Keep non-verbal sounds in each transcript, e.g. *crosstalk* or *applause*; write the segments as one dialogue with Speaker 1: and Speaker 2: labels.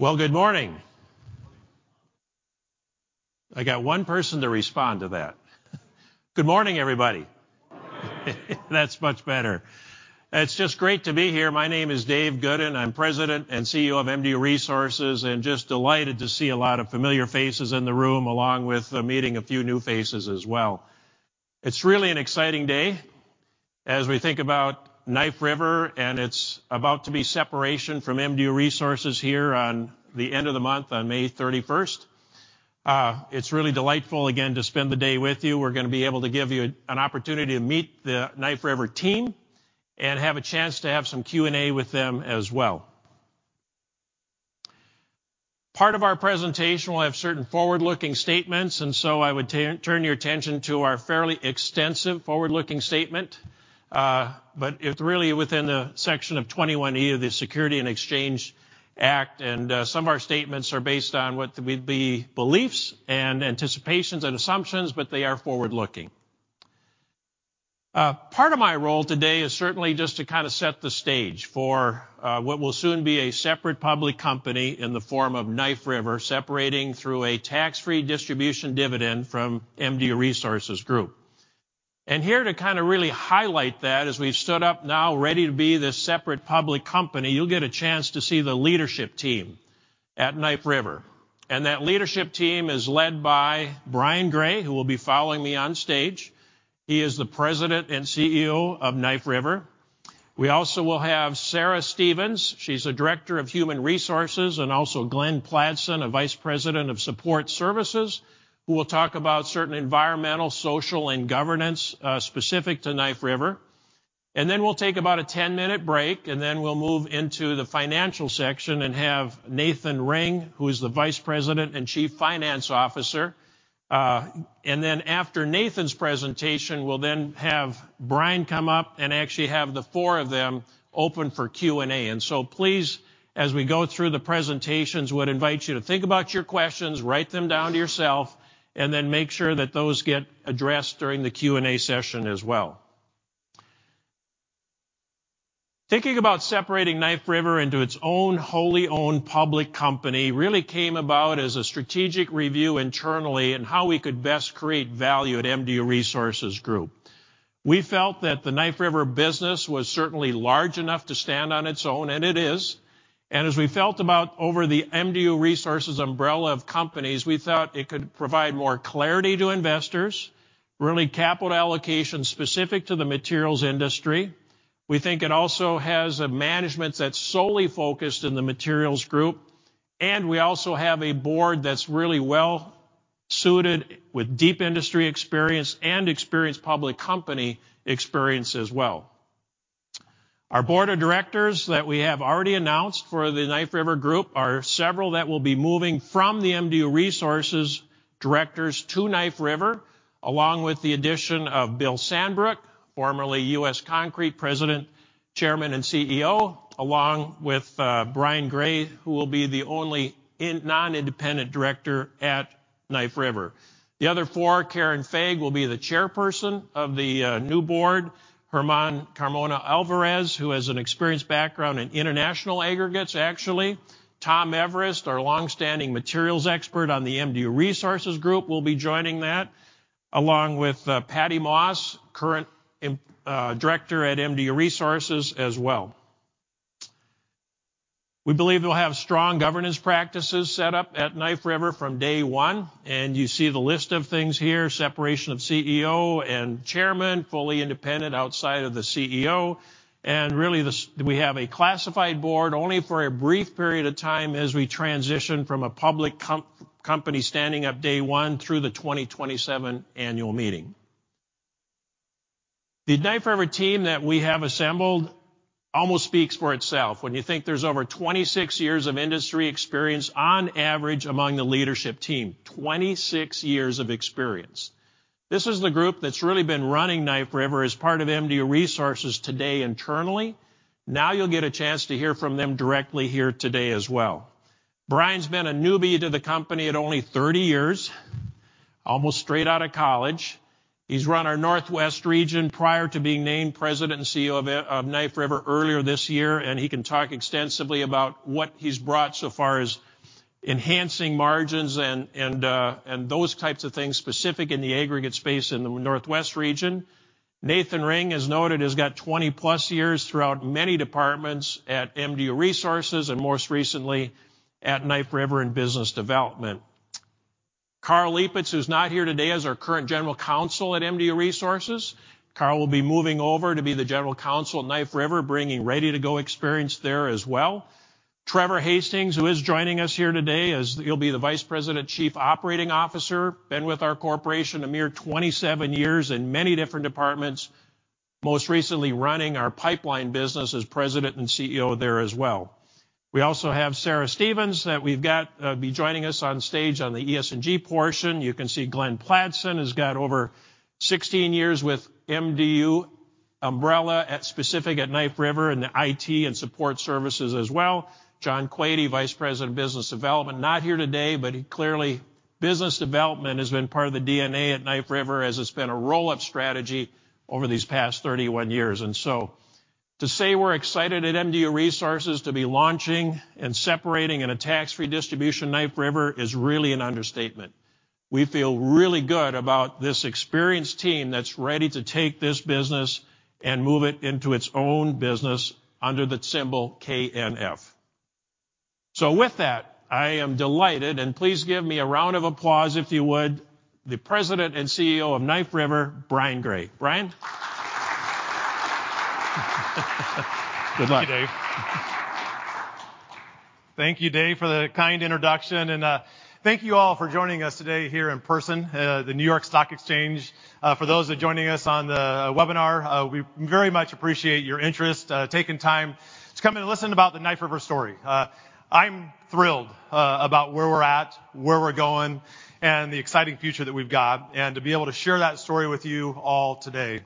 Speaker 1: Well, good morning. I got one person to respond to that. Good morning, everybody That's much better. It's just great to be here. My name is Dave Goodin. I'm President and CEO of MDU Resources, just delighted to see a lot of familiar faces in the room, along with meeting a few new faces as well. It's really an exciting day as we think about Knife River and its about to be separation from MDU Resources here on the end of the month on May 31st. It's really delightful again to spend the day with you. We're going to be able to give you an opportunity to meet the Knife River team and have a chance to have some Q&A with them as well. Part of our presentation will have certain forward-looking statements, I would turn your attention to our fairly extensive forward-looking statement. It's really within the Section of 21E of the Securities Exchange Act. Some of our statements are based on what would be beliefs and anticipations and assumptions, but they are forward-looking. Part of my role today is certainly just to kinda set the stage for what will soon be a separate public company in the form of Knife River, separating through a tax-free distribution dividend from MDU Resources Group. Here to kinda really highlight that, as we've stood up now ready to be this separate public company, you'll get a chance to see the leadership team at Knife River. That leadership team is led by Brian Gray, who will be following me on stage. He is the President and CEO of Knife River. We also will have Sarah Stevens, she's the Director of Human Resources, also Glenn Pladsen, a Vice President of Support Services, who will talk about certain environmental, social, and governance specific to Knife River. Then we'll take about a 10-minute break, then we'll move into the financial section and have Nathan Ring, who is the Vice President and Chief Finance Officer. Then after Nathan's presentation, we'll then have Brian come up and actually have the four of them open for Q&A. So please, as we go through the presentations, would invite you to think about your questions, write them down to yourself, and then make sure that those get addressed during the Q&A session as well. Thinking about separating Knife River into its own wholly owned public company really came about as a strategic review internally in how we could best create value at MDU Resources Group. We felt that the Knife River business was certainly large enough to stand on its own, and it is. As we felt about over the MDU Resources umbrella of companies, we thought it could provide more clarity to investors, really capital allocation specific to the materials industry. We think it also has a management that's solely focused in the materials group, and we also have a board that's really well-suited with deep industry experience and experienced public company experience as well. Our board of directors that we have already announced for the Knife River Group are several that will be moving from the MDU Resources directors to Knife River, along with the addition of Bill Sandbrook, formerly U.S. Concrete President, Chairman, and CEO, along with Brian Gray, who will be the only non-independent director at Knife River. The other four, Karen Fagg, will be the chairperson of the new board. Carmona Alvarez, who has an experienced background in international aggregates, actually. Tom Everist, our longstanding materials expert on the MDU Resources Group, will be joining that, along with Patty Moss, current director at MDU Resources as well. We believe we'll have strong governance practices set up at Knife River from day one. You see the list of things here, separation of CEO and chairman, fully independent outside of the CEO. Really, we have a classified board only for a brief period of time as we transition from a public company standing up day one through the 2027 annual meeting. The Knife River team that we have assembled almost speaks for itself when you think there's over 26 years of industry experience on average among the leadership team. 26 years of experience. This is the group that's really been running Knife River as part of MDU Resources today internally. You'll get a chance to hear from them directly here today as well. Brian's been a newbie to the company at only 30 years, almost straight out of college. He's run our Northwest region prior to being named President and CEO of Knife River earlier this year, and he can talk extensively about what he's brought so far as enhancing margins and those types of things specific in the aggregate space in the Northwest region. Nathan Ring, as noted, has got 20+ years throughout many departments at MDU Resources and most recently at Knife River in business development. Karl Liepitz, who's not here today, is our current General Counsel at MDU Resources. Karl will be moving over to be the General Counsel at Knife River, bringing ready-to-go experience there as well. Trevor Hastings, who is joining us here today, he'll be the Vice President, Chief Operating Officer. Been with our corporation a mere 27 years in many different departments, most recently running our pipeline business as President and CEO there as well. We also have Sarah Stevens, that we've got be joining us on stage on the ESG portion. You can see Glenn Pladsen has got over 16 years with MDU umbrella at specific at Knife River in the IT and support services as well. John Quade, Vice President of Business Development, not here today, but he clearly business development has been part of the DNA at Knife River as it's been a roll-up strategy over these past 31 years. To say we're excited at MDU Resources to be launching and separating in a tax-free distribution Knife River is really an understatement. We feel really good about this experienced team that's ready to take this business and move it into its own business under the symbol KNF. With that, I am delighted, and please give me a round of applause if you would, the President and CEO of Knife River, Brian Gray. Brian. Good luck.
Speaker 2: Thank you, Dave. Thank you, Dave, for the kind introduction. Thank you all for joining us today here in person, the New York Stock Exchange. For those that are joining us on the webinar, we very much appreciate your interest, taking time to come in and listen about the Knife River story. I'm thrilled about where we're at, where we're going, and the exciting future that we've got, and to be able to share that story with you all today.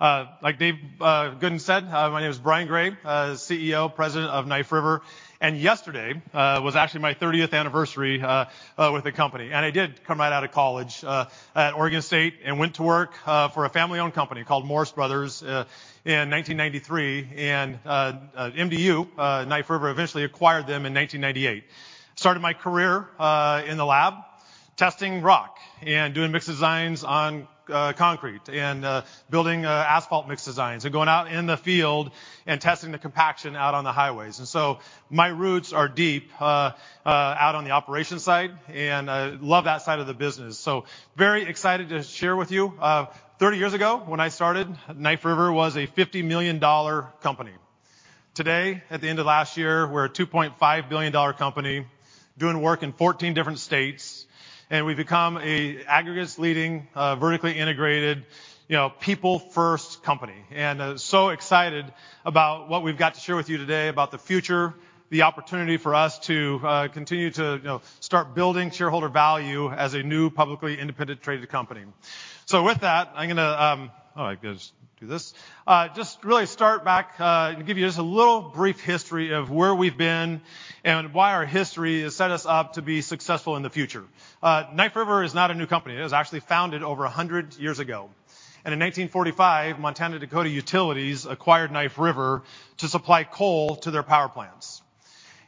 Speaker 2: Like Dave Goodin said, my name is Brian Gray, CEO, President of Knife River. Yesterday was actually my 30th anniversary with the company. I did come right out of college at Oregon State and went to work for a family-owned company called Morse Bros. in 1993. MDU, Knife River, eventually acquired them in 1998. Started my career in the lab testing rock and doing mix designs on concrete and building asphalt mix designs and going out in the field and testing the compaction out on the highways. My roots are deep out on the operations side, and I love that side of the business. Very excited to share with you. 30 years ago, when I started, Knife River was a $50 million company. Today, at the end of last year, we're a $2.5 billion company doing work in 14 different states, and we've become a aggregates leading, vertically integrated, you know, people first company. So excited about what we've got to share with you today about the future, the opportunity for us to continue to, you know, start building shareholder value as a new, publicly independent traded company. With that, I'm gonna. Oh, I could just do this. Just really start back and give you just a little brief history of where we've been and why our history has set us up to be successful in the future. Knife River is not a new company. It was actually founded over 100 years ago. In 1945, Montana-Dakota Utilities acquired Knife River to supply coal to their power plants.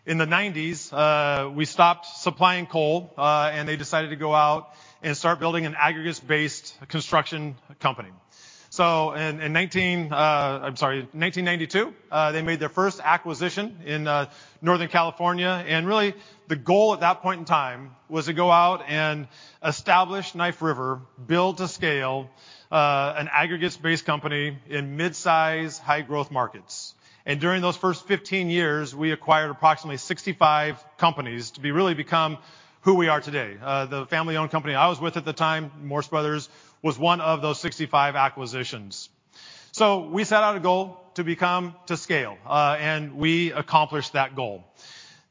Speaker 2: In the 1990s, we stopped supplying coal and they decided to go out and start building an aggregates-based construction company. In 19... I'm sorry, 1992, they made their first acquisition in Northern California. Really the goal at that point in time was to go out and establish Knife River, build to scale, an aggregates-based company in mid-size, high-growth markets. During those first 15 years, we acquired approximately 65 companies to be really become who we are today. The family-owned company I was with at the time, Morse Bros., was one of those 65 acquisitions. We set out a goal to become to scale, and we accomplished that goal.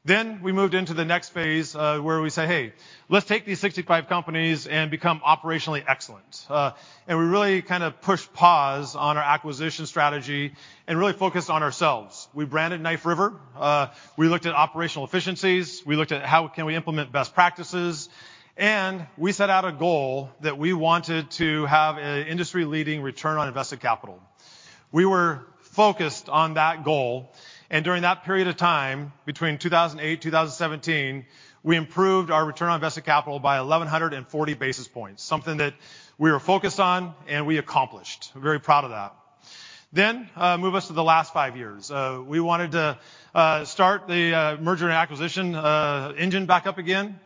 Speaker 2: We moved into the next phase, where we say, "Hey, let's take these 65 companies and become operationally excellent." We really kinda pushed pause on our acquisition strategy and really focused on ourselves. We branded Knife River. We looked at operational efficiencies. We looked at how can we implement best practices. We set out a goal that we wanted to have an industry-leading return on invested capital. We were focused on that goal, and during that period of time, between 2008, 2017, we improved our return on invested capital by 1,140 basis points, something that we were focused on and we accomplished. Very proud of that. Move us to the last five years. We wanted to start the merger and acquisition engine back up again.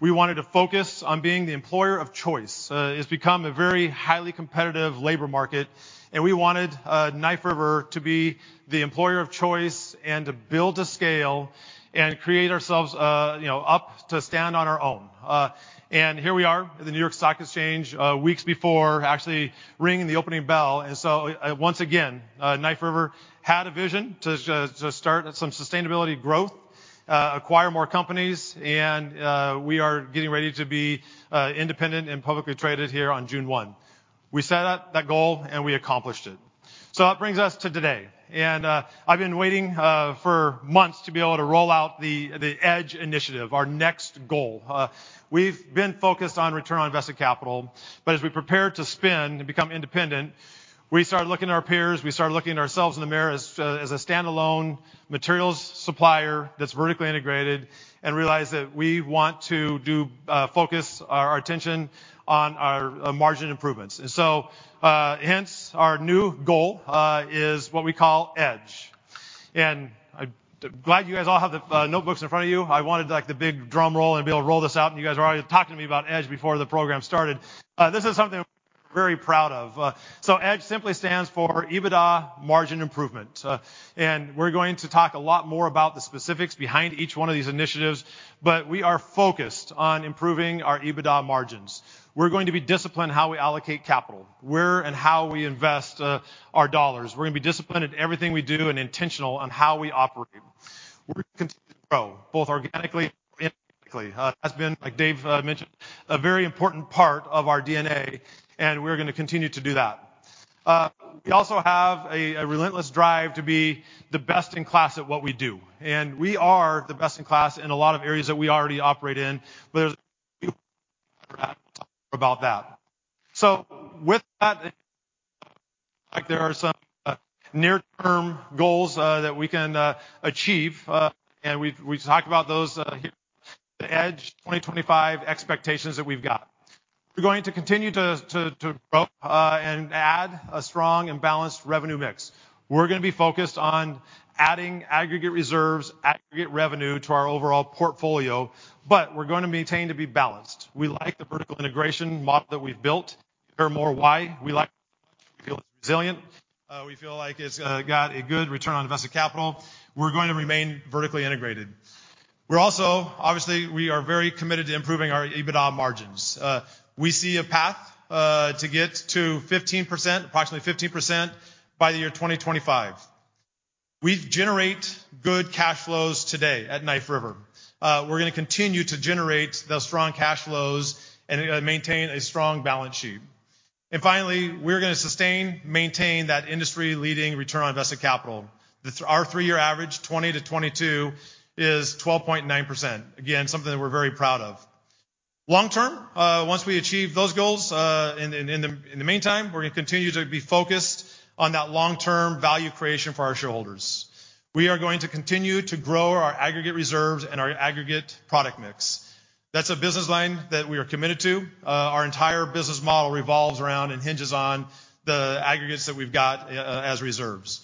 Speaker 2: We wanted to focus on being the employer of choice. It's become a very highly competitive labor market, and we wanted Knife River to be the employer of choice and to build a scale and create ourselves, you know, up to stand on our own. Here we are at the New York Stock Exchange, weeks before actually ringing the opening bell. Once again, Knife River had a vision to start some sustainability growth, acquire more companies, and we are getting ready to be independent and publicly traded here on June 1. We set out that goal, and we accomplished it. That brings us to today, and I've been waiting for months to be able to roll out the EDGE initiative, our next goal. We've been focused on return on invested capital, but as we prepare to spin and become independent, we started looking at our peers. We started looking at ourselves in the mirror as a standalone materials supplier that's vertically integrated and realized that we want to do focus our attention on our margin improvements. Hence our new goal is what we call EDGE. I'm glad you guys all have the notebooks in front of you. I wanted, like, the big drum roll and be able to roll this out, and you guys are already talking to me about EDGE before the program started. This is something we're very proud of. EDGE simply stands for EBITDA Margin Improvement. We're going to talk a lot more about the specifics behind each one of these initiatives, but we are focused on improving our EBITDA margins. We're going to be disciplined in how we allocate capital, where and how we invest our dollars. We're gonna be disciplined in everything we do and intentional on how we operate. We're gonna continue to grow both organically and technically. That's been, like Dave mentioned, a very important part of our DNA, and we're gonna continue to do that. We also have a relentless drive to be the best in class at what we do, and we are the best in class in a lot of areas that we already operate in. About that. With that, like there are some near-term goals that we can achieve, and we've talked about those here, the EDGE 2025 expectations that we've got. We're going to continue to grow and add a strong and balanced revenue mix. We're gonna be focused on adding aggregate reserves, aggregate revenue to our overall portfolio, but we're gonna maintain to be balanced. We like the vertical integration model that we've built. You'll hear more why we like it. We feel it's resilient. We feel like it's got a good return on invested capital. We're going to remain vertically integrated. Obviously, we are very committed to improving our EBITDA margins. We see a path to get to 15%, approximately 15% by the year 2025. We generate good cash flows today at Knife River. We're gonna continue to generate those strong cash flows and maintain a strong balance sheet. Finally, we're gonna sustain, maintain that industry-leading return on invested capital. Our three-year average, 2020-2022, is 12.9%. Again, something that we're very proud of. Long term, once we achieve those goals, in the meantime, we're gonna continue to be focused on that long-term value creation for our shareholders. We are going to continue to grow our aggregate reserves and our aggregate product mix. That's a business line that we are committed to. Our entire business model revolves around and hinges on the aggregates that we've got as reserves.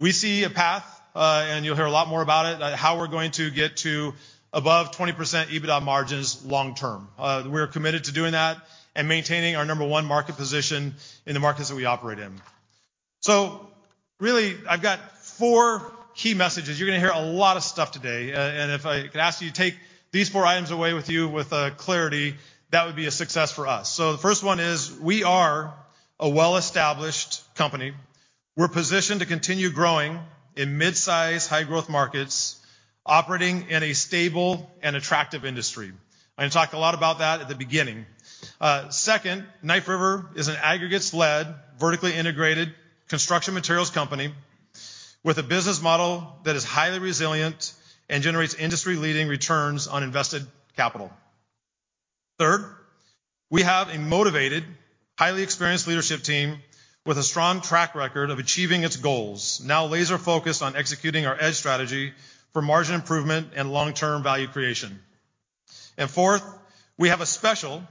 Speaker 2: We see a path, and you'll hear a lot more about it, how we're going to get to above 20% EBITDA margins long term. We're committed to doing that and maintaining our number one market position in the markets that we operate in. Really, I've got four key messages. You're gonna hear a lot of stuff today. If I could ask you to take these four items away with you with clarity, that would be a success for us. The first one is we are a well-established company. We're positioned to continue growing in midsize, high-growth markets, operating in a stable and attractive industry. I talked a lot about that at the beginning. Second, Knife River is an aggregates-led, vertically integrated construction materials company with a business model that is highly resilient and generates industry-leading returns on invested capital. Third, we have a motivated, highly experienced leadership team with a strong track record of achieving its goals, now laser-focused on executing our EDGE strategy for margin improvement and long-term value creation. Fourth, we have a special,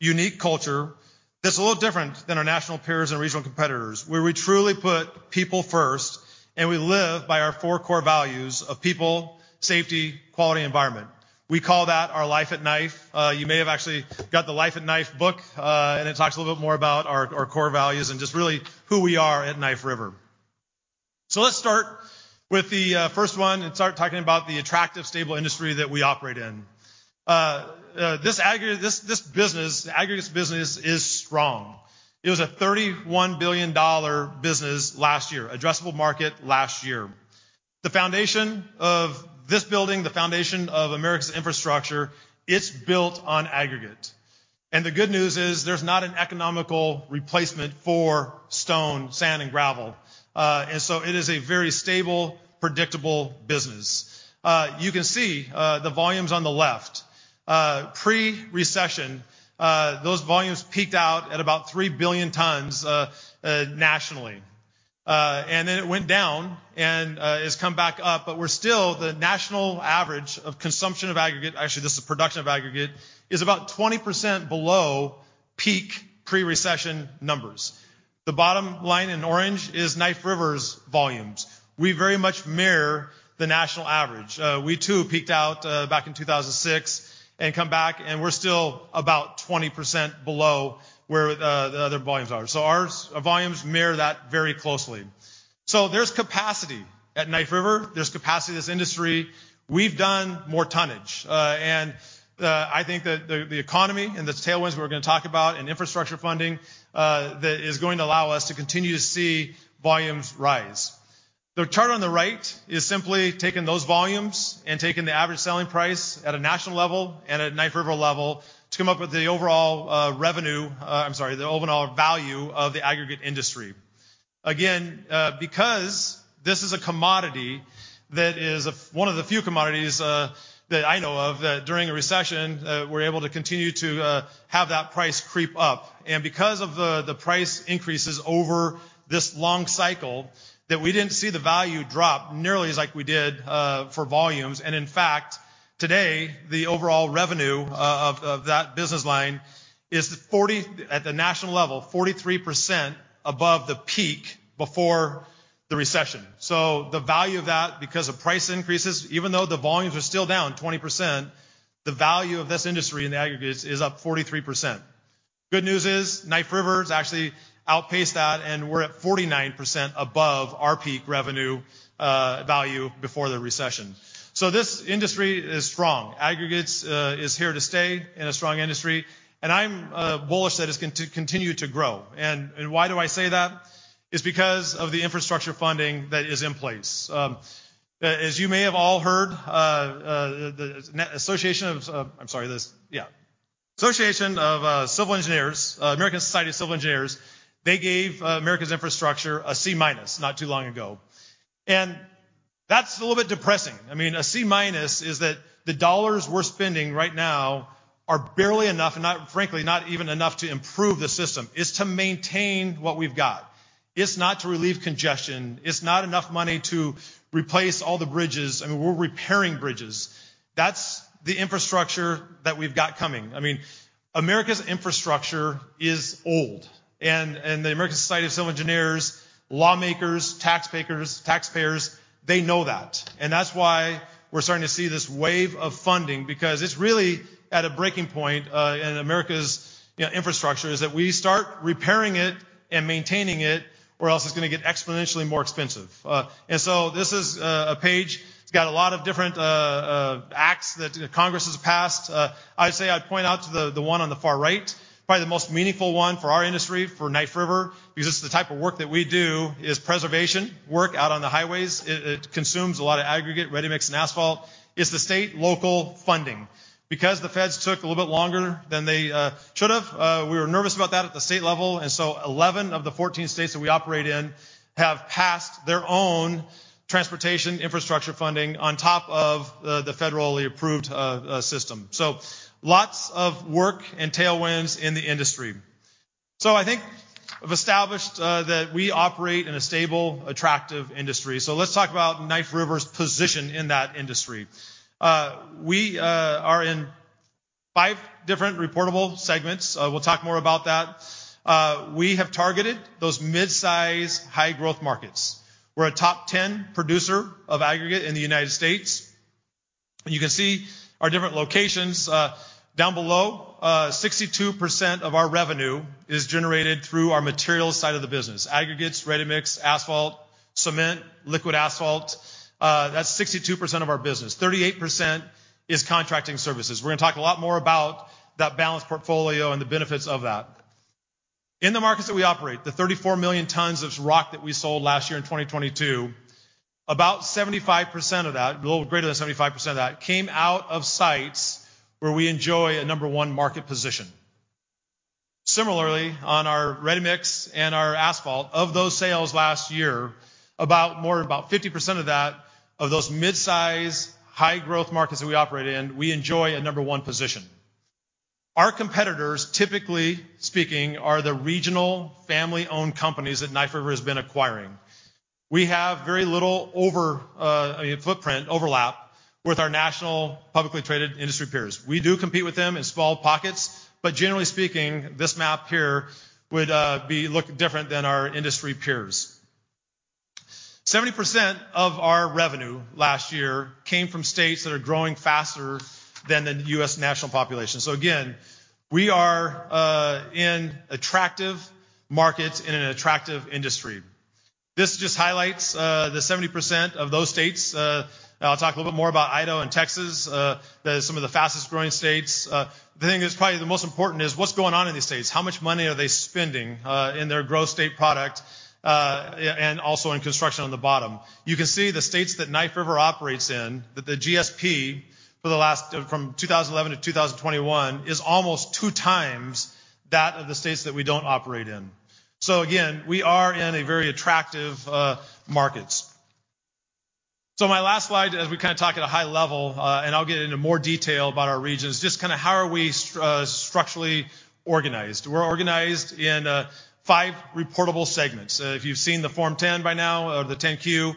Speaker 2: unique culture that's a little different than our national peers and regional competitors, where we truly put people first, and we live by our four core values of people, safety, quality, environment. We call that our Life at Knife. You may have actually got the Life at Knife book, and it talks a little bit more about our core values and just really who we are at Knife River. Let's start with the first one and start talking about the attractive, stable industry that we operate in. This aggregate, this business, the aggregates business is strong. It was a $31 billion business last year, addressable market last year. The foundation of this building, the foundation of America's infrastructure, it's built on aggregate. The good news is there's not an economical replacement for stone, sand, and gravel. It is a very stable, predictable business. You can see the volumes on the left. Pre-recession, those volumes peaked out at about 3 billion tons nationally. Then it went down and has come back up, but we're still the national average of consumption of aggregate. Actually, this is production of aggregate, is about 20% below peak pre-recession numbers. The bottom line in orange is Knife River's volumes. We very much mirror the national average. We too peaked out back in 2006 and come back, and we's still about 20% below where the other volumes are. Ours volumes mirror that very closely. There's capacity at Knife River. There's capacity in this industry. We've done more tonnage, I think that the economy and the tailwinds we're gonna talk about and infrastructure funding that is going to allow us to continue to see volumes rise. The chart on the right is simply taking those volumes and taking the average selling price at a national level and at Knife River level to come up with the overall revenue, I'm sorry, the overall value of the aggregate industry. Again, because this is a commodity that is one of the few commodities that I know of that during a recession, we're able to continue to have that price creep up. Because of the price increases over this long cycle, we didn't see the value drop nearly as like we did for volumes. In fact, today, the overall revenue of that business line is at the national level, 43% above the peak before the recession. The value of that, because of price increases, even though the volumes are still down 20%, the value of this industry in the aggregates is up 43%. Good news is Knife River has actually outpaced that, and we're at 49% above our peak revenue value before the recession. This industry is strong. Aggregates is here to stay in a strong industry, and I'm bullish that it's going to continue to grow. Why do I say that? It's because of the infrastructure funding that is in place. As you may have all heard, the association of, I'm sorry, this. Yeah. Association of Civil Engineers, American Society of Civil Engineers, they gave America's infrastructure a C-minus not too long ago. That's a little bit depressing. I mean, a C-minus is that the dollars we're spending right now are barely enough and not, frankly, not even enough to improve the system. It's to maintain what we've got. It's not to relieve congestion. It's not enough money to replace all the bridges. I mean, we're repairing bridges. That's the infrastructure that we've got coming. I mean, America's infrastructure is old and the American Society of Civil Engineers, lawmakers, taxpayers, they know that. That's why we're starting to see this wave of funding because it's really at a breaking point in America's, you know, infrastructure, is that we start repairing it and maintaining it, or else it's gonna get exponentially more expensive. This is a page. It's got a lot of different acts that Congress has passed. I'd say I'd point out to the one on the far right, probably the most meaningful one for our industry, for Knife River, because it's the type of work that we do is preservation work out on the highways. It consumes a lot of aggregate, ready-mix, and asphalt. It's the state local funding. Because the feds took a little bit longer than they should have, we were nervous about that at the state level. 11 of the 14 states that we operate in have passed their own transportation infrastructure funding on top of the federally approved system. Lots of work and tailwinds in the industry. I think I've established that we operate in a stable, attractive industry. Let's talk about Knife River's position in that industry. We are in five different reportable segments. We'll talk more about that. We have targeted those mid-size, high-growth markets. We're a top 10 producer of aggregate in the United States. You can see our different locations down below. 62% of our revenue is generated through our materials side of the business: aggregates, ready-mix, asphalt, cement, liquid asphalt. That's 62% of our business. 38% is contracting services. We're gonna talk a lot more about that balanced portfolio and the benefits of that. In the markets that we operate, the 34 million tons of rock that we sold last year in 2022, about 75% of that, a little greater than 75% of that, came out of sites where we enjoy a number one market position. Similarly, on our ready-mix and our asphalt, of those sales last year, about 50% of that, of those mid-size, high-growth markets that we operate in, we enjoy a number one position. Our competitors, typically speaking, are the regional family-owned companies that Knife River has been acquiring. We have very little footprint overlap with our national publicly traded industry peers. We do compete with them in small pockets, but generally speaking, this map here would be look different than our industry peers. 70% of our revenue last year came from states that are growing faster than the U.S. national population. Again, we are in attractive markets in an attractive industry. This just highlights the 70% of those states. I'll talk a little bit more about Idaho and Texas, they're some of the fastest growing states. The thing that's probably the most important is what's going on in these states. How much money are they spending in their gross state product and also in construction on the bottom. You can see the states that Knife River operates in, that the GSP for the last from 2011 to 2021 is almost 2x that of the states that we don't operate in. Again, we are in a very attractive markets. My last slide as we kinda talk at a high level, and I'll get into more detail about our regions, just kinda how are we structurally organized. We're organized in five reportable segments. If you've seen the Form 10 by now or the 10-Q,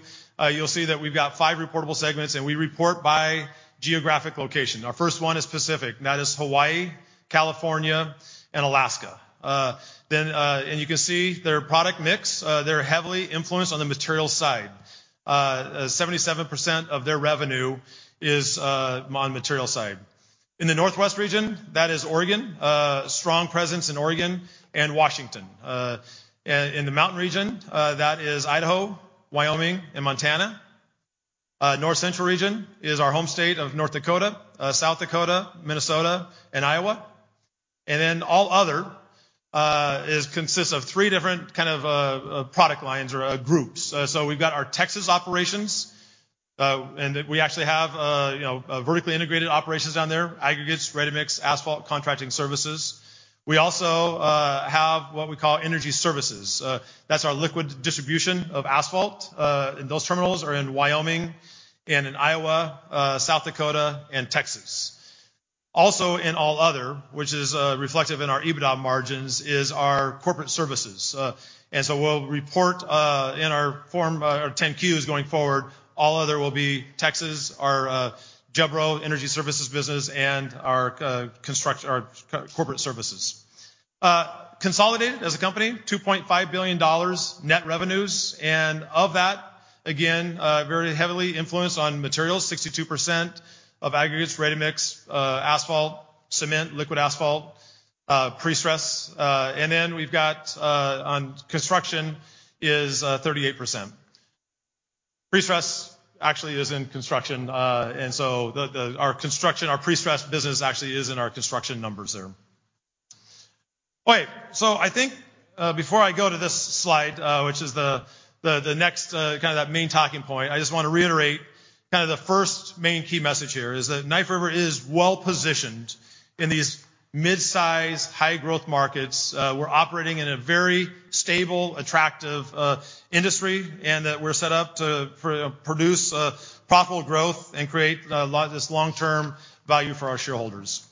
Speaker 2: you'll see that we've got five reportable segments, and we report by geographic location. Our first one is Pacific, that is Hawaii, California, and Alaska. And you can see their product mix. They're heavily influenced on the material side. 77% of their revenue is on material side. In the Northwest region, that is Oregon, strong presence in Oregon and Washington. In the Mountain region, that is Idaho, Wyoming, and Montana. North Central region is our home state of North Dakota, South Dakota, Minnesota, and Iowa. All other consists of three different kind of product lines or groups. We've got our Texas operations, and we actually have, you know, vertically integrated operations down there: aggregates, ready-mix, asphalt, contracting services. We also have what we call energy services. That's our liquid distribution of asphalt. Those terminals are in Wyoming and in Iowa, South Dakota, and Texas. Also in all other, which is reflective in our EBITDA margins, is our corporate services. We'll report in our form, our 10-Qs going forward. All other will be Texas, our Jebro Energy services business and our corporate services. Consolidated as a company, $2.5 billion net revenues. Of that, again, very heavily influenced on materials, 62% of aggregates, ready-mix, asphalt, cement, liquid asphalt, prestress. We've got on construction is 38%. Prestress actually is in construction. Our construction, our prestress business actually is in our construction numbers there. All right. I think, before I go to this slide, which is the next kinda that main talking point, I just wanna reiterate kinda the first main key message here is that Knife River is well-positioned in these midsize high-growth markets. We're operating in a very stable, attractive industry, and that we're set up to produce profitable growth and create this long-term value for our shareholders.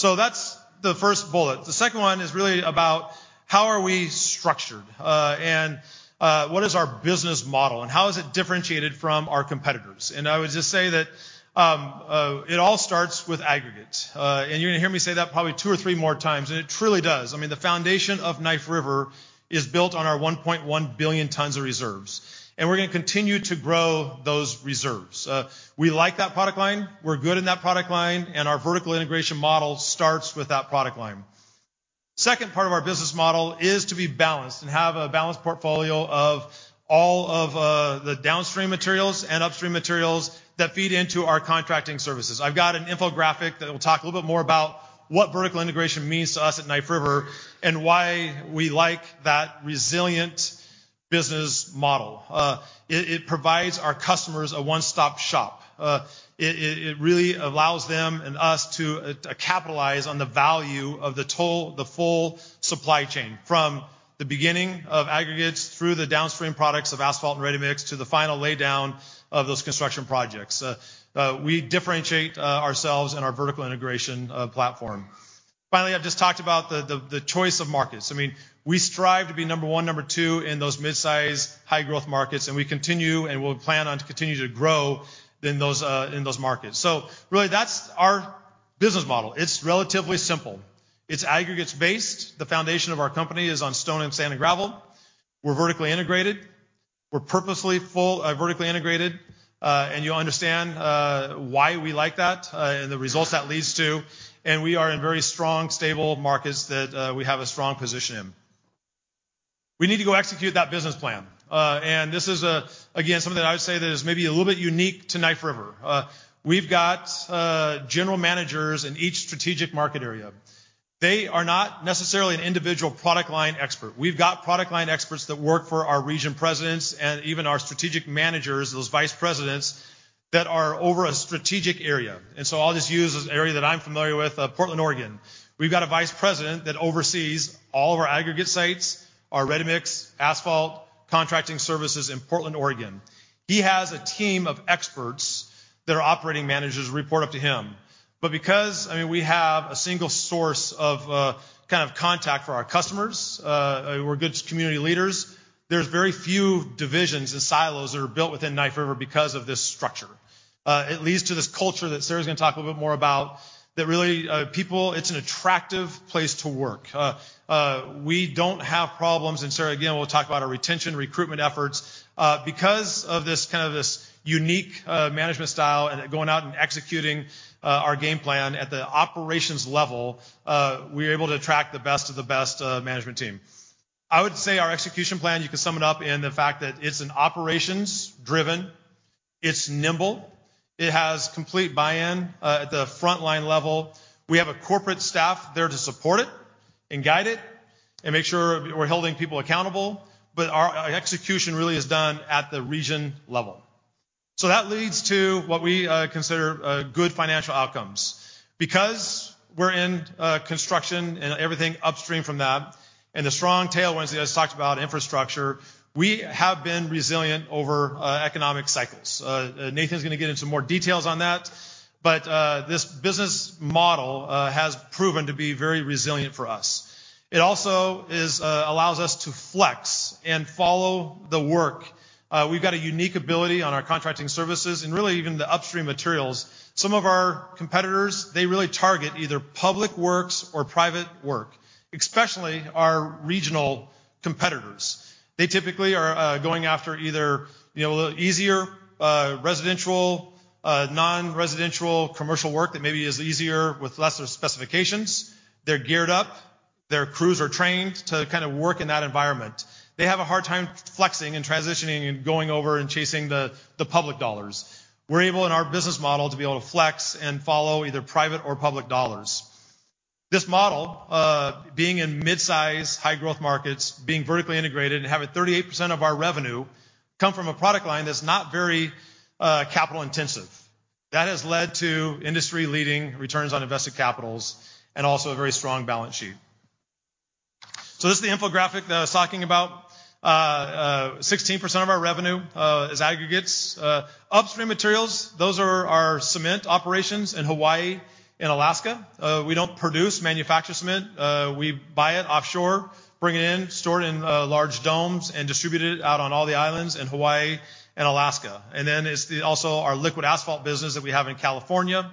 Speaker 2: That's the first bullet. The second one is really about how are we structured, and what is our business model and how is it differentiated from our competitors? I would just say that, it all starts with aggregates. You're gonna hear me say that probably two or three more times, and it truly does. I mean, the foundation of Knife River is built on our 1.1 billion tons of reserves, and we're gonna continue to grow those reserves. We like that product line. We're good in that product line, and our vertical integration model starts with that product line. The second part of our business model is to be balanced and have a balanced portfolio of all of the downstream materials and upstream materials that feed into our contracting services. I've got an infographic that will talk a little bit more about what vertical integration means to us at Knife River and why we like that resilient business model. It provides our customers a one-stop shop. It really allows them and us to capitalize on the value of the full supply chain from the beginning of aggregates through the downstream products of asphalt and ready-mix to the final laydown of those construction projects. We differentiate ourselves and our vertical integration platform. Finally, I've just talked about the choice of markets. I mean, we strive to be number one, number two in those mid-size, high growth markets, and we continue and we'll plan on to continue to grow in those markets. Really that's our business model. It's relatively simple. It's aggregates based. The foundation of our company is on stone and sand and gravel. We're vertically integrated. We're purposefully full, vertically integrated. You'll understand why we like that and the results that leads to. We are in very strong, stable markets that we have a strong position in. We need to go execute that business plan. This is again, something that I would say that is maybe a little bit unique to Knife River. We've got general managers in each strategic market area. They are not necessarily an individual product line expert. We've got product line experts that work for our region presidents and even our strategic managers, those vice presidents that are over a strategic area. I'll just use this area that I'm familiar with, Portland, Oregon. We've got a vice president that oversees all of our aggregate sites, our ready-mix, asphalt contracting services in Portland, Oregon. He has a team of experts that are operating managers report up to him. Because, I mean, we have a single source of, kind of contact for our customers, we're good community leaders. There's very few divisions and silos that are built within Knife River because of this structure. It leads to this culture that Sarah's gonna talk a little bit more about that really, people, it's an attractive place to work. We don't have problems, and Sarah again, will talk about our retention recruitment efforts because of this kind of this unique management style and going out and executing our game plan at the operations level, we are able to attract the best of the best management team. I would say our execution plan, you can sum it up in the fact that it's an operations driven, it's nimble, it has complete buy-in at the frontline level. We have a corporate staff there to support it and guide it and make sure we're holding people accountable. Our execution really is done at the region level. That leads to what we consider good financial outcomes. Because we're in construction and everything upstream from that and the strong tailwinds that I just talked about, infrastructure, we have been resilient over economic cycles. Nathan's gonna get into more details on that, but this business model has proven to be very resilient for us. It also is allows us to flex and follow the work. We've got a unique ability on our contracting services and really even the upstream materials. Some of our competitors, they really target either public works or private work, especially our regional competitors. They typically are going after either, you know, a little easier residential, non-residential commercial work that maybe is easier with lesser specifications. They're geared up. Their crews are trained to kind of work in that environment. They have a hard time flexing and transitioning and going over and chasing the public dollars. We're able in our business model to be able to flex and follow either private or public dollars. This model, being in mid-size, high growth markets, being vertically integrated and having 38% of our revenue come from a product line that's not very capital intensive, that has led to industry leading returns on invested capital and also a very strong balance sheet. This is the infographic that I was talking about. 16% of our revenue is aggregates. Upstream materials, those are our cement operations in Hawaii and Alaska. We don't produce manufacture cement. We buy it offshore, bring it in, store it in large domes, and distribute it out on all the islands in Hawaii and Alaska. It's also our liquid asphalt business that we have in California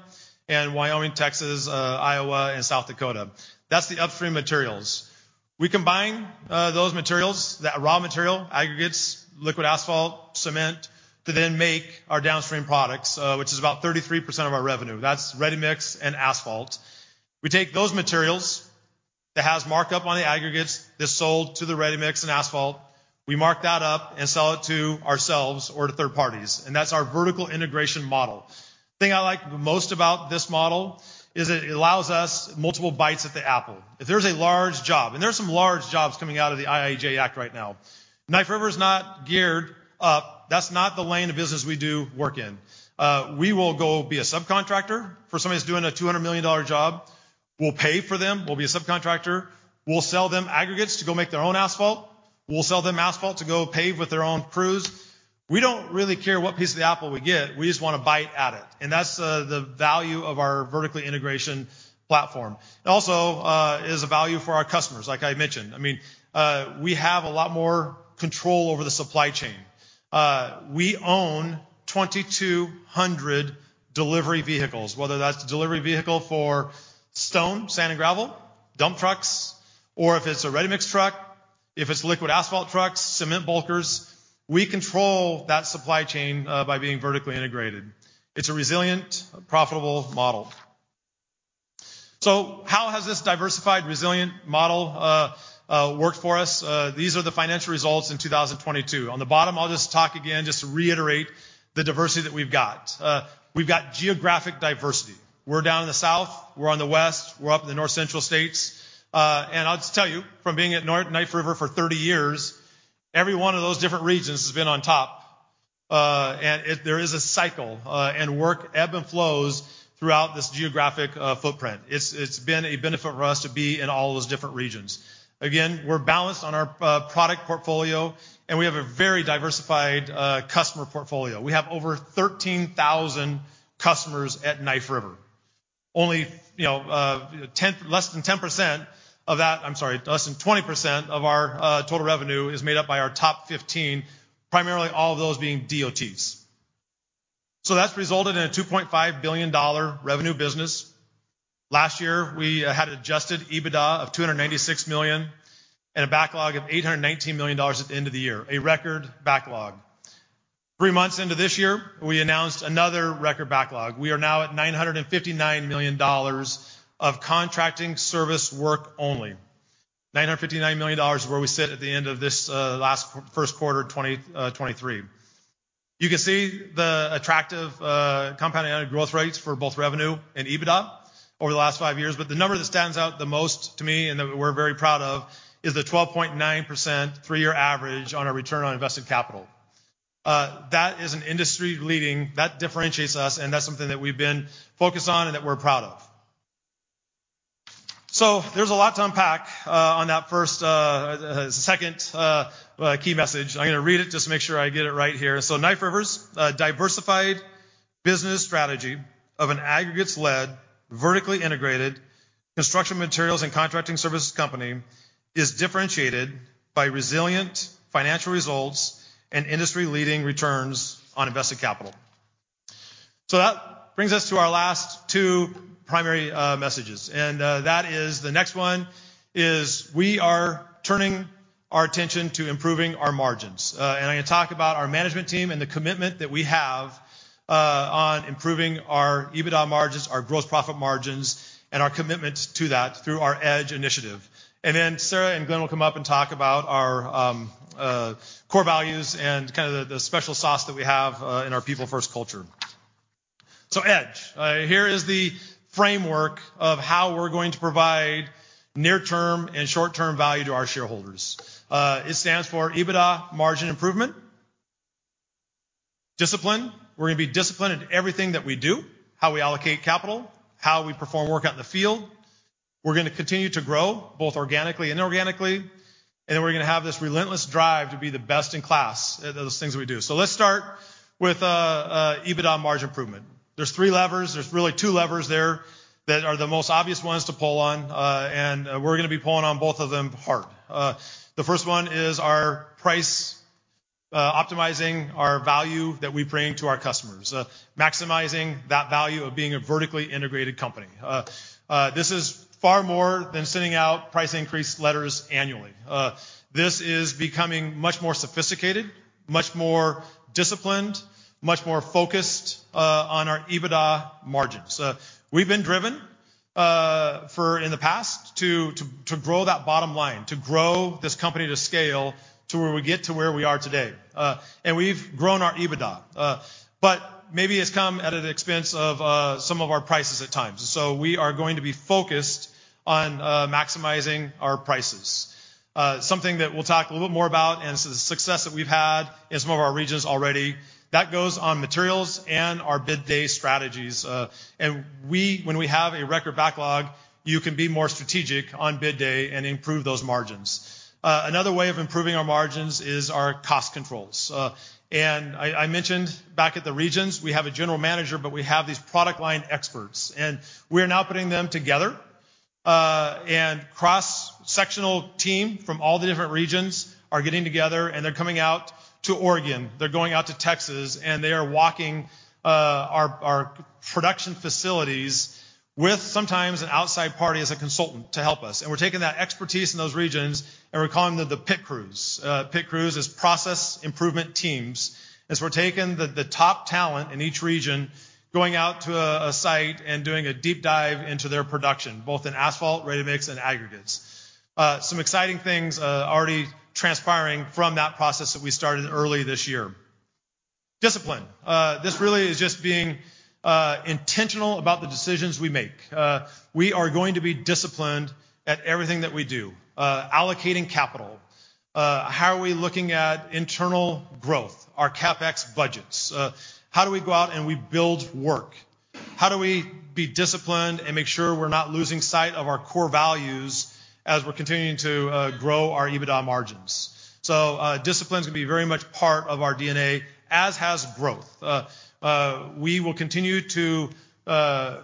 Speaker 2: and Wyoming, Texas, Iowa and South Dakota. That's the upstream materials. We combine those materials, that raw material, aggregates, liquid asphalt, cement to then make our downstream products, which is about 33% of our revenue. That's ready-mix and asphalt. We take those materials that has markup on the aggregates that's sold to the ready-mix and asphalt. We mark that up and sell it to ourselves or to third parties, and that's our vertical integration model. The thing I like the most about this model is it allows us multiple bites at the apple. If there's a large job, and there's some large jobs coming out of the IIJA right now. Knife River is not geared up. That's not the line of business we do work in. We will go be a subcontractor for somebody that's doing a $200 million job. We'll pay for them. We'll be a subcontractor. We'll sell them aggregates to go make their own asphalt. We'll sell them asphalt to go pave with their own crews. We don't really care what piece of the apple we get, we just want a bite at it. That's the value of our vertically integration platform. Is a value for our customers, like I mentioned. I mean, we have a lot more control over the supply chain. We own 2,200 delivery vehicles, whether that's a delivery vehicle for stone, sand and gravel, dump trucks, or if it's a ready-mix truck, if it's liquid asphalt trucks, cement bulkers. We control that supply chain by being vertically integrated. It's a resilient, profitable model. How has this diversified, resilient model worked for us? These are the financial results in 2022. On the bottom, I'll just talk again just to reiterate the diversity that we've got. We've got geographic diversity. We're down in the South, we're on the West, we're up in the North Central states. I'll just tell you, from being at Knife River for 30 years, every one of those different regions has been on top. There is a cycle, and work ebb and flows throughout this geographic footprint. It's been a benefit for us to be in all those different regions. Again, we're balanced on our product portfolio, and we have a very diversified customer portfolio. We have over 13,000 customers at Knife River. Only, you know, less than 20% of our total revenue is made up by our top 15, primarily all of those being DOTs. That's resulted in a $2.5 billion revenue business. Last year, we had adjusted EBITDA of $296 million and a backlog of $819 million at the end of the year, a record backlog. Tivehree months into this year, we announced another record backlog. We are now at $959 million of contracting service work only. $959 million is where we sit at the end of this first quarter of 2023. You can see the attractive compounded annual growth rates for both revenue and EBITDA over the last five years. The number that stands out the most to me and that we're very proud of is the 12.9% three-year average on our return on invested capital. That is an industry-leading. That differentiates us, and that's something that we've been focused on and that we're proud of. There's a lot to unpack on that first, second key message. I'm gonna read it, just make sure I get it right here. Knife River's diversified business strategy of an aggregates-led, vertically integrated construction materials and contracting services company is differentiated by resilient financial results and industry-leading returns on invested capital. That brings us to our last two primary messages, and that is the next one is we are turning our attention to improving our margins. I'm gonna talk about our management team and the commitment that we have on improving our EBITDA margins, our gross profit margins, and our commitment to that through our EDGE initiative. Sarah and Glenn will come up and talk about our core values and kinda the special sauce that we have in our people-first culture. EDGE. Here is the framework of how we're going to provide near-term and short-term value to our shareholders. It stands for EBITDA margin improvement. Discipline. We're gonna be disciplined in everything that we do, how we allocate capital, how we perform work out in the field. We're gonna continue to grow both organically and inorganically. We're gonna have this relentless drive to be the best in class at those things we do. Let's start with EBITDA margin improvement. There's three levers. There's really two levers there that are the most obvious ones to pull on, we're gonna be pulling on both of them hard. The first one is our price, optimizing our value that we bring to our customers, maximizing that value of being a vertically integrated company. This is far more than sending out price increase letters annually. This is becoming much more sophisticated, much more disciplined, much more focused on our EBITDA margins. We've been driven for in the past to grow that bottom line, to grow this company to scale to where we get to where we are today. We've grown our EBITDA, but maybe it's come at an expense of some of our prices at times. We are going to be focused on maximizing our prices. Something that we'll talk a little bit more about and success that we've had in some of our regions already, that goes on materials and our bid day strategies. When we have a record backlog, you can be more strategic on bid day and improve those margins. Another way of improving our margins is our cost controls. And I mentioned back at the regions, we have a general manager, but we have these product line experts, and we are now putting them together, and cross-sectional team from all the different regions are getting together, and they're coming out to Oregon. They're going out to Texas, and they are walking our production facilities with sometimes an outside party as a consultant to help us. We're taking that expertise in those regions, and we're calling them the PIT crews. PIT crews is Process Improvement Teams, as we're taking the top talent in each region, going out to a site and doing a deep dive into their production, both in asphalt, ready-mix, and aggregates. Some exciting things already transpiring from that process that we started early this year. Discipline. This really is just being intentional about the decisions we make. We are going to be disciplined at everything that we do. Allocating capital. How are we looking at internal growth, our CapEx budgets? How do we go out and we build work? How do we be disciplined and make sure we're not losing sight of our core values as we're continuing to grow our EBITDA margins? Discipline's gonna be very much part of our DNA, as has growth. We will continue to grow,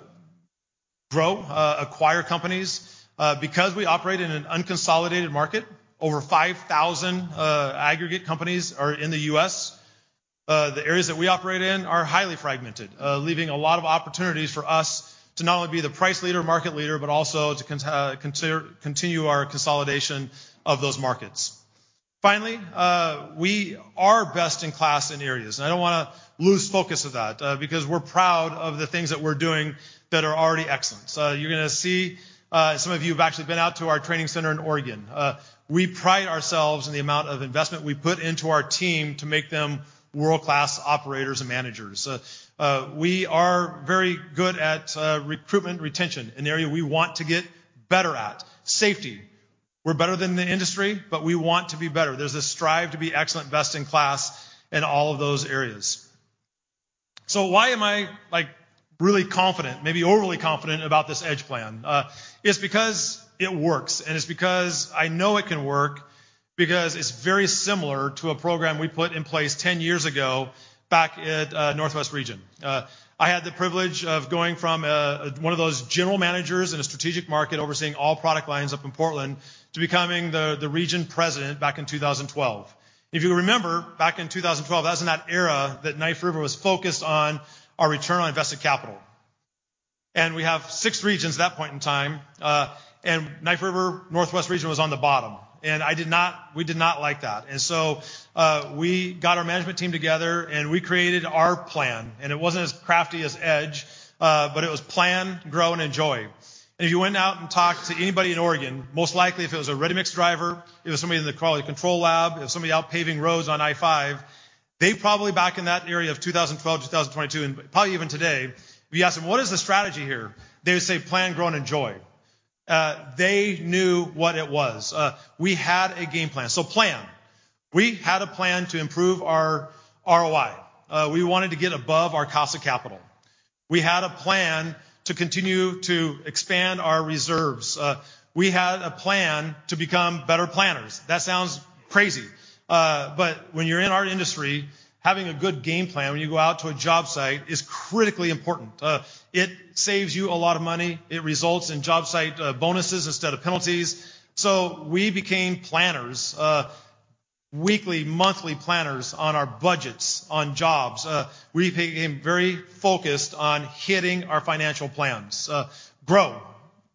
Speaker 2: acquire companies. Because we operate in an unconsolidated market, over 5,000 aggregate companies are in the U.S. The areas that we operate in are highly fragmented, leaving a lot of opportunities for us to not only be the price leader, market leader, but also to continue our consolidation of those markets. Finally, we are best in class in areas, and I don't wanna lose focus of that, because we're proud of the things that we're doing that are already excellent. You're gonna see, some of you have actually been out to our training center in Oregon. We pride ourselves in the amount of investment we put into our team to make them world-class operators and managers. We are very good at recruitment retention, an area we want to get better at. Safety. We're better than the industry, but we want to be better. There's a strive to be excellent, best in class in all of those areas. Why am I, like, really confident, maybe overly confident about this EDGE Plan? It's because it works, and it's because I know it can work because it's very similar to a program we put in place 10 years ago back at Northwest Region. I had the privilege of going from one of those general managers in a strategic market overseeing all product lines up in Portland to becoming the region president back in 2012. If you remember back in 2012, that was in that era that Knife River was focused on our return on invested capital. We have six regions at that point in time, Knife River Northwest region was on the bottom, we did not like that. We got our management team together, we created our plan, it wasn't as crafty as EDGE, it was plan, grow, and enjoy. If you went out and talked to anybody in Oregon, most likely if it was a ready-mix driver, it was somebody in the quality control lab, it was somebody out paving roads on I-5, they probably back in that area of 2012, 2022, and probably even today, if you ask them, "What is the strategy here?" They would say, "Plan, grow, and enjoy." They knew what it was. We had a game plan. Plan. We had a plan to improve our ROI. We wanted to get above our cost of capital. We had a plan to continue to expand our reserves. We had a plan to become better planners. That sounds crazy, but when you're in our industry, having a good game plan when you go out to a job site is critically important. It saves you a lot of money. It results in job site bonuses instead of penalties. We became planners, weekly, monthly planners on our budgets, on jobs. We became very focused on hitting our financial plans. Grow.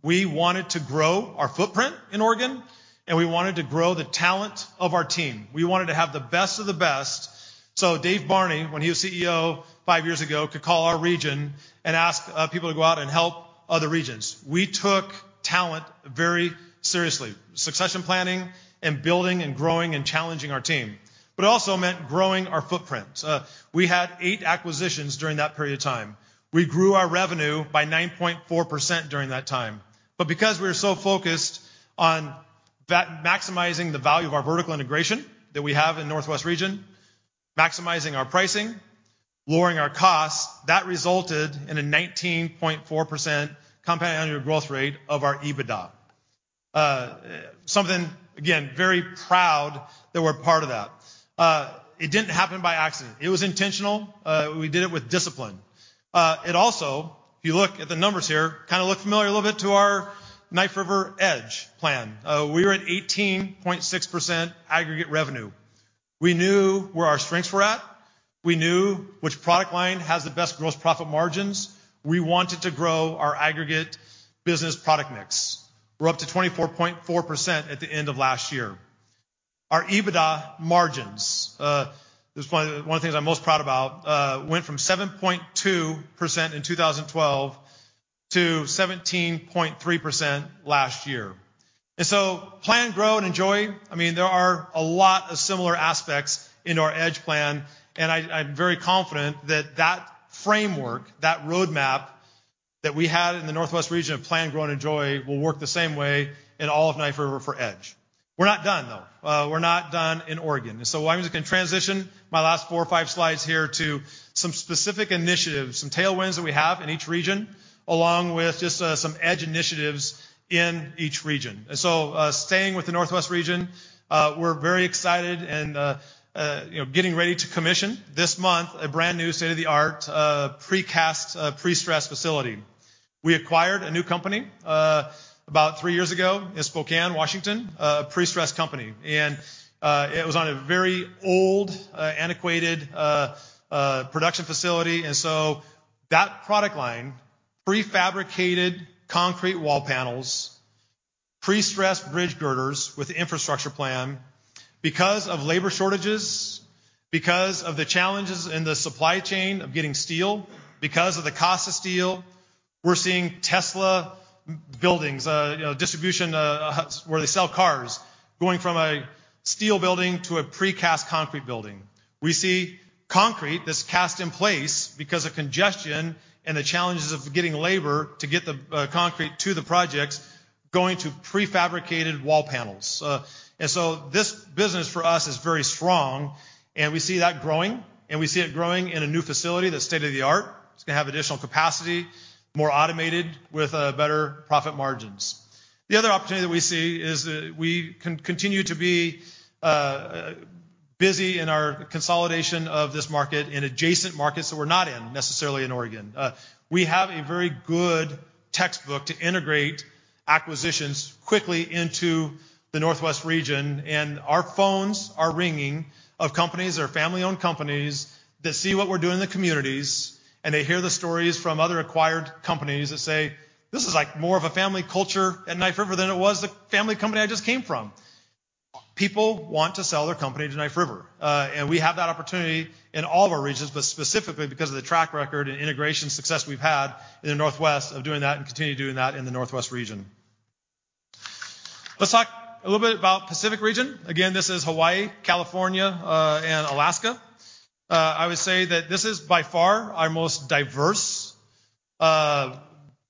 Speaker 2: We wanted to grow our footprint in Oregon, and we wanted to grow the talent of our team. We wanted to have the best of the best, so Dave Barney, when he was CEO five years ago, could call our region and ask people to go out and help other regions. We took talent very seriously. Succession planning and building and growing and challenging our team, but it also meant growing our footprint. We had eight acquisitions during that period of time. We grew our revenue by 9.4% during that time. Because we were so focused on maximizing the value of our vertical integration that we have in Northwest Region, maximizing our pricing, lowering our costs, that resulted in a 19.4% compound annual growth rate of our EBITDA. Something, again, very proud that we're part of that. It didn't happen by accident. It was intentional. We did it with discipline. It also, if you look at the numbers here, kind of look familiar a little bit to our Knife River EDGE plan. We were at 18.6% aggregate revenue. We knew where our strengths were at. We knew which product line has the best gross profit margins. We wanted to grow our aggregate business product mix. We're up to 24.4% at the end of last year. Our EBITDA margins, this is one of the things I'm most proud about, went from 7.2% in 2012 to 17.3% last year. Plan, grow, and enjoy, I mean, there are a lot of similar aspects in our Edge plan, and I'm very confident that that framework, that roadmap that we had in the Northwest region of plan, grow, and enjoy will work the same way in all of Knife River for Edge. We're not done though. We're not done in Oregon. Why don't we transition my last four or five slides here to some specific initiatives, some tailwinds that we have in each region, along with just some Edge initiatives in each region. Staying with the Northwest region, we're very excited and, you know, getting ready to commission this month a brand-new state-of-the-art precast, pre-stress facility. We acquired a new company, about three years ago in Spokane, Washington, a pre-stress company. It was on a very old, antiquated production facility. That product line, prefabricated concrete wall panels, pre-stressed bridge girders with the infrastructure plan, because of labor shortages, because of the challenges in the supply chain of getting steel, because of the cost of steel, we're seeing Tesla buildings, you know, distribution, where they sell cars. Going from a steel building to a precast concrete building. We see concrete that's cast in place because of congestion and the challenges of getting labor to get the concrete to the projects going to prefabricated wall panels. This business for us is very strong, and we see that growing, and we see it growing in a new facility that's state-of-the-art. It's gonna have additional capacity, more automated with better profit margins. The other opportunity that we see is that we continue to be busy in our consolidation of this market in adjacent markets that we're not in necessarily in Oregon. We have a very good textbook to integrate acquisitions quickly into the Northwest region, and our phones are ringing of companies that are family-owned companies that see what we're doing in the communities, and they hear the stories from other acquired companies that say, "This is like more of a family culture at Knife River than it was the family company I just came from." People want to sell their company to Knife River. We have that opportunity in all of our regions, but specifically because of the track record and integration success we've had in the Northwest of doing that and continue doing that in the Northwest region. Let's talk a little bit about Pacific region. This is Hawaii, California, and Alaska. I would say that this is by far our most diverse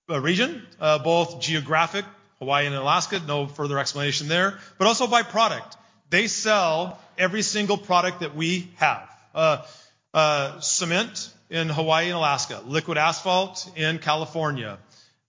Speaker 2: region, both geographic, Hawaii and Alaska, no further explanation there, but also by product. They sell every single product that we have. Cement in Hawaii and Alaska, liquid asphalt in California,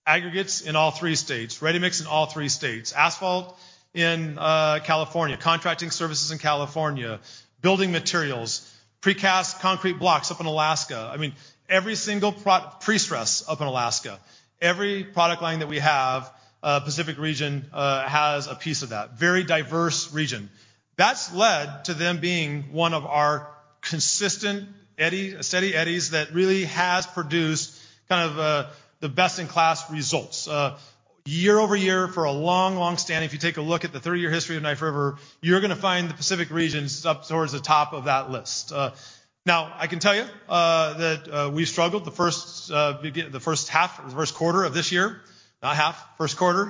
Speaker 2: aggregates in all three states, ready-mix in all three states, asphalt in California, contracting services in California, building materials, precast concrete blocks up in Alaska. I mean, every single Prestress up in Alaska. Every product line that we have, Pacific region, has a piece of that. Very diverse region. That's led to them being one of our consistent, steady eddies that really has produced kind of, the best-in-class results. Year-over-year for a long, long standing, if you take a look at the 30-year history of Knife River, you're gonna find the Pacific regions up towards the top of that list. Now, I can tell you, that we struggled the first half, the first quarter of this year. Not half, first quarter.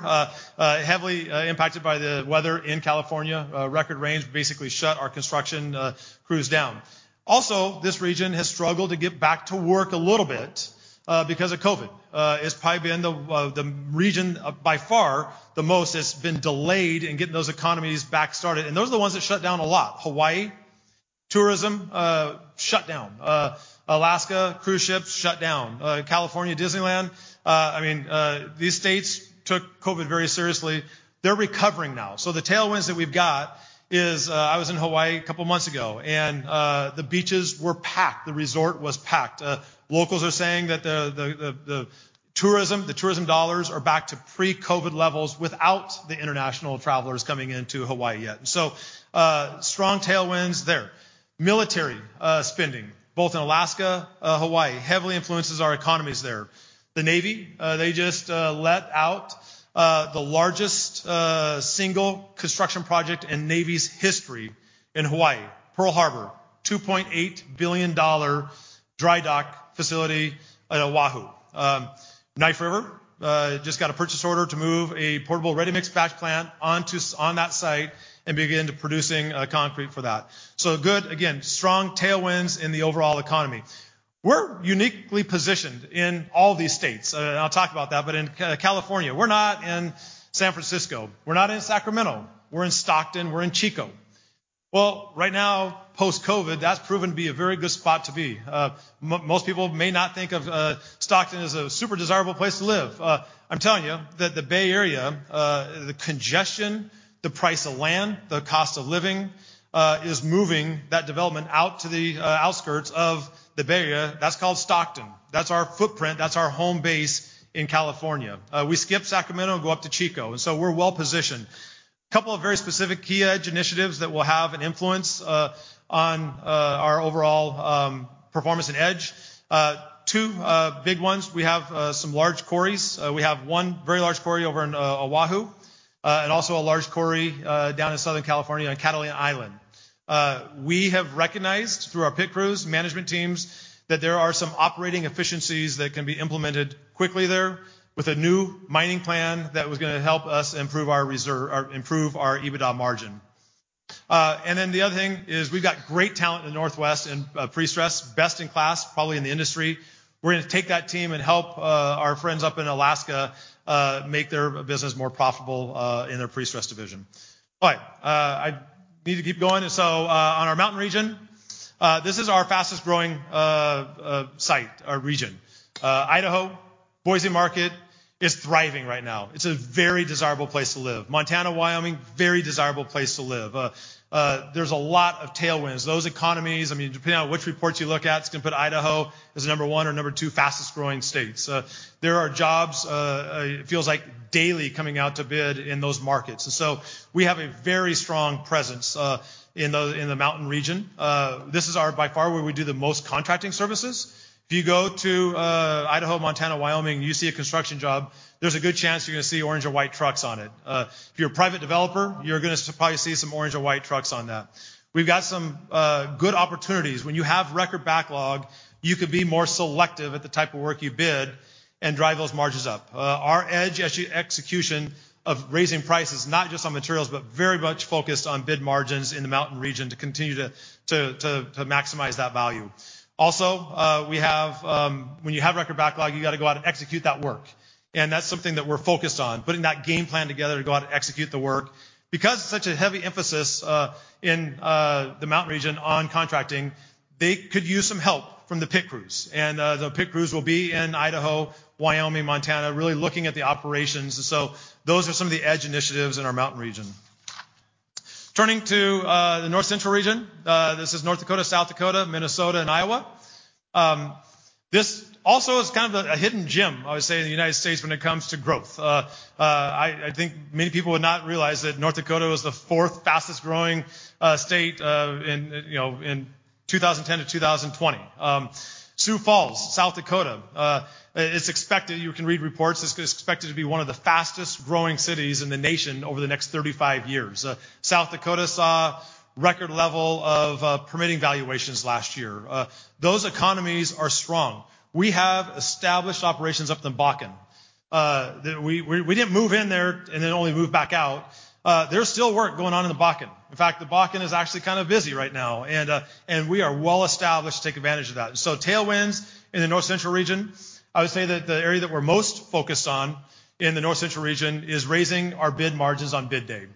Speaker 2: Heavily impacted by the weather in California. Record rains basically shut our construction crews down. Also, this region has struggled to get back to work a little bit because of COVID. It's probably been the region by far the most that's been delayed in getting those economies back started, and those are the ones that shut down a lot. Hawaii, tourism, shut down. Alaska, cruise ships shut down. California, Disneyland. I mean, these states took COVID very seriously. They're recovering now. The tailwinds that we've got is, I was in Hawaii a couple months ago, and the beaches were packed. The resort was packed. Locals are saying that the tourism dollars are back to pre-COVID levels without the international travelers coming into Hawaii yet. Strong tailwinds there. Military spending, both in Alaska, Hawaii, heavily influences our economies there. The Navy, they just let out the largest single construction project in Navy's history in Hawaii, Pearl Harbor, a $2.8 billion dry dock facility at Oahu. Knife River just got a purchase order to move a portable ready-mix batch plant on that site and begin to producing concrete for that. Good. Again, strong tailwinds in the overall economy. We're uniquely positioned in all these states. I'll talk about that. In California, we're not in San Francisco. We're not in Sacramento. We're in Stockton. We're in Chico. Well, right now, post-COVID, that's proven to be a very good spot to be. Most people may not think of Stockton as a super desirable place to live. I'm telling you that the Bay Area, the congestion, the price of land, the cost of living, is moving that development out to the outskirts of the Bay Area. That's called Stockton. That's our footprint. That's our home base in California. We skip Sacramento and go up to Chico, and so we're well-positioned. Couple of very specific key EDGE initiatives that will have an influence on our overall performance in EDGE. Two big ones. We have some large quarries. We have one very large quarry over in Oahu, and also a large quarry down in Southern California on Catalina Island. We have recognized through our PIT crews, management teams, that there are some operating efficiencies that can be implemented quickly there with a new mining plan that was gonna help us improve our reserve... or improve our EBITDA margin. The other thing is we've got great talent in the Northwest in pre-stress, best in class probably in the industry. We're gonna take that team and help our friends up in Alaska make their business more profitable in their pre-stress division. All right, I need to keep going. On our Mountain region, this is our fastest growing site or region. Idaho, Boise market is thriving right now. It's a very desirable place to live. Montana, Wyoming, very desirable place to live. There's a lot of tailwinds. Those economies, I mean, depending on which reports you look at, it's gonna put Idaho as number one or number two fastest growing states. There are jobs, it feels like daily coming out to bid in those markets. We have a very strong presence in the Mountain region. This is our by far where we do the most contracting services. If you go to Idaho, Montana, Wyoming, and you see a construction job, there's a good chance you're gonna see orange or white trucks on it. If you're a private developer, you're gonna probably see some orange or white trucks on that. We've got some good opportunities. When you have record backlog. You could be more selective at the type of work you bid and drive those margins up. Our EDGE execution of raising prices, not just on materials, but very much focused on bid margins in the Mountain region to continue to maximize that value. Also, we have, when you have record backlog, you gotta go out and execute that work. That's something that we're focused on, putting that game plan together to go out and execute the work. It's such a heavy emphasis in the Mountain region on contracting, they could use some help from the PIT crews. The PIT crews will be in Idaho, Wyoming, Montana, really looking at the operations. Those are some of the EDGE initiatives in our Mountain region. Turning to the North Central region, this is North Dakota, South Dakota, Minnesota, and Iowa. This also is kind of a hidden gem, I would say, in the United States when it comes to growth. I think many people would not realize that North Dakota was the fourth fastest growing state in 2010 to 2020. Sioux Falls, South Dakota, it's expected. You can read reports, it's expected to be one of the fastest growing cities in the nation over the next 35 years. South Dakota saw record level of permitting valuations last year. Those economies are strong. We have established operations up in Bakken. We didn't move in there and then only move back out. There's still work going on in the Bakken. In fact, the Bakken is actually kind of busy right now, and we are well-established to take advantage of that. Tailwinds in the North Central region, I would say that the area that we're most focused on in the North Central region is raising our bid margins on bid day.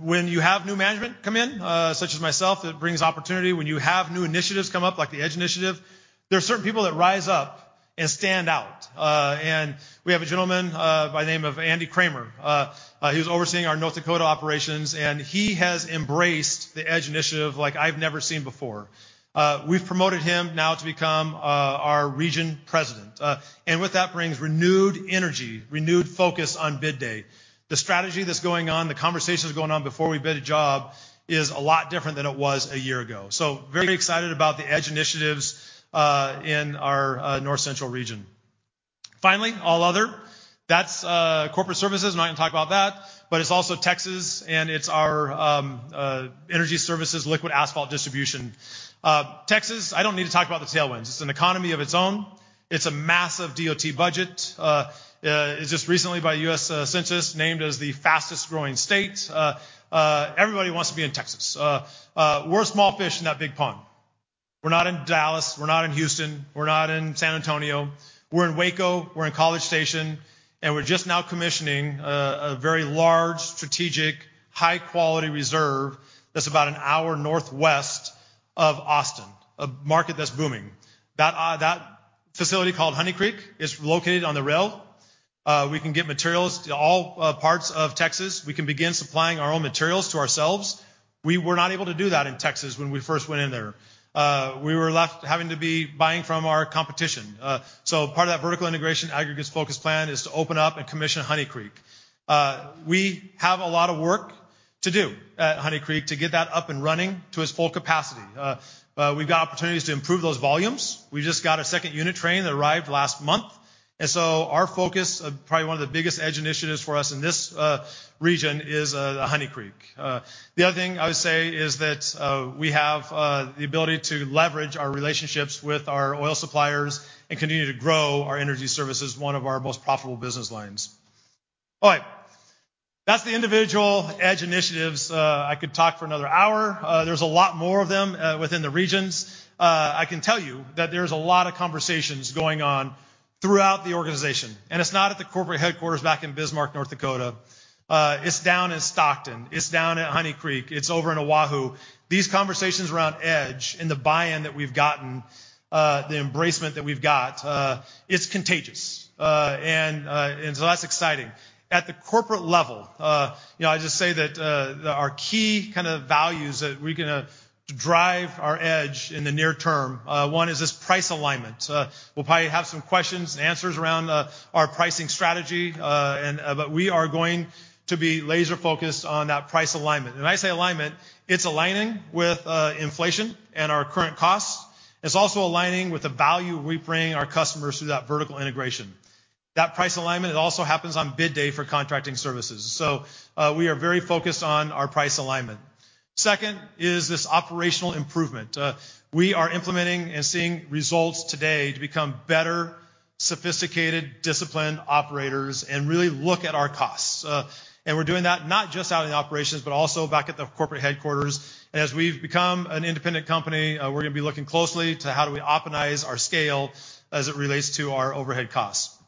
Speaker 2: When you have new management come in, such as myself, it brings opportunity. When you have new initiatives come up, like the EDGE initiative, there are certain people that rise up and stand out. We have a gentleman by the name of Andy Kramer, who's overseeing our North Dakota operations, and he has embraced the EDGE initiative like I've never seen before. We've promoted him now to become our region president. With that brings renewed energy, renewed focus on bid day. The strategy that's going on, the conversations going on before we bid a job is a lot different than it was a year ago. Very excited about the EDGE initiatives in our North Central region. Finally, all other. That's corporate services. I'm not gonna talk about that, but it's also Texas, and it's our energy services, liquid asphalt distribution. Texas, I don't need to talk about the tailwinds. It's an economy of its own. It's a massive DOT budget. It's just recently by U.S. Census, named as the fastest growing state. Everybody wants to be in Texas. We're a small fish in that big pond. We're not in Dallas, we're not in Houston, we're not in San Antonio. We're in Waco, we're in College Station, and we're just now commissioning a very large, strategic, high quality reserve that's about an hour northwest of Austin, a market that's booming. That facility, called Honey Creek, is located on the rail. We can get materials to all parts of Texas. We can begin supplying our own materials to ourselves. We were not able to do that in Texas when we first went in there. We were left having to be buying from our competition. Part of that vertical integration aggregates focus plan is to open up and commission Honey Creek. We have a lot of work to do at Honey Creek to get that up and running to its full capacity. We've got opportunities to improve those volumes. We just got a second unit train that arrived last month. Our focus, probably one of the biggest EDGE initiatives for us in this region is, the Honey Creek. The other thing I would say is that, we have, the ability to leverage our relationships with our oil suppliers and continue to grow our energy services, one of our most profitable business lines. All right. That's the individual EDGE initiatives. I could talk for another hour. There's a lot more of them within the regions. I can tell you that there's a lot of conversations going on throughout the organization, and it's not at the corporate headquarters back in Bismarck, North Dakota. It's down in Stockton. It's down at Honey Creek. It's over in Oahu. These conversations around EDGE and the buy-in that we've gotten, the embracement that we've got, it's contagious. That's exciting. At the corporate level, you know, I just say that our key kind of values that we're going to drive our EDGE in the near term, one is this price alignment. We'll probably have some questions and answers around our pricing strategy. We are going to be laser-focused on that price alignment. When I say alignment, it's aligning with inflation and our current costs. It's also aligning with the value we bring our customers through that vertical integration. That price alignment, it also happens on bid day for contracting services. We are very focused on our price alignment. Second is this operational improvement. We are implementing and seeing results today to become better, sophisticated, disciplined operators and really look at our costs. And we're doing that not just out in the operations, but also back at the corporate headquarters. As we've become an independent company, we're gonna be looking closely to how do we optimize our scale as it relates to our overhead costs.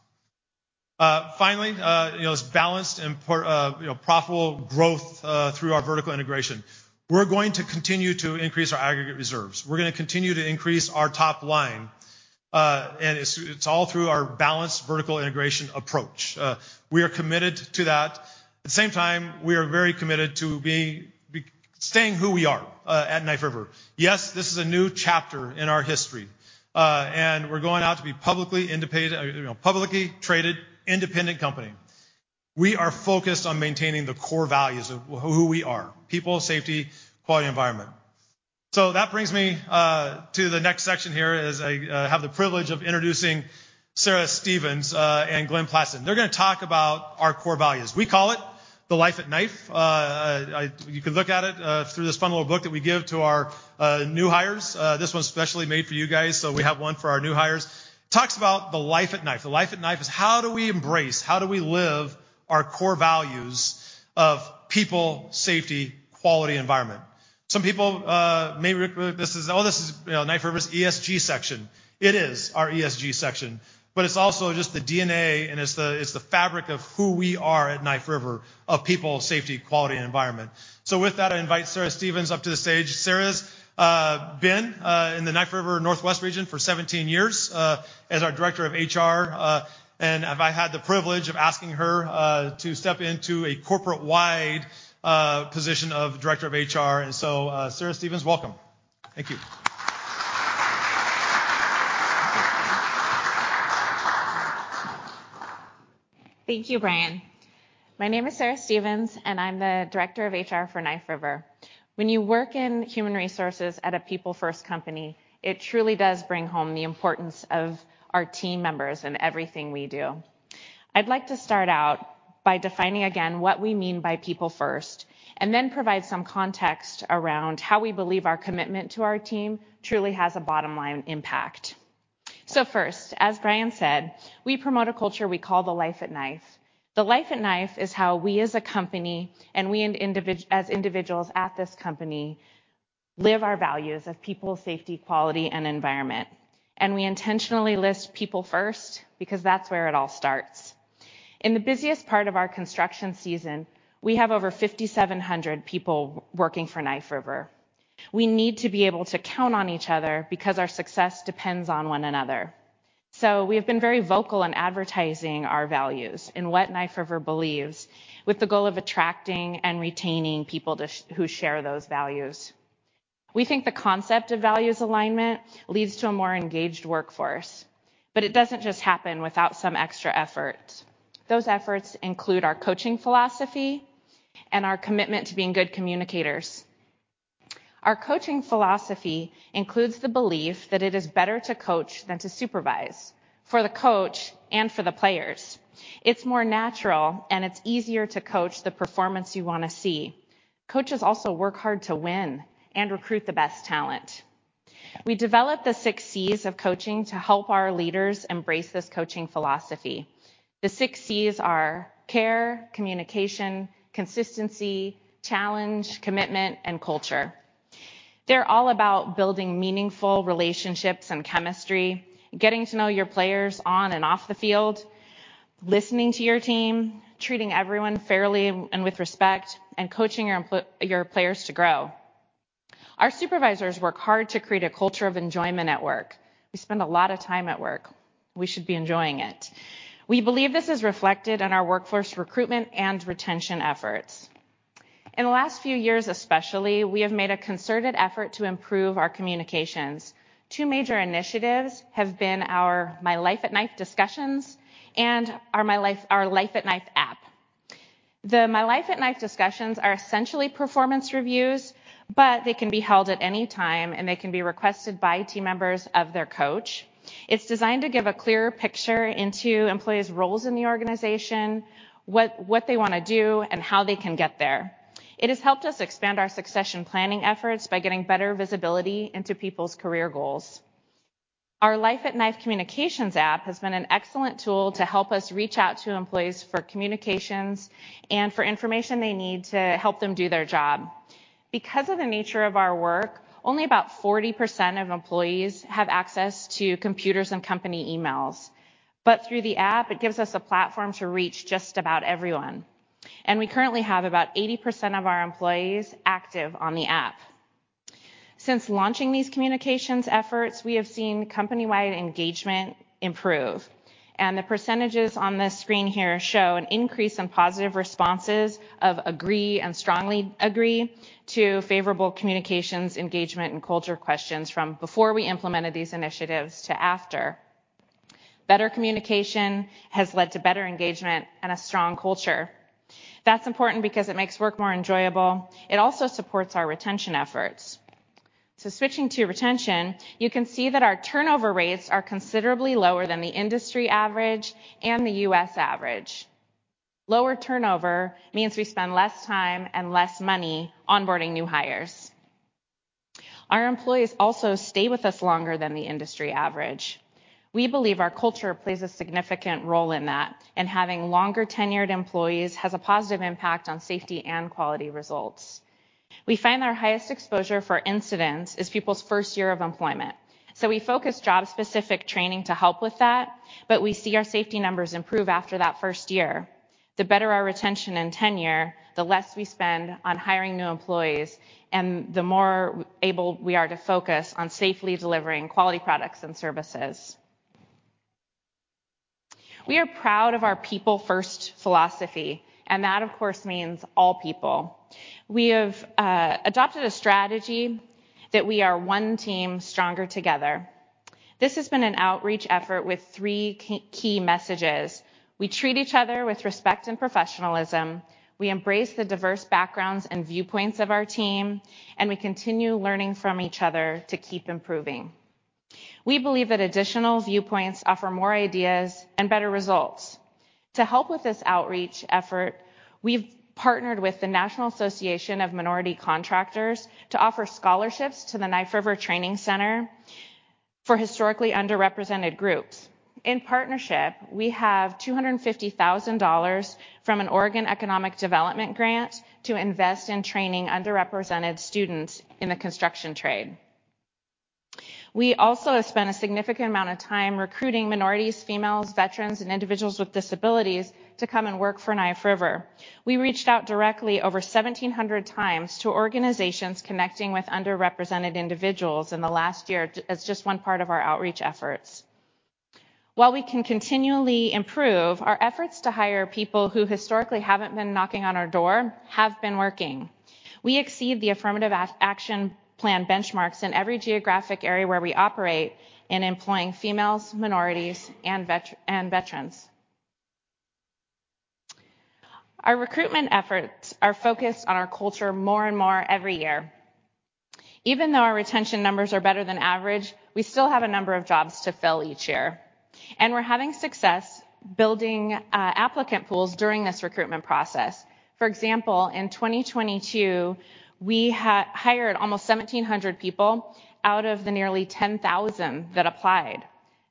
Speaker 2: Finally, you know, it's balanced and part of, you know, profitable growth through our vertical integration. We're going to continue to increase our aggregate reserves. We're gonna continue to increase our top line. It's all through our balanced vertical integration approach. We are committed to that. At the same time, we are very committed to staying who we are at Knife River. Yes, this is a new chapter in our history, we're going out to be publicly independent, you know, publicly traded, independent company. We are focused on maintaining the core values of who we are: people, safety, quality environment. That brings me to the next section here, as I have the privilege of introducing Sarah Stevens and Glenn Pladsen. They're gonna talk about our core values. We call it Life at Knife. You can look at it through this fun little book that we give to our new hires. This one's specially made for you guys. We have one for our new hires. Talks about the Life at Knife. The Life at Knife is how do we embrace, how do we live our core values of people, safety, quality environment. Some people, you know, Knife River's ESG section. It is our ESG section, but it's also just the DNA, and it's the fabric of who we are at Knife River of people, safety, quality, and environment. With that, I invite Sarah Stevens up to the stage. Sarah's been in the Knife River Northwest region for 17 years as our director of HR. I've had the privilege of asking her to step into a corporate-wide position of Director of HR. Sarah Stevens, welcome. Thank you.
Speaker 3: Thank you, Brian. My name is Sarah Stevens, I'm the Director of HR for Knife River. When you work in human resources at a people-first company, it truly does bring home the importance of our team members in everything we do. I'd like to start out by defining again what we mean by people first, then provide some context around how we believe our commitment to our team truly has a bottom-line impact. First, as Brian said, we promote a culture we call the Life at Knife. The Life at Knife is how we as a company and we as individuals at this company live our values of people, safety, quality, and environment. We intentionally list people first because that's where it all starts. In the busiest part of our construction season, we have over 5,700 people working for Knife River. We need to be able to count on each other because our success depends on one another. We have been very vocal in advertising our values and what Knife River believes with the goal of attracting and retaining people who share those values. We think the concept of values alignment leads to a more engaged workforce, it doesn't just happen without some extra effort. Those efforts include our coaching philosophy and our commitment to being good communicators. Our coaching philosophy includes the belief that it is better to coach than to supervise for the coach and for the players. It's more natural, it's easier to coach the performance you wanna see. Coaches also work hard to win and recruit the best talent. We developed the six C's of coaching to help our leaders embrace this coaching philosophy. The six C's are care, communication, consistency, challenge, commitment, and culture. They're all about building meaningful relationships and chemistry, getting to know your players on and off the field, listening to your team, treating everyone fairly and with respect, and coaching your players to grow. Our supervisors work hard to create a culture of enjoyment at work. We spend a lot of time at work. We should be enjoying it. We believe this is reflected in our workforce recruitment and retention efforts. In the last few years, especially, we have made a concerted effort to improve our communications. Two major initiatives have been our My Life at Knife discussions and our Life at Knife app. The My Life at Knife discussions are essentially performance reviews, but they can be held at any time, and they can be requested by team members of their coach. It's designed to give a clearer picture into employees' roles in the organization, what they wanna do, and how they can get there. It has helped us expand our succession planning efforts by getting better visibility into people's career goals. Our Life at Knife communications app has been an excellent tool to help us reach out to employees for communications and for information they need to help them do their job. Because of the nature of our work, only about 40% of employees have access to computers and company emails. Through the app, it gives us a platform to reach just about everyone. We currently have about 80% of our employees active on the app. Since launching these communications efforts, we have seen company-wide engagement improve, and the percentages on this screen here show an increase in positive responses of agree and strongly agree to favorable communications, engagement, and culture questions from before we implemented these initiatives to after. Better communication has led to better engagement and a strong culture. That's important because it makes work more enjoyable. It also supports our retention efforts. Switching to retention, you can see that our turnover rates are considerably lower than the industry average and the U.S. average. Lower turnover means we spend less time and less money onboarding new hires. Our employees also stay with us longer than the industry average. We believe our culture plays a significant role in that, and having longer-tenured employees has a positive impact on safety and quality results. We find our highest exposure for incidents is people's first year of employment. So we focus job-specific training to help with that, but we see our safety numbers improve after that first year. The better our retention and tenure, the less we spend on hiring new employees and the more able we are to focus on safely delivering quality products and services. We are proud of our people-first philosophy, and that, of course, means all people. We have adopted a strategy that we are one team stronger together. This has been an outreach effort with three key messages. We treat each other with respect and professionalism, we embrace the diverse backgrounds and viewpoints of our team, and we continue learning from each other to keep improving. We believe that additional viewpoints offer more ideas and better results. To help with this outreach effort, we've partnered with the National Association of Minority Contractors to offer scholarships to the Knife River Training Center for historically underrepresented groups. In partnership, we have $250,000 from an Oregon Economic Development grant to invest in training underrepresented students in the construction trade. We also have spent a significant amount of time recruiting minorities, females, veterans, and individuals with disabilities to come and work for Knife River. We reached out directly over 1,700x to organizations connecting with underrepresented individuals in the last year as just one part of our outreach efforts. While we can continually improve, our efforts to hire people who historically haven't been knocking on our door have been working. We exceed the affirmative action plan benchmarks in every geographic area where we operate in employing females, minorities, and veterans. Our recruitment efforts are focused on our culture more and more every year. Even though our retention numbers are better than average, we still have a number of jobs to fill each year, and we're having success building applicant pools during this recruitment process. For example, in 2022, we hired almost 1,700 people out of the nearly 10,000 that applied.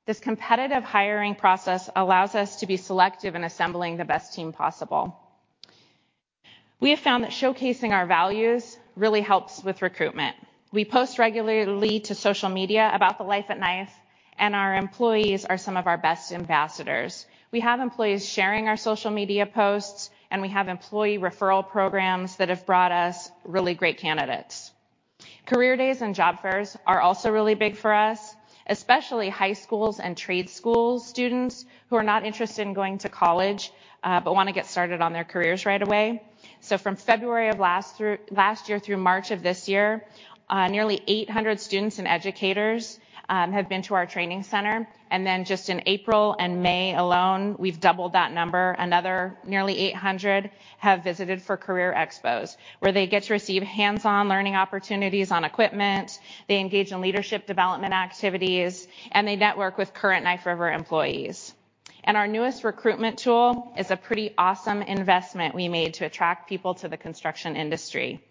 Speaker 3: This competitive hiring process allows us to be selective in assembling the best team possible. We have found that showcasing our values really helps with recruitment. We post regularly to social media about the Life at Knife. Our employees are some of our best ambassadors. We have employees sharing our social media posts. We have employee referral programs that have brought us really great candidates. Career days and job fairs are also really big for us, especially high schools and trade school students who are not interested in going to college, but wanna get started on their careers right away. From February of last year through March of this year, nearly 800 students and educators have been to our training center. Just in April and May alone, we've doubled that number. Another nearly 800 have visited for career expos, where they get to receive hands-on learning opportunities on equipment, they engage in leadership development activities, and they network with current Knife River employees. Our newest recruitment tool is a pretty awesome investment we made to attract people to the construction industry.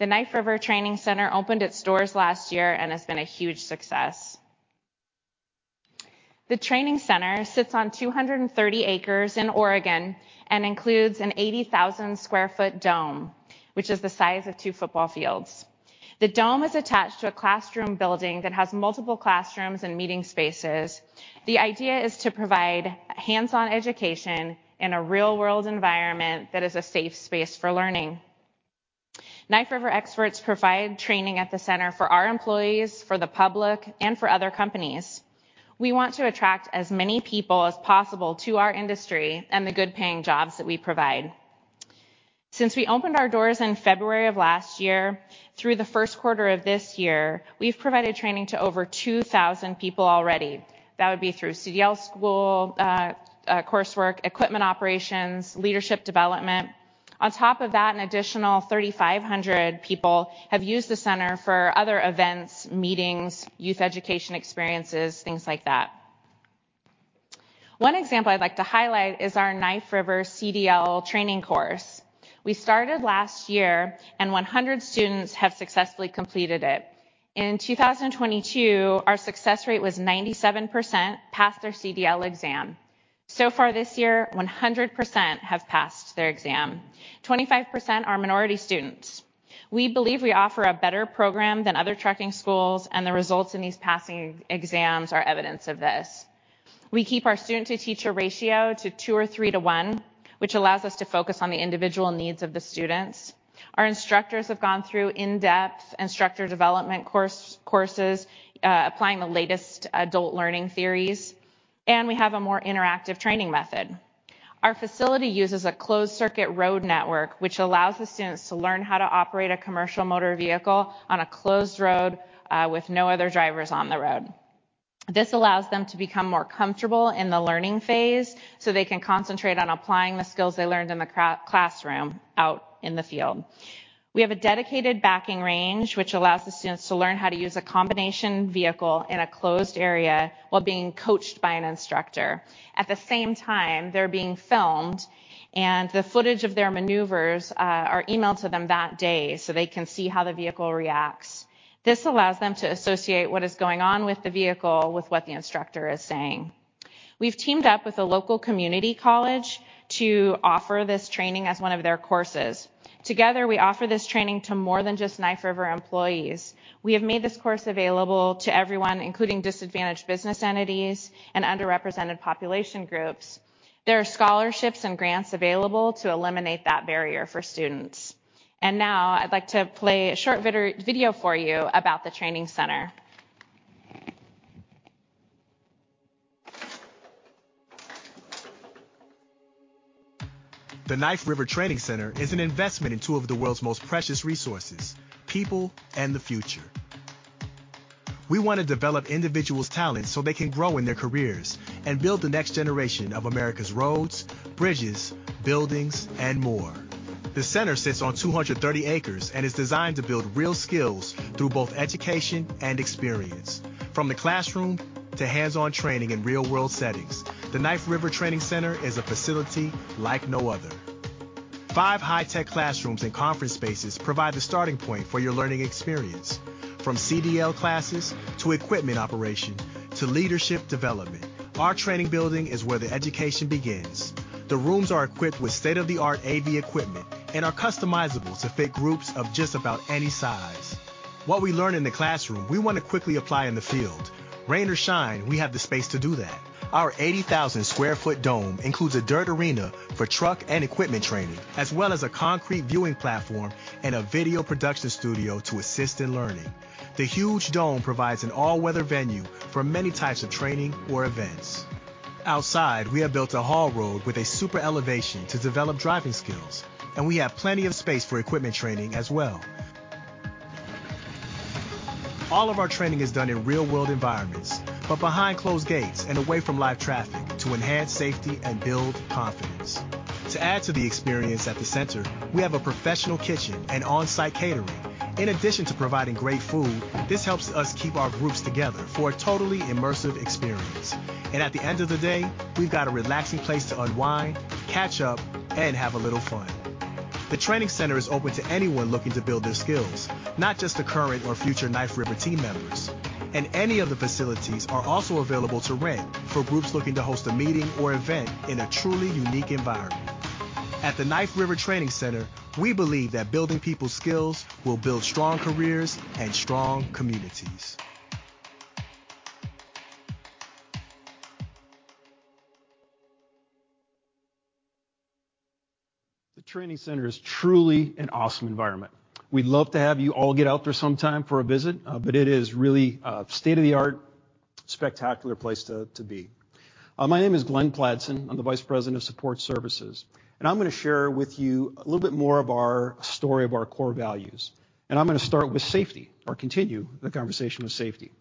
Speaker 3: The Knife River Training Center opened its doors last year and has been a huge success. The training center sits on 230 acres in Oregon and includes an 80,000 sq ft dome, which is the size of two football fields. The dome is attached to a classroom building that has multiple classrooms and meeting spaces. The idea is to provide hands-on education in a real-world environment that is a safe space for learning. Knife River experts provide training at the center for our employees, for the public, and for other companies. We want to attract as many people as possible to our industry and the good-paying jobs that we provide. Since we opened our doors in February of last year, through the first quarter of this year, we've provided training to over 2,000 people already. That would be through CDL school, coursework, equipment operations, leadership development. On top of that, an additional 3,500 people have used the center for other events, meetings, youth education experiences, things like that. One example I'd like to highlight is our Knife River CDL training course. We started last year, and 100 students have successfully completed it. In 2022, our success rate was 97% passed their CDL exam. So far this year, 100% have passed their exam. 25% are minority students. We believe we offer a better program than other trucking schools, and the results in these passing exams are evidence of this. We keep our student-to-teacher ratio to 2 or 3 to 1, which allows us to focus on the individual needs of the students. Our instructors have gone through in-depth instructor development courses, applying the latest adult learning theories, and we have a more interactive training method. Our facility uses a closed circuit road network, which allows the students to learn how to operate a commercial motor vehicle on a closed road, with no other drivers on the road. This allows them to become more comfortable in the learning phase, so they can concentrate on applying the skills they learned in the classroom out in the field. We have a dedicated backing range, which allows the students to learn how to use a combination vehicle in a closed area while being coached by an instructor. At the same time, they're being filmed, and the footage of their maneuvers, are emailed to them that day, so they can see how the vehicle reacts. This allows them to associate what is going on with the vehicle with what the instructor is saying. We've teamed up with a local community college to offer this training as one of their courses. Together, we offer this training to more than just Knife River employees. We have made this course available to everyone, including disadvantaged business entities and underrepresented population groups. There are scholarships and grants available to eliminate that barrier for students. Now I'd like to play a short video for you about the training center.
Speaker 4: The Knife River Training Center is an investment in two of the world's most precious resources, people and the future. We want to develop individuals' talents so they can grow in their careers and build the next generation of America's roads, bridges, buildings, and more. The center sits on 230 acres and is designed to build real skills through both education and experience. From the classroom to hands-on training in real-world settings, the Knife River Training Center is a facility like no other. Five high-tech classrooms and conference spaces provide the starting point for your learning experience. From CDL classes to equipment operation to leadership development, our training building is where the education begins. The rooms are equipped with state-of-the-art AV equipment and are customizable to fit groups of just about any size. What we learn in the classroom, we want to quickly apply in the field. Rain or shine, we have the space to do that. Our 80,000 sq ft dome includes a dirt arena for truck and equipment training, as well as a concrete viewing platform and a video production studio to assist in learning. The huge dome provides an all-weather venue for many types of training or events. Outside, we have built a haul road with a super elevation to develop driving skills, and we have plenty of space for equipment training as well. All of our training is done in real-world environments, but behind closed gates and away from live traffic to enhance safety and build confidence. To add to the experience at the center, we have a professional kitchen and on-site catering. In addition to providing great food, this helps us keep our groups together for a totally immersive experience. At the end of the day, we've got a relaxing place to unwind, catch up, and have a little fun. The training center is open to anyone looking to build their skills, not just to current or future Knife River team members. Any of the facilities are also available to rent for groups looking to host a meeting or event in a truly unique environment. At the Knife River Training Center, we believe that building people's skills will build strong careers and strong communities.
Speaker 5: The training center is truly an awesome environment. We'd love to have you all get out there sometime for a visit, it is really a state-of-the-art, spectacular place to be. My name is Glenn Pladsen. I'm the Vice President of Support Services, I'm gonna share with you a little bit more of our story of our core values, I'm gonna start with safety or continue the conversation with safety.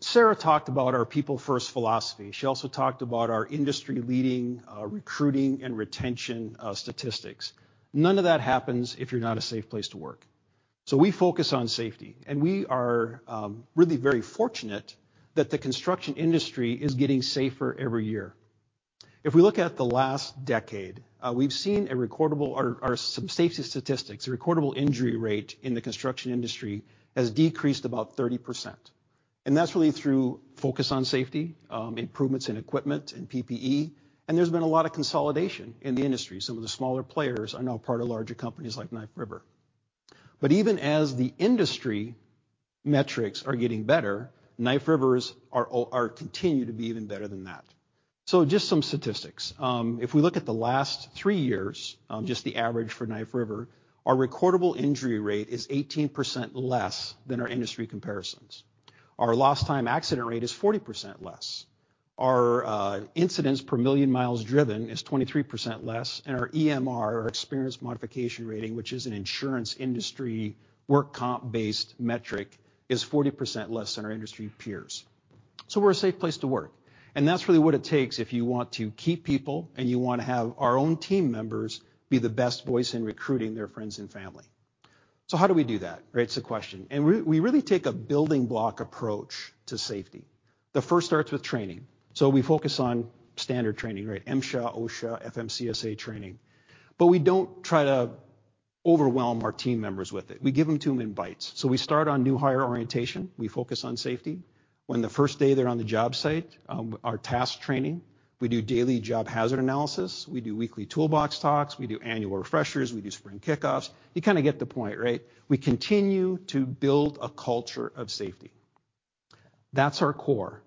Speaker 5: Sarah talked about our people-first philosophy. She also talked about our industry-leading recruiting and retention statistics. None of that happens if you're not a safe place to work. We focus on safety, we are really very fortunate that the construction industry is getting safer every year. If we look at the last decade, we've seen a recordable some safety statistics. A recordable injury rate in the construction industry has decreased about 30%, that's really through focus on safety, improvements in equipment and PPE, there's been a lot of consolidation in the industry. Some of the smaller players are now part of larger companies like Knife River. Even as the industry metrics are getting better, Knife River's continue to be even better than that. Just some statistics. If we look at the last three years, just the average for Knife River, our recordable injury rate is 18% less than our industry comparisons. Our lost time accident rate is 40% less. Our incidents per million miles driven is 23% less, and our EMR, our experience modification rating, which is an insurance industry work comp-based metric, is 40% less than our industry peers. We're a safe place to work, and that's really what it takes if you want to keep people and you wanna have our own team members be the best voice in recruiting their friends and family. How do we do that, right? It's the question. We really take a building block approach to safety. The first starts with training. We focus on standard training, right? MSHA, OSHA, FMCSA training. We don't try to overwhelm our team members with it. We give them to them in bites. We start on new hire orientation. We focus on safety. When the first day they're on the job site, our task training. We do daily job hazard analysis. We do weekly toolbox talks. We do annual refreshers. We do spring kickoffs. You kinda get the point, right? We continue to build a culture of safety. That's our core.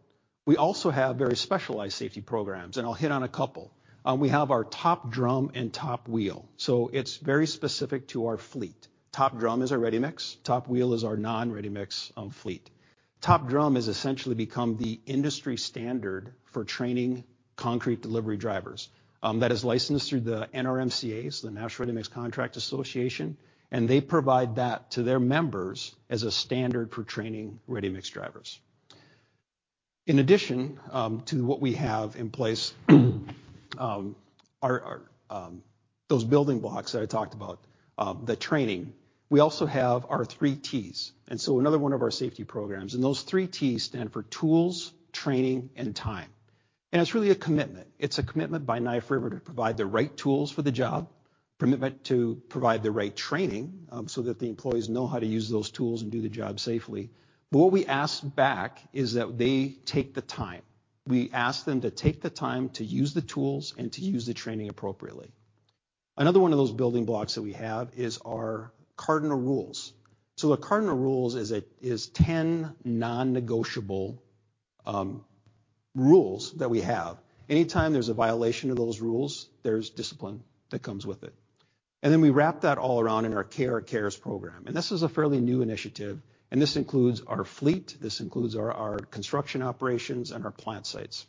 Speaker 5: We also have very specialized safety programs. I'll hit on a couple. We have our Top Drum and Top Wheel. It's very specific to our fleet. Top Drum is our ready-mix. Top Wheel is our non-ready-mix fleet. Top Drum has essentially become the industry standard for training concrete delivery drivers that is licensed through the NRMCA. The National Ready Mixed Concrete Association, they provide that to their members as a standard for training ready-mix drivers. In addition to what we have in place, those building blocks that I talked about, the training, we also have our three Ts. Another one of our safety programs. Those three Ts stand for tools, training, and time. It's really a commitment. It's a commitment by Knife River to provide the right tools for the job, commitment to provide the right training, so that the employees know how to use those tools and do the job safely. What we ask back is that they take the time. We ask them to take the time to use the tools and to use the training appropriately. Another one of those building blocks that we have is our cardinal rules. The cardinal rules are 10 non-negotiable rules that we have. Anytime there's a violation of those rules, there's discipline that comes with it. We wrap that all around in our KNF Cares program, this is a fairly new initiative, and this includes our fleet, this includes our construction operations and our plant sites.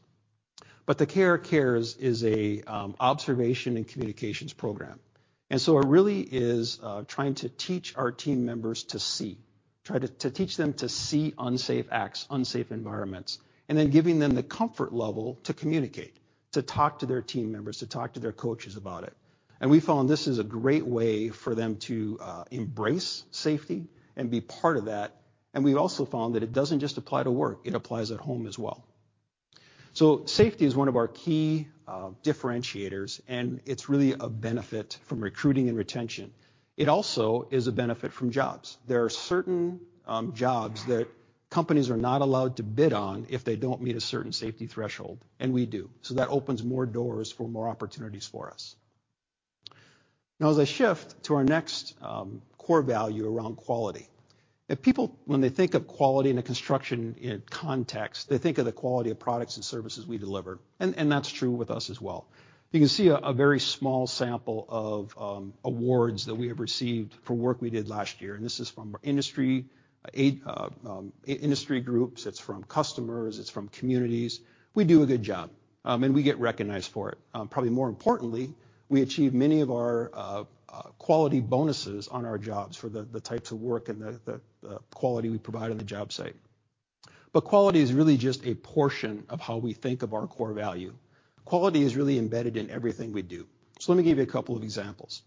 Speaker 5: The KNF Cares is an observation and communications program. It really is trying to teach our team members to see. Try to teach them to see unsafe acts, unsafe environments, and then giving them the comfort level to communicate, to talk to their team members, to talk to their coaches about it. We found this is a great way for them to embrace safety and be part of that. We've also found that it doesn't just apply to work, it applies at home as well. Safety is one of our key differentiators, and it's really a benefit from recruiting and retention. It also is a benefit from jobs. There are certain jobs that companies are not allowed to bid on if they don't meet a certain safety threshold, and we do. That opens more doors for more opportunities for us. As I shift to our next core value around quality. If people, when they think of quality in a construction, you know, context, they think of the quality of products and services we deliver, and that's true with us as well. You can see a very small sample of awards that we have received for work we did last year. This is from industry groups, it's from customers, it's from communities. We do a good job, and we get recognized for it. Probably more importantly, we achieve many of our quality bonuses on our jobs for the types of work and the quality we provide on the job site. Quality is really just a portion of how we think of our core value. Quality is really embedded in everything we do. Let me give you a couple of examples.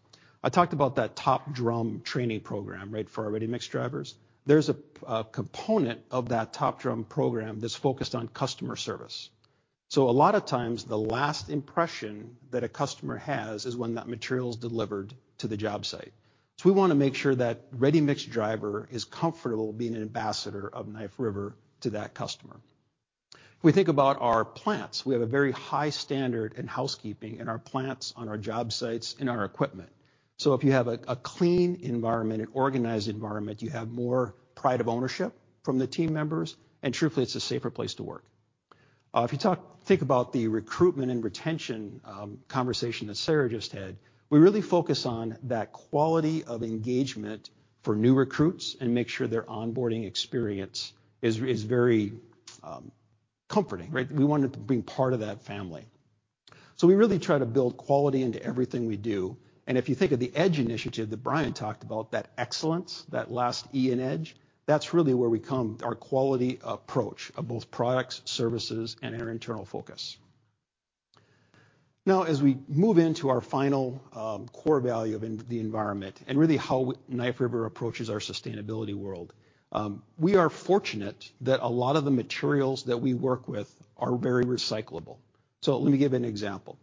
Speaker 5: I talked about that Top Drum training program, right, for our ready-mix drivers. There's a component of that Top Drum program that's focused on customer service. A lot of times, the last impression that a customer has is when that material is delivered to the job site. We wanna make sure that ready-mix driver is comfortable being an ambassador of Knife River to that customer. If we think about our plants, we have a very high standard in housekeeping in our plants, on our job sites, in our equipment. If you have a clean environment, an organized environment, you have more pride of ownership from the team members, and truthfully, it's a safer place to work. If you talk, think about the recruitment and retention conversation that Sarah just had, we really focus on that quality of engagement for new recruits and make sure their onboarding experience is very comforting, right? We want them to be part of that family. We really try to build quality into everything we do, and if you think of the EDGE initiative that Brian talked about, that excellence, that last E in EDGE, that's really where we come, our quality approach of both products, services, and our internal focus. Now, as we move into our final core value of the environment and really how Knife River approaches our sustainability world. We are fortunate that a lot of the materials that we work with are very recyclable. Let me give an example.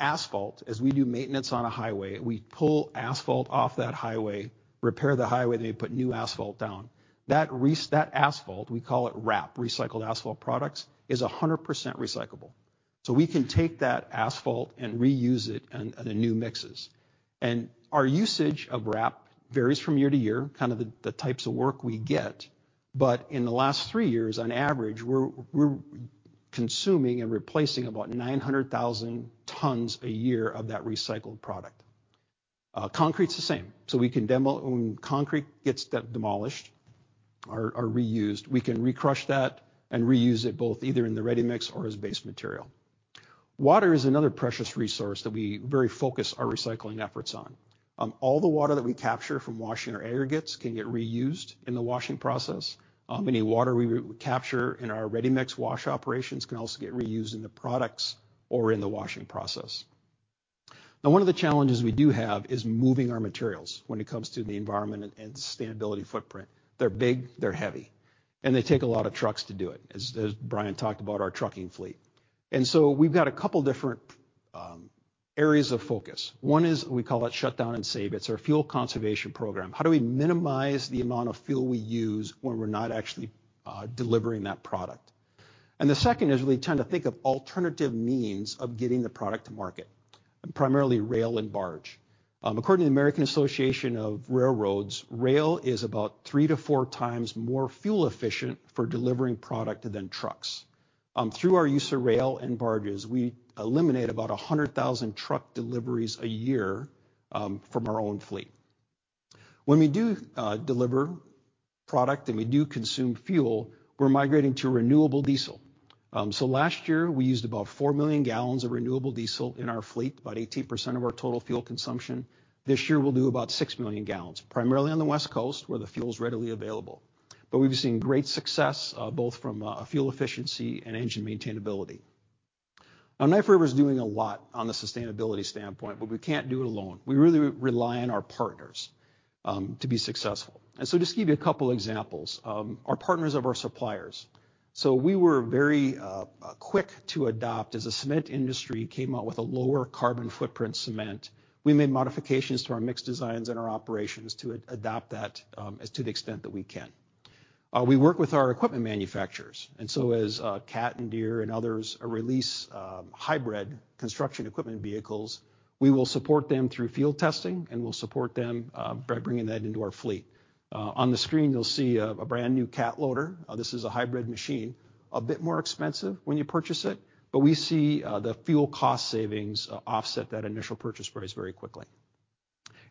Speaker 5: Asphalt, as we do maintenance on a highway, we pull asphalt off that highway, repair the highway, then you put new asphalt down. That asphalt, we call it RAP, recycled asphalt products, is 100% recyclable. We can take that asphalt and reuse it in new mixes. Our usage of RAP varies from year to year, kind of the types of work we get, but in the last three years, on average, we're consuming and replacing about 900,000 tons a year of that recycled product. Concrete's the same. When concrete gets demolished or reused, we can re-crush that and reuse it both either in the ready mix or as base material. Water is another precious resource that we very focus our recycling efforts on. All the water that we capture from washing our aggregates can get reused in the washing process. Any water we capture in our ready-mix wash operations can also get reused in the products or in the washing process. Now, one of the challenges we do have is moving our materials when it comes to the environment and sustainability footprint. They're big, they're heavy, and they take a lot of trucks to do it, as Brian talked about our trucking fleet. We've got a couple different areas of focus. One is we call it Shut Down and Save. It's our fuel conservation program. How do we minimize the amount of fuel we use when we're not actually delivering that product? The second is we tend to think of alternative means of getting the product to market, primarily rail and barge. According to the Association of American Railroads, rail is about 3x-4x more fuel efficient for delivering product than trucks. Through our use of rail and barges, we eliminate about 100,000 truck deliveries a year from our own fleet. When we do deliver product, and we do consume fuel, we're migrating to renewable diesel. Last year, we used about 4 million gallons of renewable diesel in our fleet, about 18% of our total fuel consumption. This year, we'll do about 6 million gallons, primarily on the West Coast, where the fuel's readily available. We've seen great success both from a fuel efficiency and engine maintainability. Knife River is doing a lot on the sustainability standpoint, but we can't do it alone. We really rely on our partners to be successful. Just give you a couple examples, are partners of our suppliers. We were very quick to adopt as the cement industry came out with a lower carbon footprint cement. We made modifications to our mix designs and our operations to adopt that as to the extent that we can. We work with our equipment manufacturers, as Cat and Deere and others release hybrid construction equipment vehicles, we will support them through field testing, and we'll support them by bringing that into our fleet. On the screen, you'll see a brand-new Cat loader. This is a hybrid machine. A bit more expensive when you purchase it, but we see the fuel cost savings offset that initial purchase price very quickly.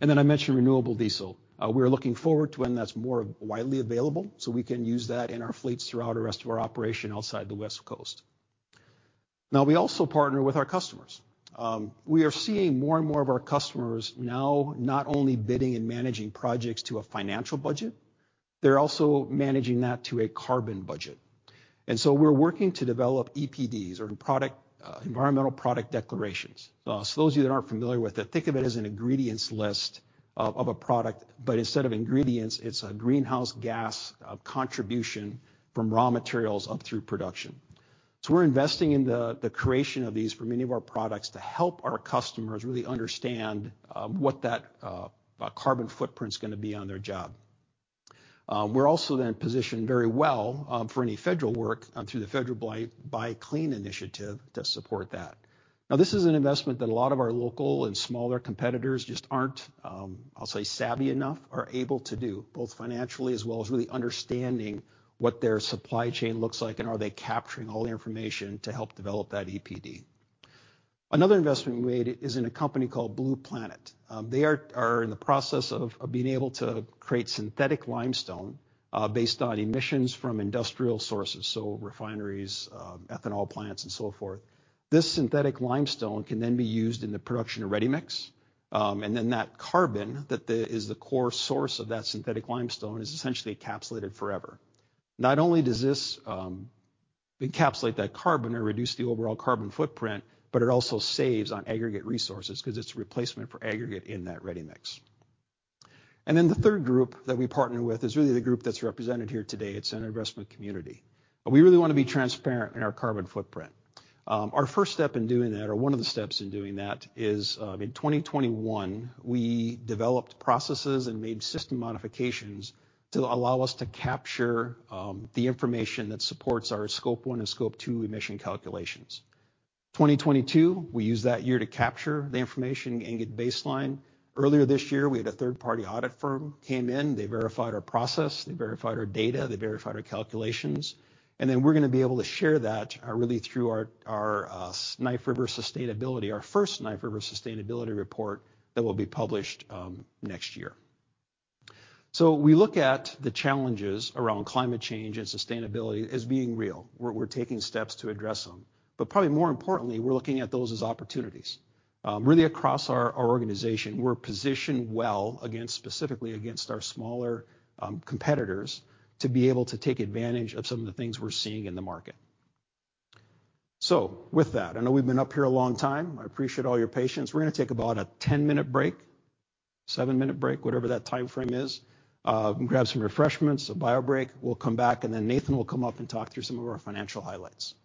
Speaker 5: I mentioned renewable diesel. We're looking forward to when that's more widely available, so we can use that in our fleets throughout the rest of our operation outside the West Coast. We also partner with our customers. We are seeing more and more of our customers now not only bidding and managing projects to a financial budget, they're also managing that to a carbon budget. We're working to develop EPDs or product, environmental product declarations. Those of you that aren't familiar with it, think of it as an ingredients list of a product, but instead of ingredients, it's a greenhouse gas contribution from raw materials up through production. We're investing in the creation of these for many of our products to help our customers really understand what that carbon footprint's gonna be on their job. We're also positioned very well for any federal work through the Federal Buy Clean Initiative to support that. This is an investment that a lot of our local and smaller competitors just aren't, I'll say savvy enough or able to do, both financially as well as really understanding what their supply chain looks like and are they capturing all the information to help develop that EPD. Another investment we made is in a company called Blue Planet. They are in the process of being able to create synthetic limestone based on emissions from industrial sources, so refineries, ethanol plants and so forth. This synthetic limestone can be used in the production of ready-mix. That carbon that is the core source of that synthetic limestone is essentially encapsulated forever. Not only does this encapsulate that carbon or reduce the overall carbon footprint, it also saves on aggregate resources 'cause it's a replacement for aggregate in that ready mix. The third group that we partner with is really the group that's represented here today. It's an investment community. We really wanna be transparent in our carbon footprint. Our first step in doing that, or one of the steps in doing that, is in 2021, we developed processes and made system modifications to allow us to capture the information that supports our Scope 1 and Scope 2 emission calculations. 2022, we used that year to capture the information and get baseline. Earlier this year, we had a third-party audit firm came in, they verified our process, they verified our data, they verified our calculations, we're gonna be able to share that really through our Knife River sustainability, our first Knife River sustainability report that will be published next year. We look at the challenges around climate change and sustainability as being real. We're taking steps to address them. Probably more importantly, we're looking at those as opportunities. Really across our organization, we're positioned well against, specifically against our smaller competitors to be able to take advantage of some of the things we're seeing in the market. With that, I know we've been up here a long time. I appreciate all your patience. We're gonna take about a 10-minute break, seven-minute break, whatever that timeframe is. Grab some refreshments, a bio break. We'll come back, and then Nathan will come up and talk through some of our financial highlights.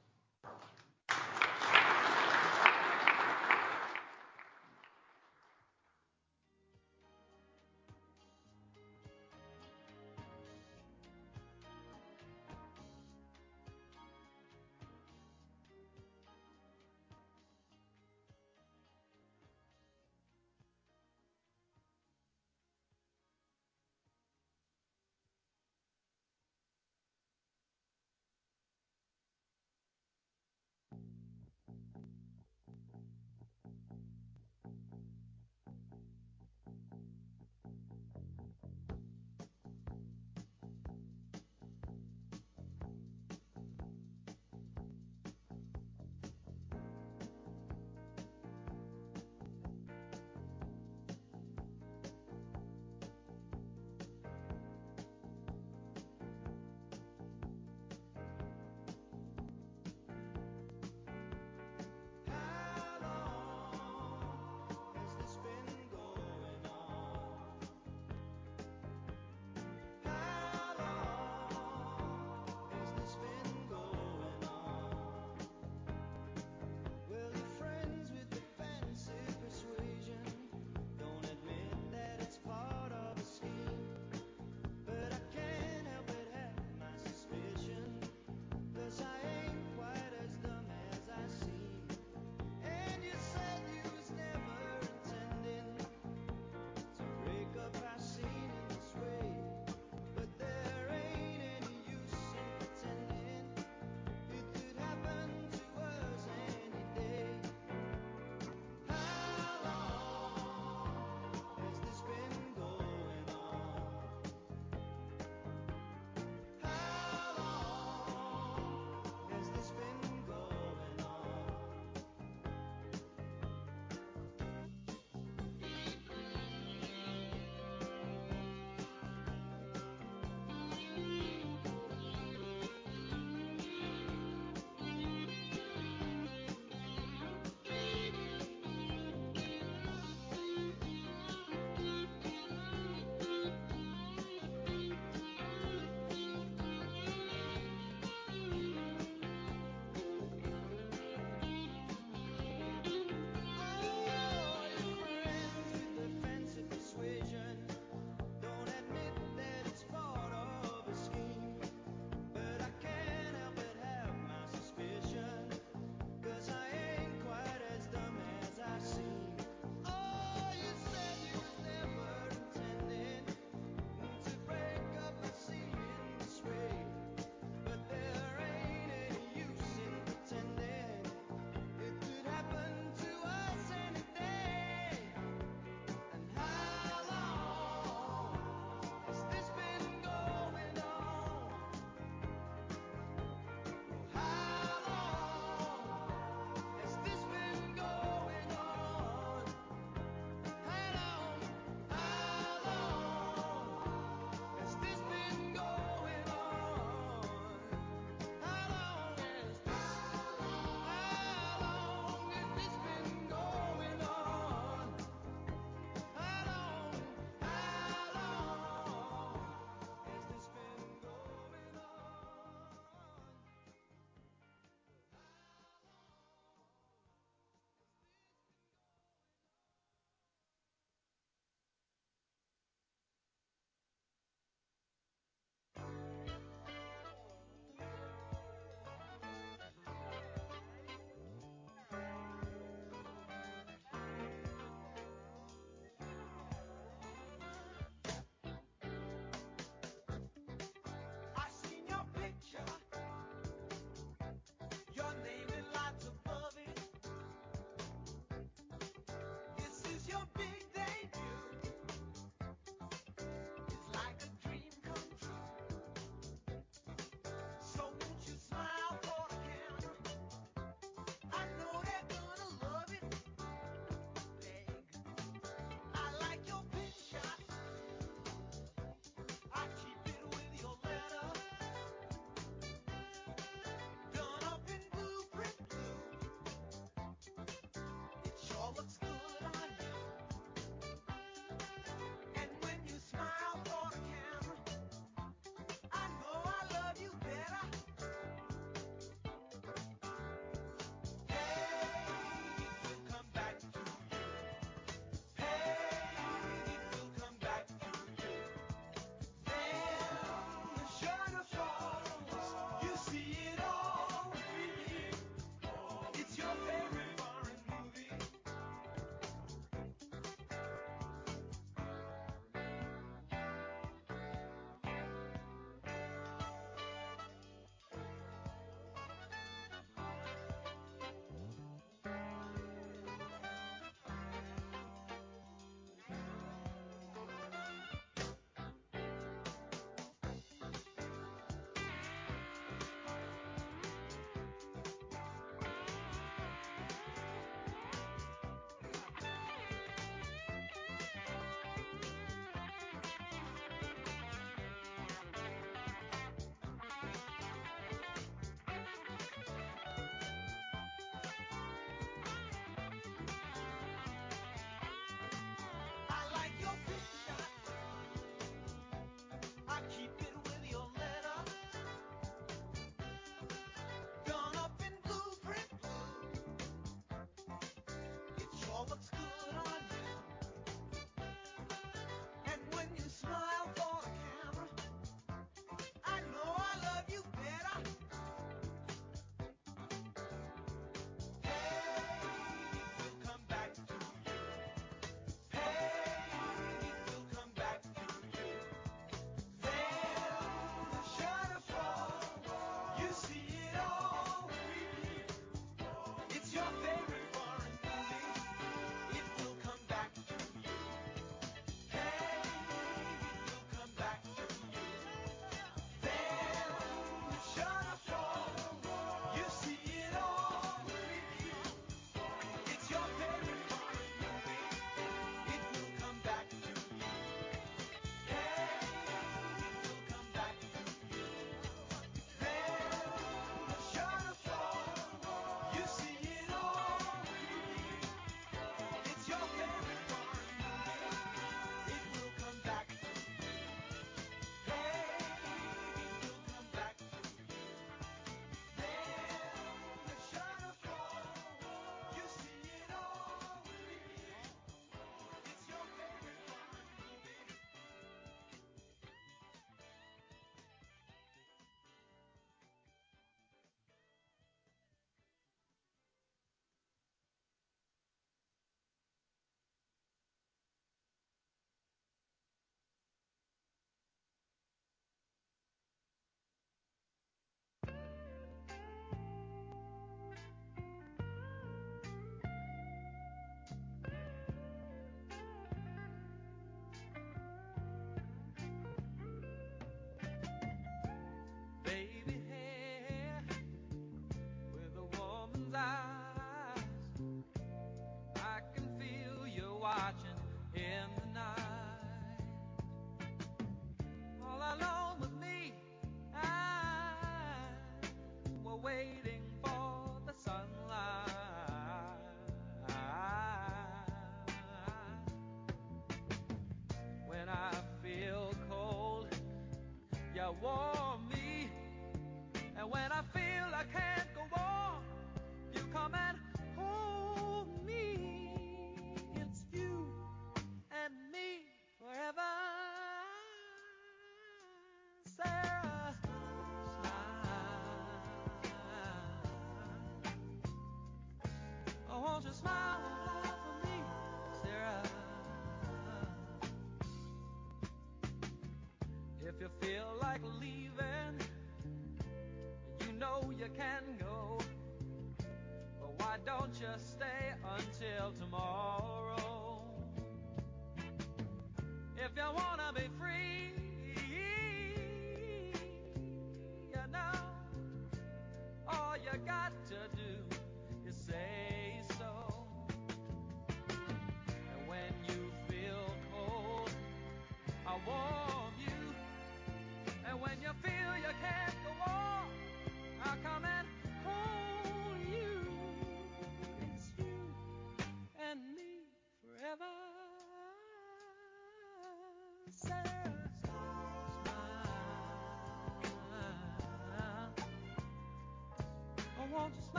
Speaker 6: Someone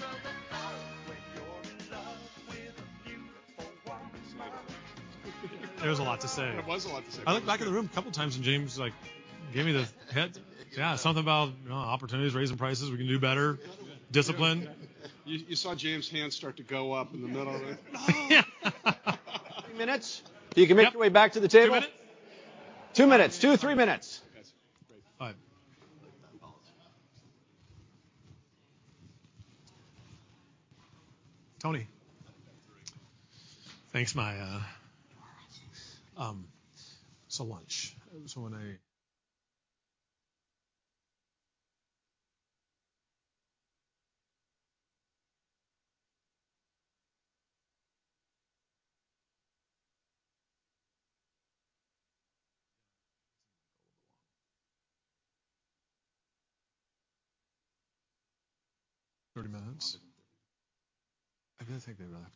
Speaker 6: give me the cue. Go. Thumbs up? All right,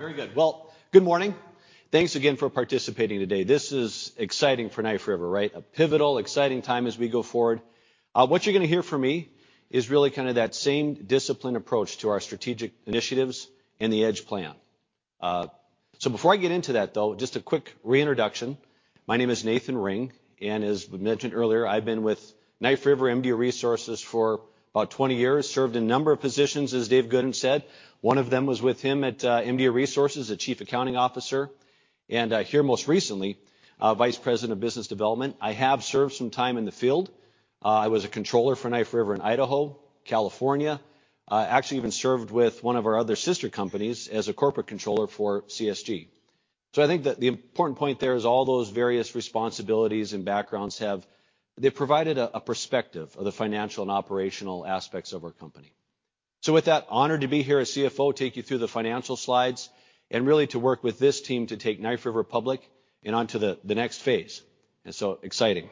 Speaker 6: very good. Well, good morning. Thanks again for participating today. This is exciting for Knife River, right? A pivotal, exciting time as we go forward. What you're gonna hear from me is really kind of that same disciplined approach to our strategic initiatives and the EDGE Plan. Before I get into that, though, just a quick reintroduction. My name is Nathan Ring, and as mentioned earlier, I've been with Knife River, MDU Resources for about 20 years. Served a number of positions, as Dave Goodin said. One of them was with him at MDU Resources as Chief Accounting Officer, and here most recently, Vice President of Business Development. I have served some time in the field. I was a controller for Knife River in Idaho, California. Actually even served with one of our other sister companies as a corporate controller for CSG. I think that the important point there is all those various responsibilities and backgrounds have provided a perspective of the financial and operational aspects of our company. With that, honored to be here as CFO, take you through the financial slides and really to work with this team to take Knife River public and onto the next phase, exciting.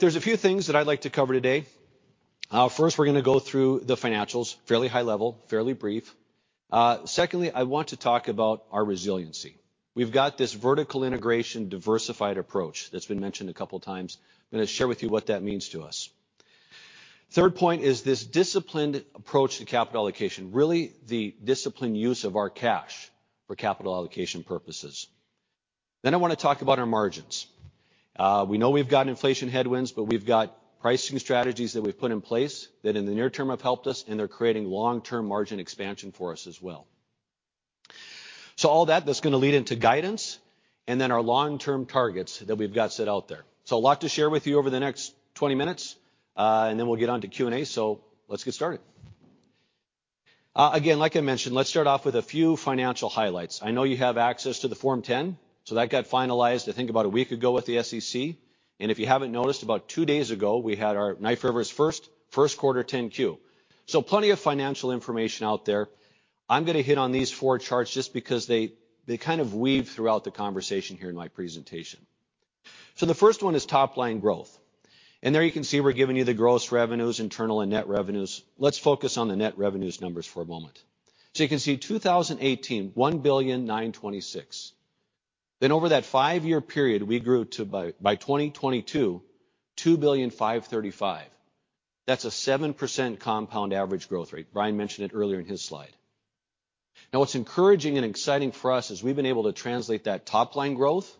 Speaker 6: There's a few things that I'd like to cover today. First, we're gonna go through the financials, fairly high level, fairly brief. Secondly, I want to talk about our resiliency. We've got this vertical integration diversified approach that's been mentioned a couple times. I'm gonna share with you what that means to us. Third point is this disciplined approach to capital allocation, really the disciplined use of our cash for capital allocation purposes. I wanna talk about our margins. We know we've got inflation headwinds, but we've got pricing strategies that we've put in place that in the near term have helped us, and they're creating long-term margin expansion for us as well. All that's gonna lead into guidance and then our long-term targets that we've got set out there. A lot to share with you over the next 20 minutes, and then we'll get on to Q&A. Let's get started. Again, like I mentioned, let's start off with a few financial highlights. I know you have access to the Form 10, so that got finalized, I think, about a week ago with the SEC. If you haven't noticed, about two days ago, we had our Knife River's first quarter 10-Q. Plenty of financial information out there. I'm gonna hit on these four charts just because they kind of weave throughout the conversation here in my presentation. The first one is top line growth, there you can see we're giving you the gross revenues, internal and net revenues. Let's focus on the net revenues numbers for a moment. You can see 2018, $1.926 billion. Over that five-year period, we grew to by 2022, $2.535 billion. That's a 7% compound average growth rate. Brian mentioned it earlier in his slide. What's encouraging and exciting for us is we've been able to translate that top-line growth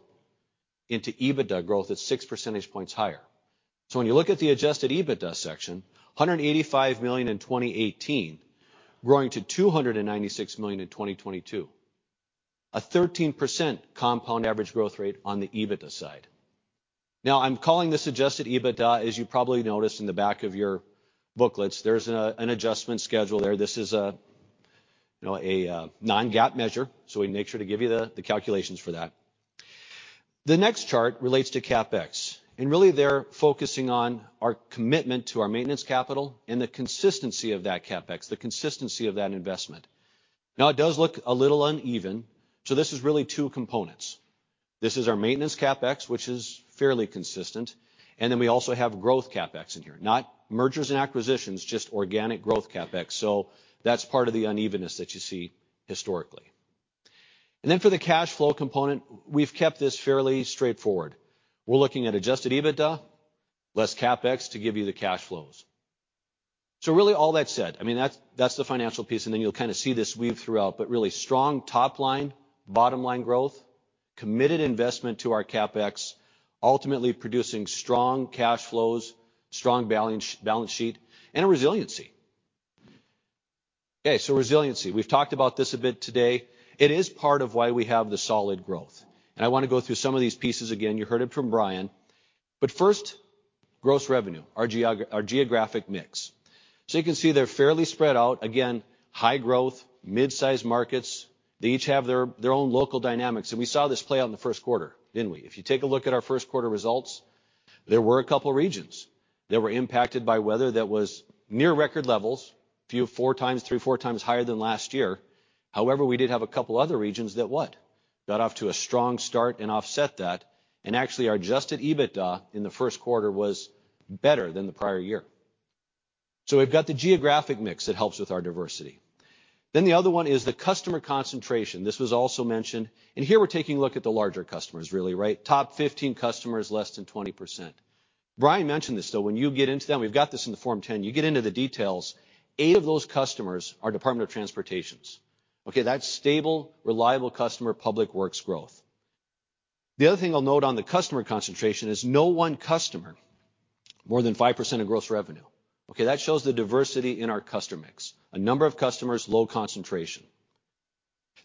Speaker 6: into EBITDA growth at 6 percentage points higher. When you look at the adjusted EBITDA section, $185 million in 2018 growing to $296 million in 2022, a 13% compound average growth rate on the EBITDA side. I'm calling this adjusted EBITDA. As you probably noticed in the back of your booklets, there's an adjustment schedule there. This is a, you know, a non-GAAP measure, we make sure to give you the calculations for that. The next chart relates to CapEx, really they're focusing on our commitment to our maintenance capital and the consistency of that CapEx, the consistency of that investment. It does look a little uneven, this is really two components. This is our maintenance CapEx, which is fairly consistent, we also have growth CapEx in here, not mergers and acquisitions, just organic growth CapEx. That's part of the unevenness that you see historically. Then for the cash flow component, we've kept this fairly straightforward. We're looking at adjusted EBITDA less CapEx to give you the cash flows. Really, all that said, I mean that's the financial piece, and then you'll kinda see this weave throughout, but really strong top line, bottom line growth, committed investment to our CapEx, ultimately producing strong cash flows, strong balance sheet, and a resiliency. Resiliency. We've talked about this a bit today. It is part of why we have the solid growth. I wanna go through some of these pieces again. You heard it from Brian. First, gross revenue, our geographic mix. You can see they're fairly spread out. Again, high growth, mid-sized markets. They each have their own local dynamics. We saw this play out in the first quarter, didn't we? If you take a look at our first quarter results, there were a couple regions that were impacted by weather that was near record levels, a few 3x, 4x higher than last year. However, we did have a couple other regions that what? Got off to a strong start and offset that, actually, our adjusted EBITDA in the first quarter was better than the prior year. We've got the geographic mix that helps with our diversity. The other one is the customer concentration. This was also mentioned. Here we're taking a look at the larger customers really, right? Top 15 customers, less than 20%. Brian mentioned this, though. When you get into that, and we've got this in the Form 10, you get into the details, eight of those customers are Department of Transportations. Okay, that's stable, reliable customer public works growth. The other thing I'll note on the customer concentration is no one customer more than 5% of gross revenue. Okay, that shows the diversity in our customer mix. A number of customers, low concentration.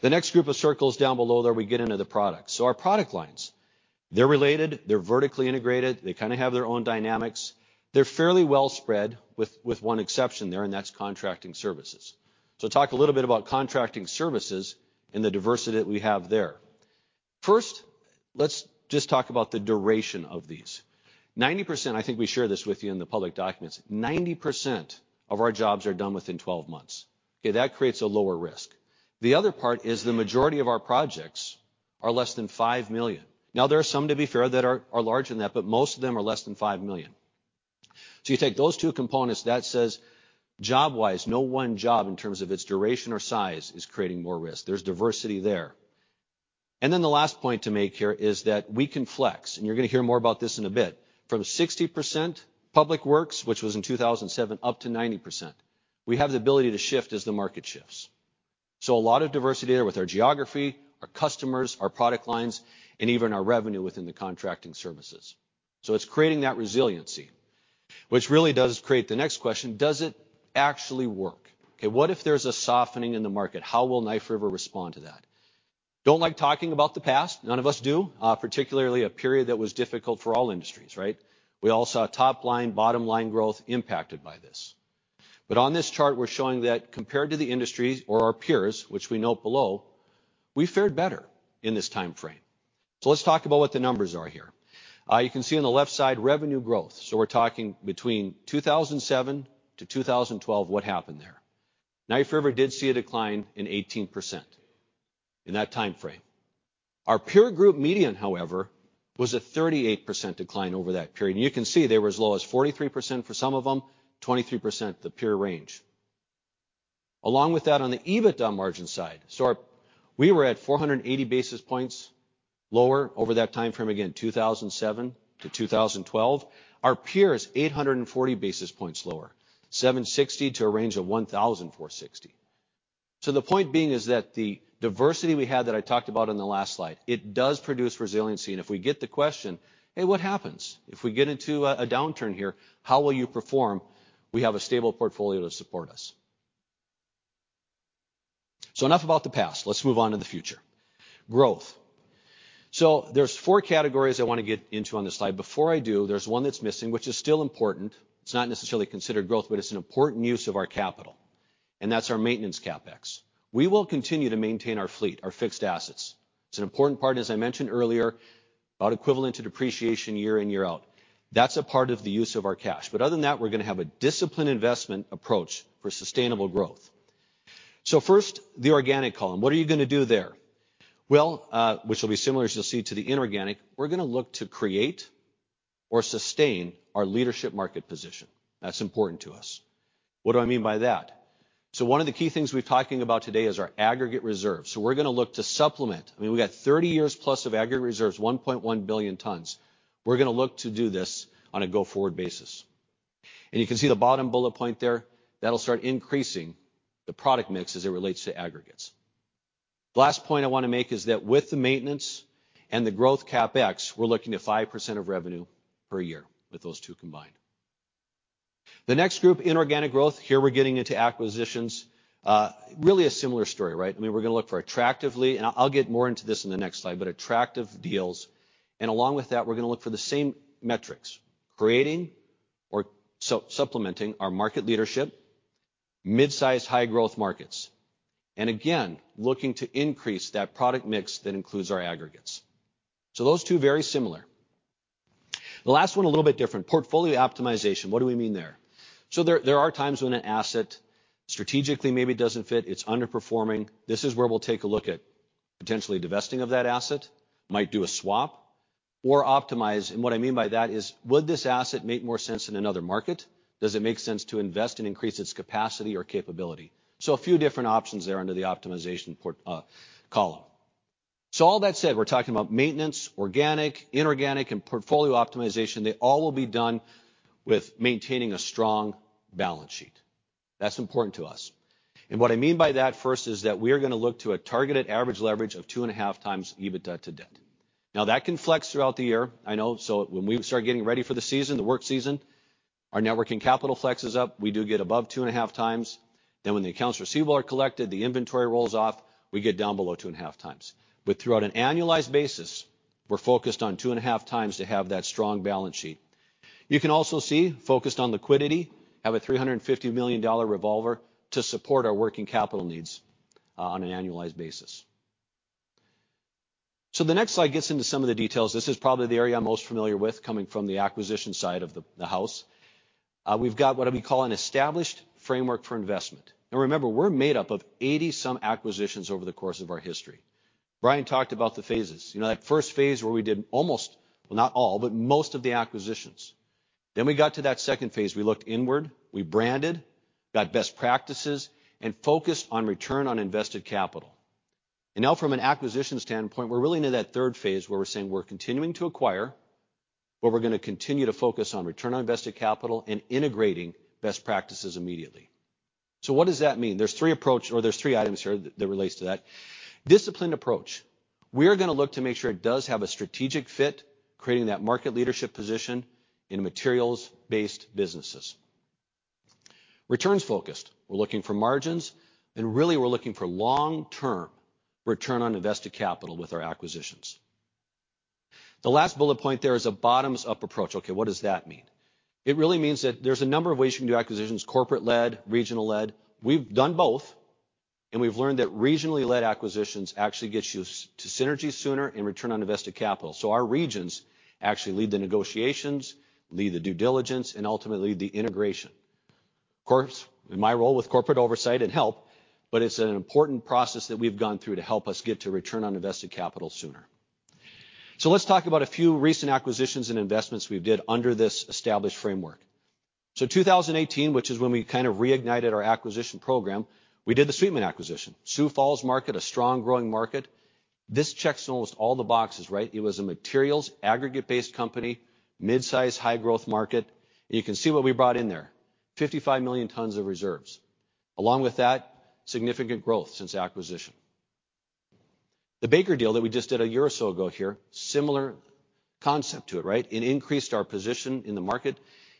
Speaker 6: The next group of circles down below there, we get into the products. Our product lines, they're related, they're vertically integrated, they kinda have their own dynamics. They're fairly well spread with one exception there, and that's contracting services. Talk a little bit about contracting services and the diversity that we have there. First, let's just talk about the duration of these. 90%, I think we share this with you in the public documents, 90% of our jobs are done within 12 months. Okay? That creates a lower risk. The other part is the majority of our projects are less than $5 million. Now there are some, to be fair, that are larger than that, but most of them are less than $5 million. You take those two components. That says job-wise, no one job in terms of its duration or size is creating more risk. There's diversity there. The last point to make here is that we can flex, and you're gonna hear more about this in a bit. From 60% public works, which was in 2007, up to 90%, we have the ability to shift as the market shifts. A lot of diversity there with our geography, our customers, our product lines, and even our revenue within the contracting services. It's creating that resiliency, which really does create the next question: Does it actually work? Okay, what if there's a softening in the market? How will Knife River respond to that? Don't like talking about the past. None of us do. Particularly a period that was difficult for all industries, right? We all saw top line, bottom line growth impacted by this. On this chart, we're showing that compared to the industry or our peers, which we note below, we fared better in this time frame. Let's talk about what the numbers are here. You can see on the left side, revenue growth. We're talking between 2007 to 2012, what happened there? Knife River did see a decline in 18% in that time frame. Our peer group median, however, was a 38% decline over that period. You can see they were as low as 43% for some of them, 23% the peer range. Along with that, on the EBITDA margin side, We were at 480 basis points lower over that time frame, again, 2007 to 2012. Our peer is 840 basis points lower, 760 to a range of 1,460. The point being is that the diversity we had that I talked about on the last slide, it does produce resiliency. If we get the question, "Hey, what happens? If we get into a downturn here, how will you perform?" We have a stable portfolio to support us. Enough about the past, let's move on to the future. Growth. There's four categories I wanna get into on this slide. Before I do, there's one that's missing which is still important. It's not necessarily considered growth, but it's an important use of our capital, and that's our maintenance CapEx. We will continue to maintain our fleet, our fixed assets. It's an important part, as I mentioned earlier, about equivalent to depreciation year in, year out. That's a part of the use of our cash. Other than that, we're gonna have a disciplined investment approach for sustainable growth. First, the organic column, what are you gonna do there? Well, which will be similar as you'll see to the inorganic, we're gonna look to create or sustain our leadership market position. That's important to us. What do I mean by that? One of the key things we're talking about today is our aggregate reserves. We're gonna look to supplement. I mean, we've got 30 years+ of aggregate reserves, 1.1 billion tons. We're gonna look to do this on a go-forward basis. You can see the bottom bullet point there, that'll start increasing the product mix as it relates to aggregates. The last point I wanna make is that with the maintenance and the growth CapEx, we're looking at 5% of revenue per year with those two combined. The next group, inorganic growth. Here we're getting into acquisitions. Really a similar story, right? I mean, we're gonna look for attractively, and I'll get more into this in the next slide, but attractive deals. Along with that, we're gonna look for the same metrics, creating or supplementing our market leadership, midsize high-growth markets. Again, looking to increase that product mix that includes our aggregates. Those two very similar. The last one, a little bit different. Portfolio optimization, what do we mean there? There are times when an asset strategically maybe doesn't fit, it's underperforming. This is where we'll take a look at potentially divesting of that asset, might do a swap or optimize. What I mean by that is, would this asset make more sense in another market? Does it make sense to invest and increase its capacity or capability? A few different options there under the optimization column. All that said, we're talking about maintenance, organic, inorganic, and portfolio optimization. They all will be done with maintaining a strong balance sheet. That's important to us. What I mean by that first is that we are going to look to a targeted average leverage of 2.5x EBITDA to debt. That can flex throughout the year, I know. When we start getting ready for the season, the work season, our net working capital flexes up. We do get above 2.5x. When the accounts receivable are collected, the inventory rolls off, we get down below 2.5x. Throughout an annualized basis, we're focused on 2.5x to have that strong balance sheet. You can also see, focused on liquidity, have a $350 million revolver to support our working capital needs on an annualized basis. The next slide gets into some of the details. This is probably the area I'm most familiar with coming from the acquisition side of the house. We've got what we call an established framework for investment. Remember, we're made up of 80 some acquisitions over the course of our history. Brian talked about the phases. You know, that first phase where we did almost, well, not all, but most of the acquisitions. Then we got to that second phase. We looked inward, we branded, got best practices, and focused on return on invested capital. From an acquisition standpoint, we're really into that third phase where we're saying we're continuing to acquire, but we're gonna continue to focus on return on invested capital and integrating best practices immediately. What does that mean? There's three items here that relates to that. Disciplined approach. We're gonna look to make sure it does have a strategic fit, creating that market leadership position in materials-based businesses. Returns-focused. We're looking for margins, and really, we're looking for long-term return on invested capital with our acquisitions. The last bullet point there is a bottoms-up approach. Okay, what does that mean? It really means that there's a number of ways you can do acquisitions, corporate-led, regional-led. We've done both, and we've learned that regionally-led acquisitions actually gets you to synergy sooner and return on invested capital. Our regions actually lead the negotiations, lead the due diligence, and ultimately the integration. Of course, in my role with corporate oversight and help, it's an important process that we've gone through to help us get to return on invested capital sooner. Let's talk about a few recent acquisitions and investments we did under this established framework. 2018, which is when we kind of reignited our acquisition program, we did the Sweetman acquisition. Sioux Falls market, a strong growing market. This checks almost all the boxes, right? It was a materials aggregate-based company, midsize, high-growth market. You can see what we brought in there. 55 million tons of reserves. Along with that, significant growth since acquisition. The Baker deal that we just did a year or so ago here, similar concept to it, right? It increased our position in the market.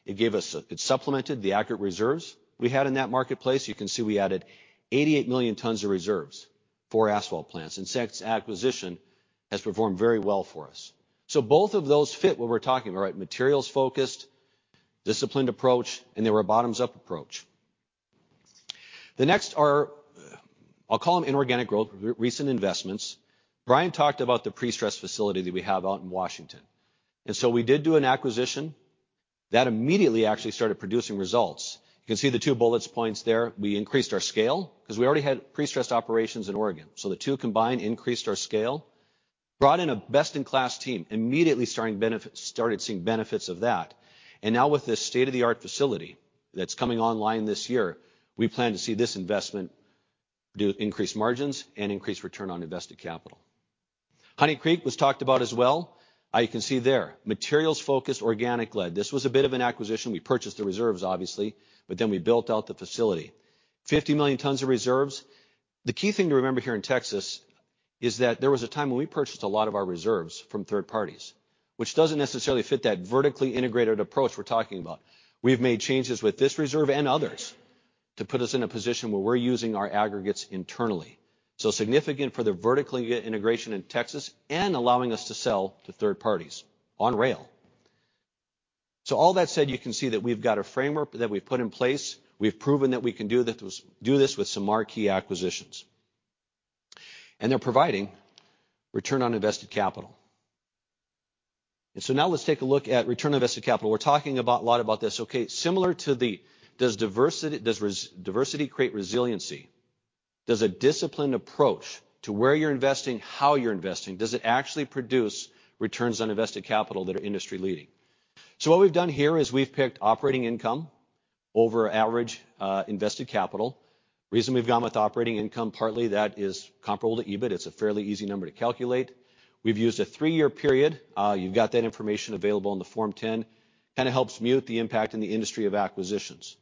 Speaker 6: It gave us it supplemented the aggregate reserves we had in that marketplace. You can see we added 88 million tons of reserves, four asphalt plants. Since acquisition, has performed very well for us. Both of those fit what we're talking about, materials-focused, disciplined approach, and they were a bottoms-up approach. The next are, I'll call them inorganic growth, recent investments. Brian talked about the pre-stress facility that we have out in Washington. We did do an acquisition. That immediately actually started producing results. You can see the two bullet points there. We increased our scale because we already had pre-stressed operations in Oregon. The two combined increased our scale, brought in a best-in-class team, immediately started seeing benefits of that. With this state-of-the-art facility that's coming online this year, we plan to see this investment do increased margins and increased return on invested capital. Honey Creek was talked about as well. You can see there, materials focused, organic led. This was a bit of an acquisition. We purchased the reserves, obviously, we built out the facility. 50 million tons of reserves. The key thing to remember here in Texas is that there was a time when we purchased a lot of our reserves from third parties, which doesn't necessarily fit that vertically integrated approach we're talking about. We've made changes with this reserve and others to put us in a position where we're using our aggregates internally. Significant for the vertically integration in Texas and allowing us to sell to third parties on rail. All that said, you can see that we've got a framework that we've put in place. We've proven that we can do this with some marquee acquisitions, and they're providing return on invested capital. Now let's take a look at return on invested capital. We're talking about lot about this, okay? Similar to the does res-diversity create resiliency? Does a disciplined approach to where you're investing, how you're investing, does it actually produce returns on invested capital that are industry-leading? What we've done here is we've picked operating income over average invested capital. Reason we've gone with operating income, partly that is comparable to EBIT. It's a fairly easy number to calculate. We've used a three-year period. You've got that information available in the Form 10. Kinda helps mute the impact in the industry of acquisitions.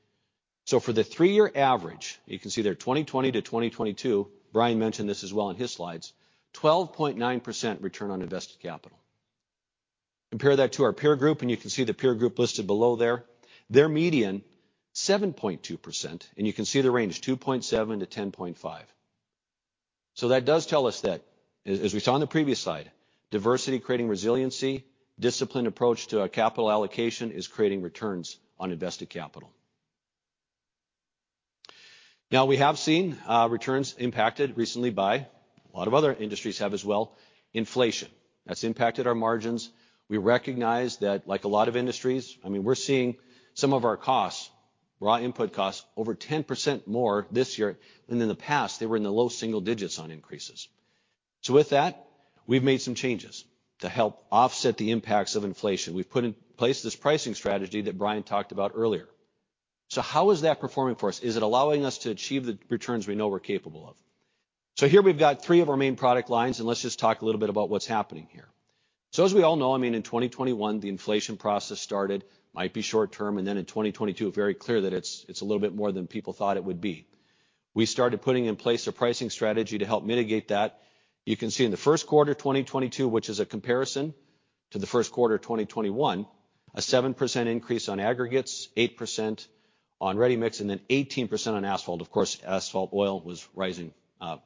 Speaker 6: For the three-year average, you can see there 2020 to 2022. Brian mentioned this as well in his slides. 12.9% return on invested capital. Compare that to our peer group, you can see the peer group listed below there. Their median, 7.2%, you can see the range, 2.7%-10.5%. That does tell us that as we saw in the previous slide, diversity creating resiliency, disciplined approach to our capital allocation is creating returns on invested capital. Now, we have seen, returns impacted recently by, a lot of other industries have as well, inflation. That's impacted our margins. We recognize that like a lot of industries, I mean, we're seeing some of our costs, raw input costs, over 10% more this year than in the past. They were in the low single digits on increases. With that, we've made some changes to help offset the impacts of inflation. We've put in place this pricing strategy that Brian talked about earlier. How is that performing for us? Is it allowing us to achieve the returns we know we're capable of? Here we've got three of our main product lines, and let's just talk a little bit about what's happening here. As we all know, I mean, in 2021, the inflation process started, might be short term, and then in 2022, very clear that it's a little bit more than people thought it would be. We started putting in place a pricing strategy to help mitigate that. You can see in the first quarter of 2022, which is a comparison to the first quarter of 2021, a 7% increase on aggregates, 8% on ready-mix, and then 18% on asphalt. Of course, asphalt oil was rising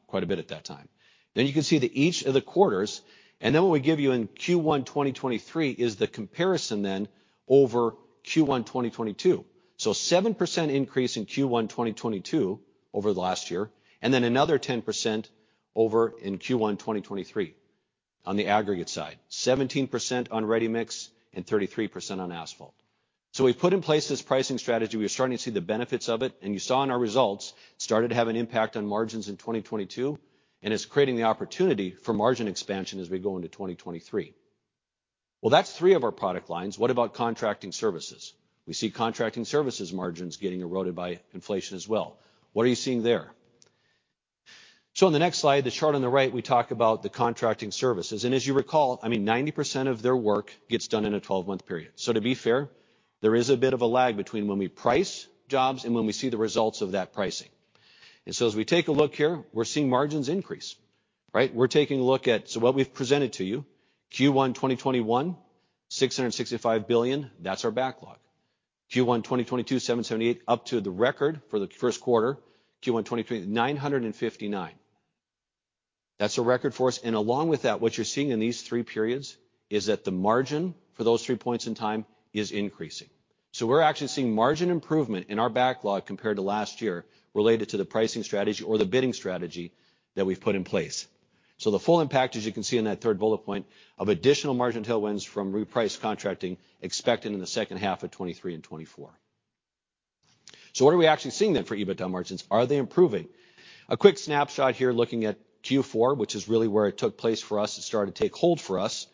Speaker 6: quite a bit at that time. You can see that each of the quarters, and then what we give you in Q1, 2023 is the comparison then over Q1, 2022. 7% increase in Q1 2022 over the last year, another 10% over in Q1 2023 on the aggregate side. 17% on ready-mix and 33% on asphalt. We've put in place this pricing strategy. We're starting to see the benefits of it, you saw in our results, started to have an impact on margins in 2022, and it's creating the opportunity for margin expansion as we go into 2023. That's three of our product lines. What about contracting services? We see contracting services margins getting eroded by inflation as well. What are you seeing there? On the next slide, the chart on the right, we talk about the contracting services. As you recall, I mean, 90% of their work gets done in a 12-month period. To be fair, there is a bit of a lag between when we price jobs and when we see the results of that pricing. As we take a look here, we're seeing margins increase, right? We're taking a look at. What we've presented to you, Q1, 2021, $665 billion. That's our backlog. Q1, 2022, $778, up to the record for the first quarter. Q1, 2023, $959. That's a record for us. Along with that, what you're seeing in these three periods is that the margin for those three points in time is increasing. We're actually seeing margin improvement in our backlog compared to last year related to the pricing strategy or the bidding strategy that we've put in place. The full impact, as you can see in that third bullet point, of additional margin tailwinds from repriced contracting expected in the second half of 2023 and 2024. What are we actually seeing then for EBITDA margins? Are they improving? A quick snapshot here looking at Q4, which is really where it took place for us. It started to take hold for us.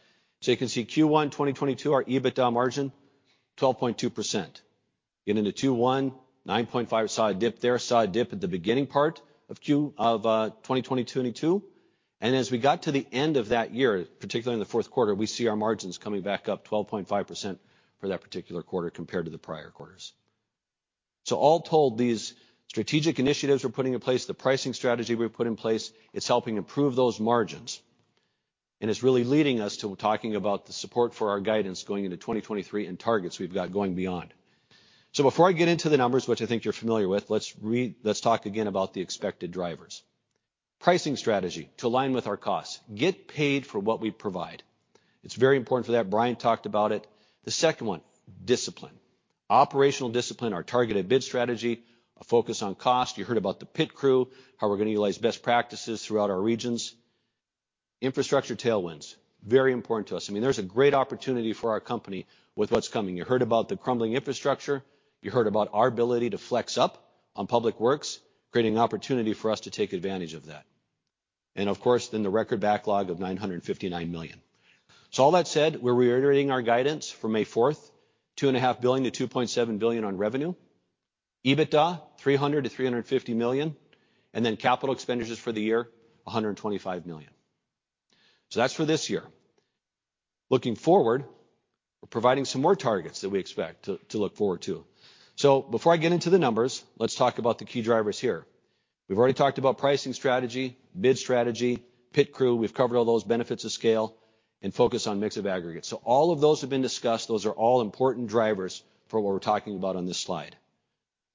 Speaker 6: You can see Q1, 2022, our EBITDA margin, 12.2%. Getting into two-one, 9.5%. Saw a dip there. Saw a dip at the beginning part of 2022 and 2022. As we got to the end of that year, particularly in the fourth quarter, we see our margins coming back up 12.5% for that particular quarter compared to the prior quarters. All told, these strategic initiatives we're putting in place, the pricing strategy we've put in place, it's helping improve those margins. It's really leading us to talking about the support for our guidance going into 2023 and targets we've got going beyond. Before I get into the numbers, which I think you're familiar with, let's talk again about the expected drivers. Pricing strategy to align with our costs. Get paid for what we provide. It's very important for that. Brian talked about it. The second one, discipline. Operational discipline, our targeted bid strategy, a focus on cost. You heard about the PIT crew, how we're gonna utilize best practices throughout our regions. Infrastructure tailwinds, very important to us. I mean, there's a great opportunity for our company with what's coming. You heard about the crumbling infrastructure. You heard about our ability to flex up on public works, creating an opportunity for us to take advantage of that. Of course, the record backlog of $959 million. All that said, we're reiterating our guidance for May 4th, $2.5 billion-$2.7 billion on revenue. EBITDA, $300 million-$350 million. Capital expenditures for the year, $125 million. That's for this year. Looking forward, we're providing some more targets that we expect to look forward to. Before I get into the numbers, let's talk about the key drivers here. We've already talked about pricing strategy, bid strategy, PIT crew. We've covered all those benefits of scale and focus on mix of aggregates. All of those have been discussed. Those are all important drivers for what we're talking about on this slide.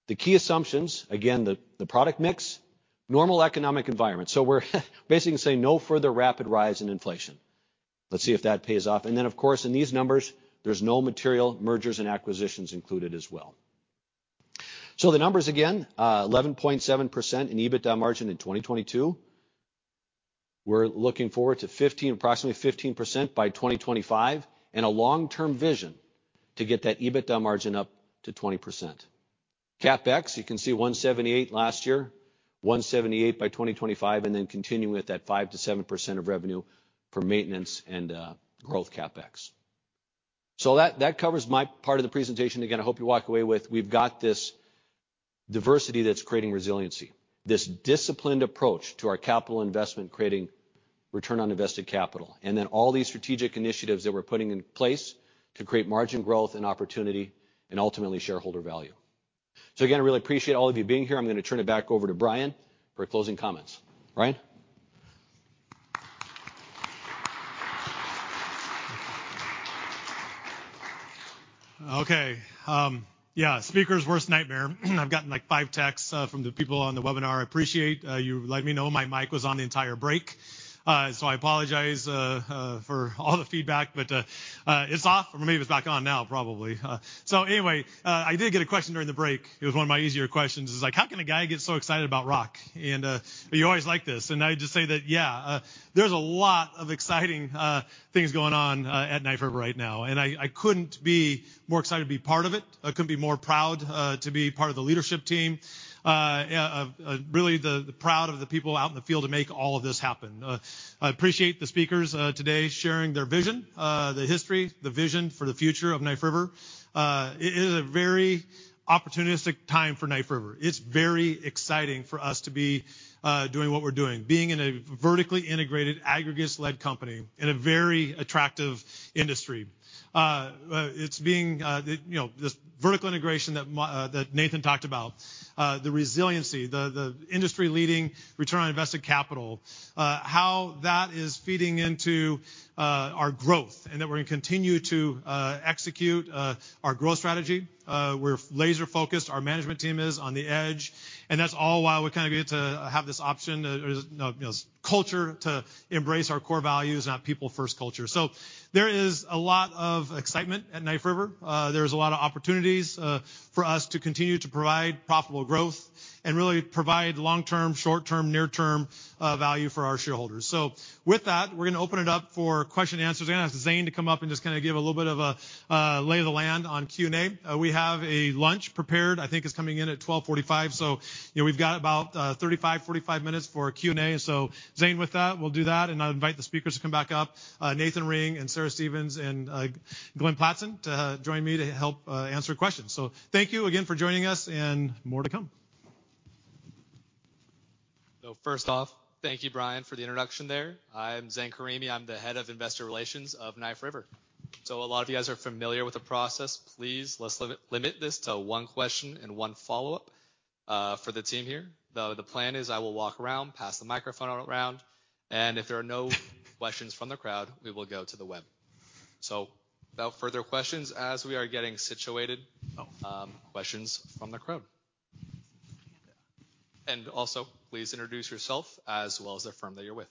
Speaker 6: The key assumptions, again, the product mix, normal economic environment. We're basically saying no further rapid rise in inflation. Let's see if that pays off. Of course, in these numbers, there's no material mergers and acquisitions included as well. The numbers again, 11.7% in EBITDA margin in 2022. We're looking forward to approximately 15% by 2025, and a long-term vision to get that EBITDA margin up to 20%. CapEx, you can see $178 last year, $178 by 2025, continuing with that 5%-7% of revenue for maintenance and growth CapEx. That covers my part of the presentation. Again, I hope you walk away with we've got this diversity that's creating resiliency, this disciplined approach to our capital investment, creating return on invested capital, and then all these strategic initiatives that we're putting in place to create margin growth and opportunity and ultimately shareholder value. Again, I really appreciate all of you being here. I'm gonna turn it back over to Brian for closing comments. Brian.
Speaker 2: Okay. Yeah. Speaker's worst nightmare. I've gotten, like, five texts from the people on the webinar. I appreciate you letting me know my mic was on the entire break. I apologize for all the feedback. It's off. Maybe it's back on now, probably. Anyway, I did get a question during the break. It was one of my easier questions. It's like, "How can a guy get so excited about rock?" You always like this. I just say that, yeah, there's a lot of exciting things going on at Knife River right now. I couldn't be more excited to be part of it. I couldn't be more proud to be part of the leadership team. Really proud of the people out in the field to make all of this happen. I appreciate the speakers today sharing their vision, the history, the vision for the future of Knife River. It is a very opportunistic time for Knife River. It's very exciting for us to be doing what we're doing, being in a vertically integrated aggregates-led company in a very attractive industry. You know, this vertical integration that Nathan talked about, the resiliency, the industry-leading return on invested capital, how that is feeding into our growth, and that we're gonna continue to execute our growth strategy. We're laser-focused. Our management team is on the EDGE. That's all while we kind of get to have this option, you know, culture to embrace our core values and our people-first culture. There is a lot of excitement at Knife River. There's a lot of opportunities, for us to continue to provide profitable growth and really provide long-term, short-term, near-term, value for our shareholders. With that, we're gonna open it up for question and answers. I'm gonna ask Zane to come up and just kinda give a little bit of a lay of the land on Q&A. We have a lunch prepared, I think it's coming in at 12:45. You know, we've got about 35-45 minutes for Q&A. Zane, with that, we'll do that. I invite the speakers to come back up, Nathan Ring and Sarah Stevens and, Glenn Pladsen to join me to help answer questions. Thank you again for joining us and more to come.
Speaker 7: First off, thank you, Brian, for the introduction there. I'm Zane Karimi. I'm the Head of Investor Relations of Knife River. A lot of you guys are familiar with the process. Please, let's limit this to i question and one follow-up for the team here. The plan is I will walk around, pass the microphone around, and if there are no questions from the crowd, we will go to the web. Without further questions, as we are getting situated, questions from the crowd. Also, please introduce yourself as well as the firm that you're with.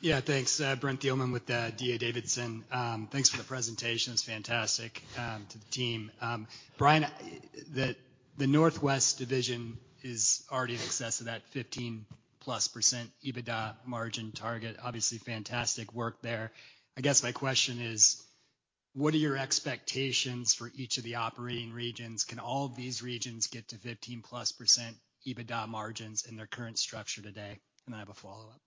Speaker 8: Yeah, thanks. Brent Thielman with D.A. Davidson. Thanks for the presentation. It's fantastic to the team. Brian, the Northwest division is already in excess of that 15+% EBITDA margin target. Obviously, fantastic work there. I guess my question is: what are your expectations for each of the operating regions? Can all these regions get to 15+% EBITDA margins in their current structure today? I have a follow-up.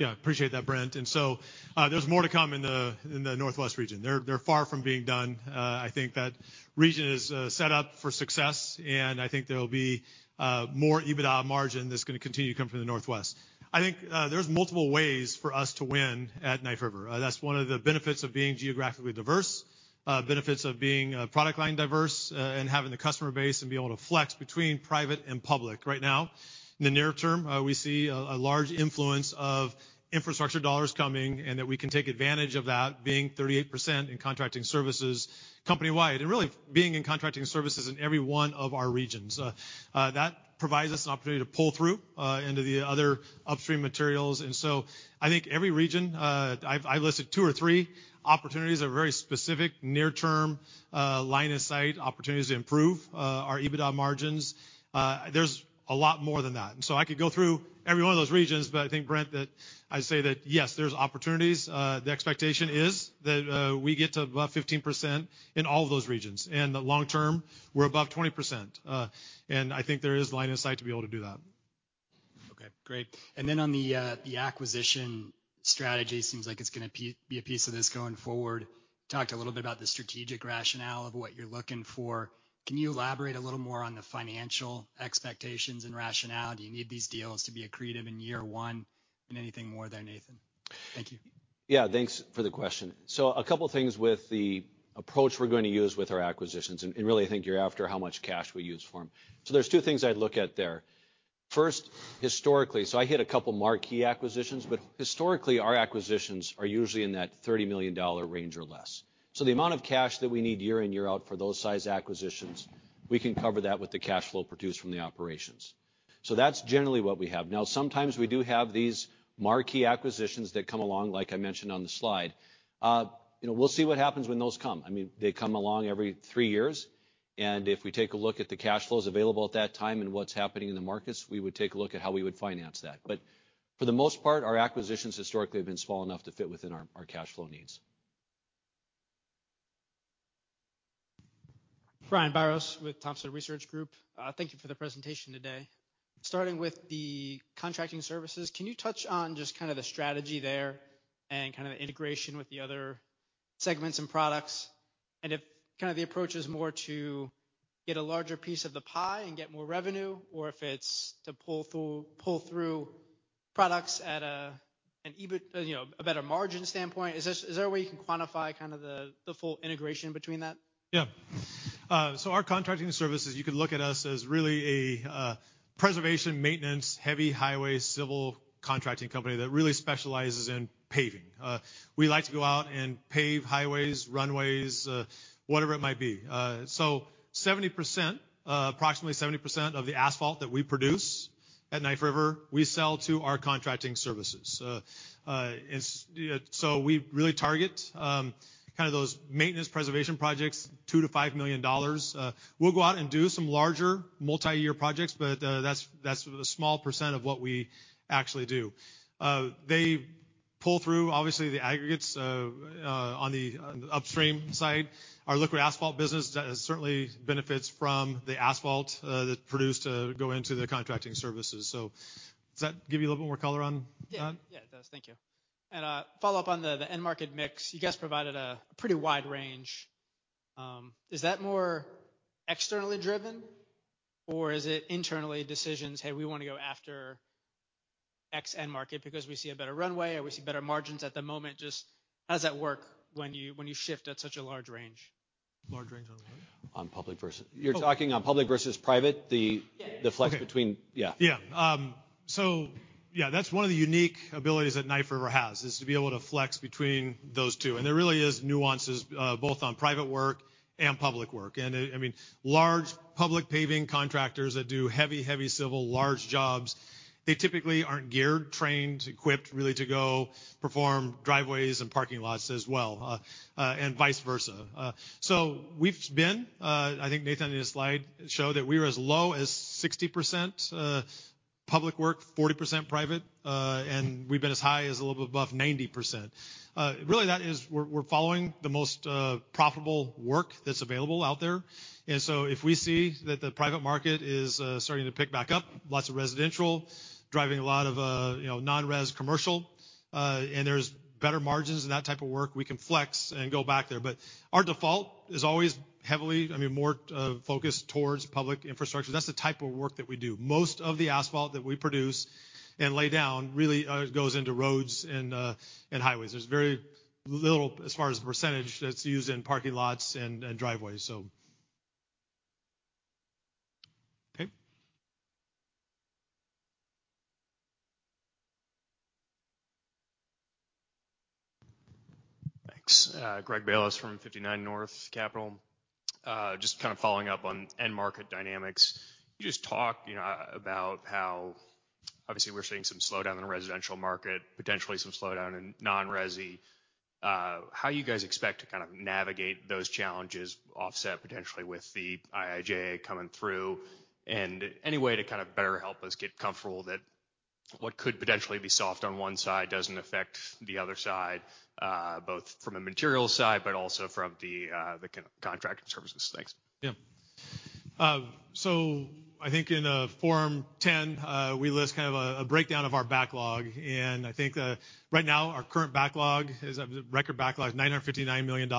Speaker 2: Appreciate that, Brent. There's more to come in the Northwest region. They're far from being done. I think that region is set up for success, and I think there'll be more EBITDA margin that's gonna continue to come from the Northwest. I think there's multiple ways for us to win at Knife River. That's one of the benefits of being geographically diverse, benefits of being product line diverse, and having the customer base and being able to flex between private and public. Right now, in the near term, we see a large influence of infrastructure dollars coming, and that we can take advantage of that being 38% in contracting services company-wide, and really being in contracting services in every one of our regions. That provides us an opportunity to pull through into the other upstream materials. I think every region, I listed two or three opportunities that are very specific near term, line of sight opportunities to improve our EBITDA margins. There's a lot more than that. I could go through every one of those regions, but I think, Brent, that I'd say that, yes, there's opportunities. The expectation is that we get to above 15% in all of those regions. Long term, we're above 20%. I think there is line of sight to be able to do that.
Speaker 8: Great. Then on the acquisition strategy, seems like it's gonna be a piece of this going forward. Talked a little bit about the strategic rationale of what you're looking for. Can you elaborate a little more on the financial expectations and rationale? Do you need these deals to be accretive in year one and anything more there, Nathan? Thank you.
Speaker 6: Yeah, thanks for the question. A couple things with the approach we're gonna use with our acquisitions, and really I think you're after how much cash we use for them. There's two things I'd look at there. First, historically, I hit a couple marquee acquisitions, but historically, our acquisitions are usually in that $30 million range or less. The amount of cash that we need year in, year out for those size acquisitions, we can cover that with the cash flow produced from the operations. That's generally what we have. Now, sometimes we do have these marquee acquisitions that come along, like I mentioned on the slide. You know, we'll see what happens when those come. I mean, they come along every 3 years. If we take a look at the cash flows available at that time and what's happening in the markets, we would take a look at how we would finance that. For the most part, our acquisitions historically have been small enough to fit within our cash flow needs.
Speaker 9: Brian Biros with Thompson Research Group. Thank you for the presentation today. Starting with the contracting services, can you touch on just kind of the strategy there and kind of the integration with the other segments and products? If kind of the approach is more to get a larger piece of the pie and get more revenue, or if it's to pull through products at a, an EBI-- a better margin standpoint. Is there a way you can quantify kind of the full integration between that?
Speaker 2: Yeah. Our contracting services, you could look at us as really a preservation, maintenance, heavy highway, civil contracting company that really specializes in paving. We like to go out and pave highways, runways, whatever it might be. 70%, approximately 70% of the asphalt that we produce at Knife River, we sell to our contracting services. We really target, kinda those maintenance preservation projects, $2 million-$5 million. We'll go out and do some larger multi-year projects, but that's a small percent of what we actually do. They pull through obviously the aggregates on the upstream side. Our liquid asphalt business certainly benefits from the asphalt that's produced to go into the contracting services. Does that give you a little more color on that?
Speaker 9: Yeah. Yeah, it does. Thank you. Follow-up on the end market mix. You guys provided a pretty wide range. Is that more externally driven or is it internally decisions, "Hey, we wanna go after X end market because we see a better runway or we see better margins at the moment." Just how does that work when you, when you shift at such a large range?
Speaker 2: Large range on what?
Speaker 6: On public versus-
Speaker 2: Oh.
Speaker 6: You're talking on public versus private, the-
Speaker 9: Yeah.
Speaker 6: The flex between-
Speaker 2: Okay.
Speaker 6: Yeah.
Speaker 2: Yeah, that's one of the unique abilities that Knife River has, is to be able to flex between those two. There really is nuances, both on private work and public work. I mean, large public paving contractors that do heavy civil, large jobs, they typically aren't geared, trained, equipped really to go perform driveways and parking lots as well, and vice versa. We've been, I think Nathan in his slide showed that we were as low as 60% public work, 40% private. And we've been as high as a little bit above 90%. Really that is we're following the most profitable work that's available out there. If we see that the private market is starting to pick back up, lots of residential, driving a lot of, you know, non-res commercial, and there's better margins in that type of work, we can flex and go back there. Our default is always heavily, I mean, more focused towards public infrastructure. That's the type of work that we do. Most of the asphalt that we produce and lay down really goes into roads and highways. There's very little as far as the percentage that's used in parking lots and driveways.
Speaker 9: Okay.
Speaker 10: Thanks. Greg Bayliss from 59 North Capital. Just kind of following up on end market dynamics. You just talked, you know, about how obviously we're seeing some slowdown in the residential market, potentially some slowdown in non-resi. How you guys expect to kind of navigate those challenges, offset potentially with the IIJA coming through, and any way to kind of better help us get comfortable that what could potentially be soft on one side doesn't affect the other side, both from a material side, but also from the contracting services. Thanks.
Speaker 2: Yeah. I think in Form 10, we list kind of a breakdown of our backlog. I think, right now our current backlog is a record backlog, $959 million.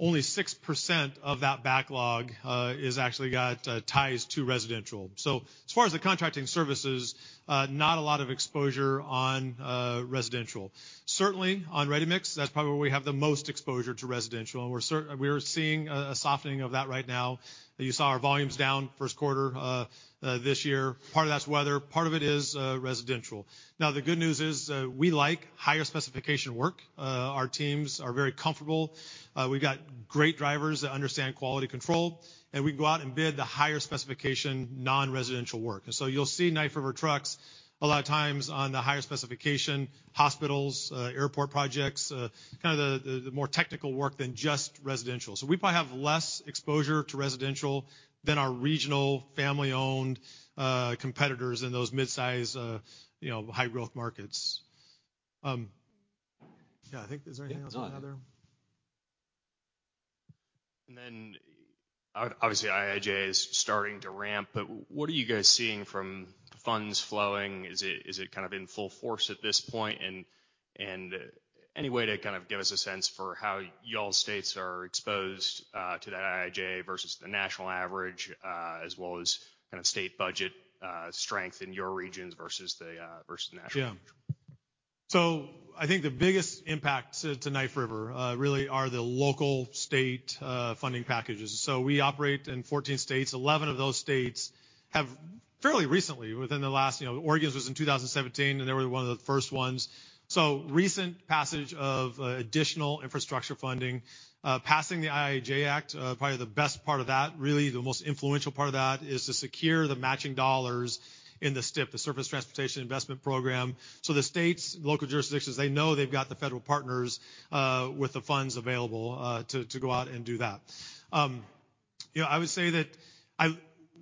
Speaker 2: Only 6% of that backlog is actually got ties to residential. As far as the contracting services, not a lot of exposure on residential. Certainly on ready-mix, that's probably where we have the most exposure to residential, we're seeing a softening of that right now. You saw our volumes down first quarter this year. Part of that's weather, part of it is residential. The good news is, we like higher specification work. Our teams are very comfortable. We've got great drivers that understand quality control. We go out and bid the higher specification non-residential work. You'll see Knife River trucks a lot of times on the higher specification hospitals, airport projects, kind of the more technical work than just residential. We probably have less exposure to residential than our regional family-owned competitors in those mid-size, you know, high growth markets. Yeah, I think... Is there anything else on there?
Speaker 10: Obviously, IIJA is starting to ramp, but what are you guys seeing from funds flowing? Is it kind of in full force at this point? Any way to kind of give us a sense for how y'all states are exposed to that IIJA versus the national average, as well as kind of state budget strength in your regions versus the national average?
Speaker 2: I think the biggest impact to Knife River really are the local state funding packages. We operate in 14 states. 11 of those states have fairly recently, within the last, you know, Oregon's was in 2017, and they were one of the first ones. Recent passage of additional infrastructure funding. Passing the IIJA Act, probably the best part of that, really the most influential part of that is to secure the matching dollars in the STIP, the Surface Transportation Investment Act. The states, local jurisdictions, they know they've got the federal partners with the funds available to go out and do that. you know, I would say that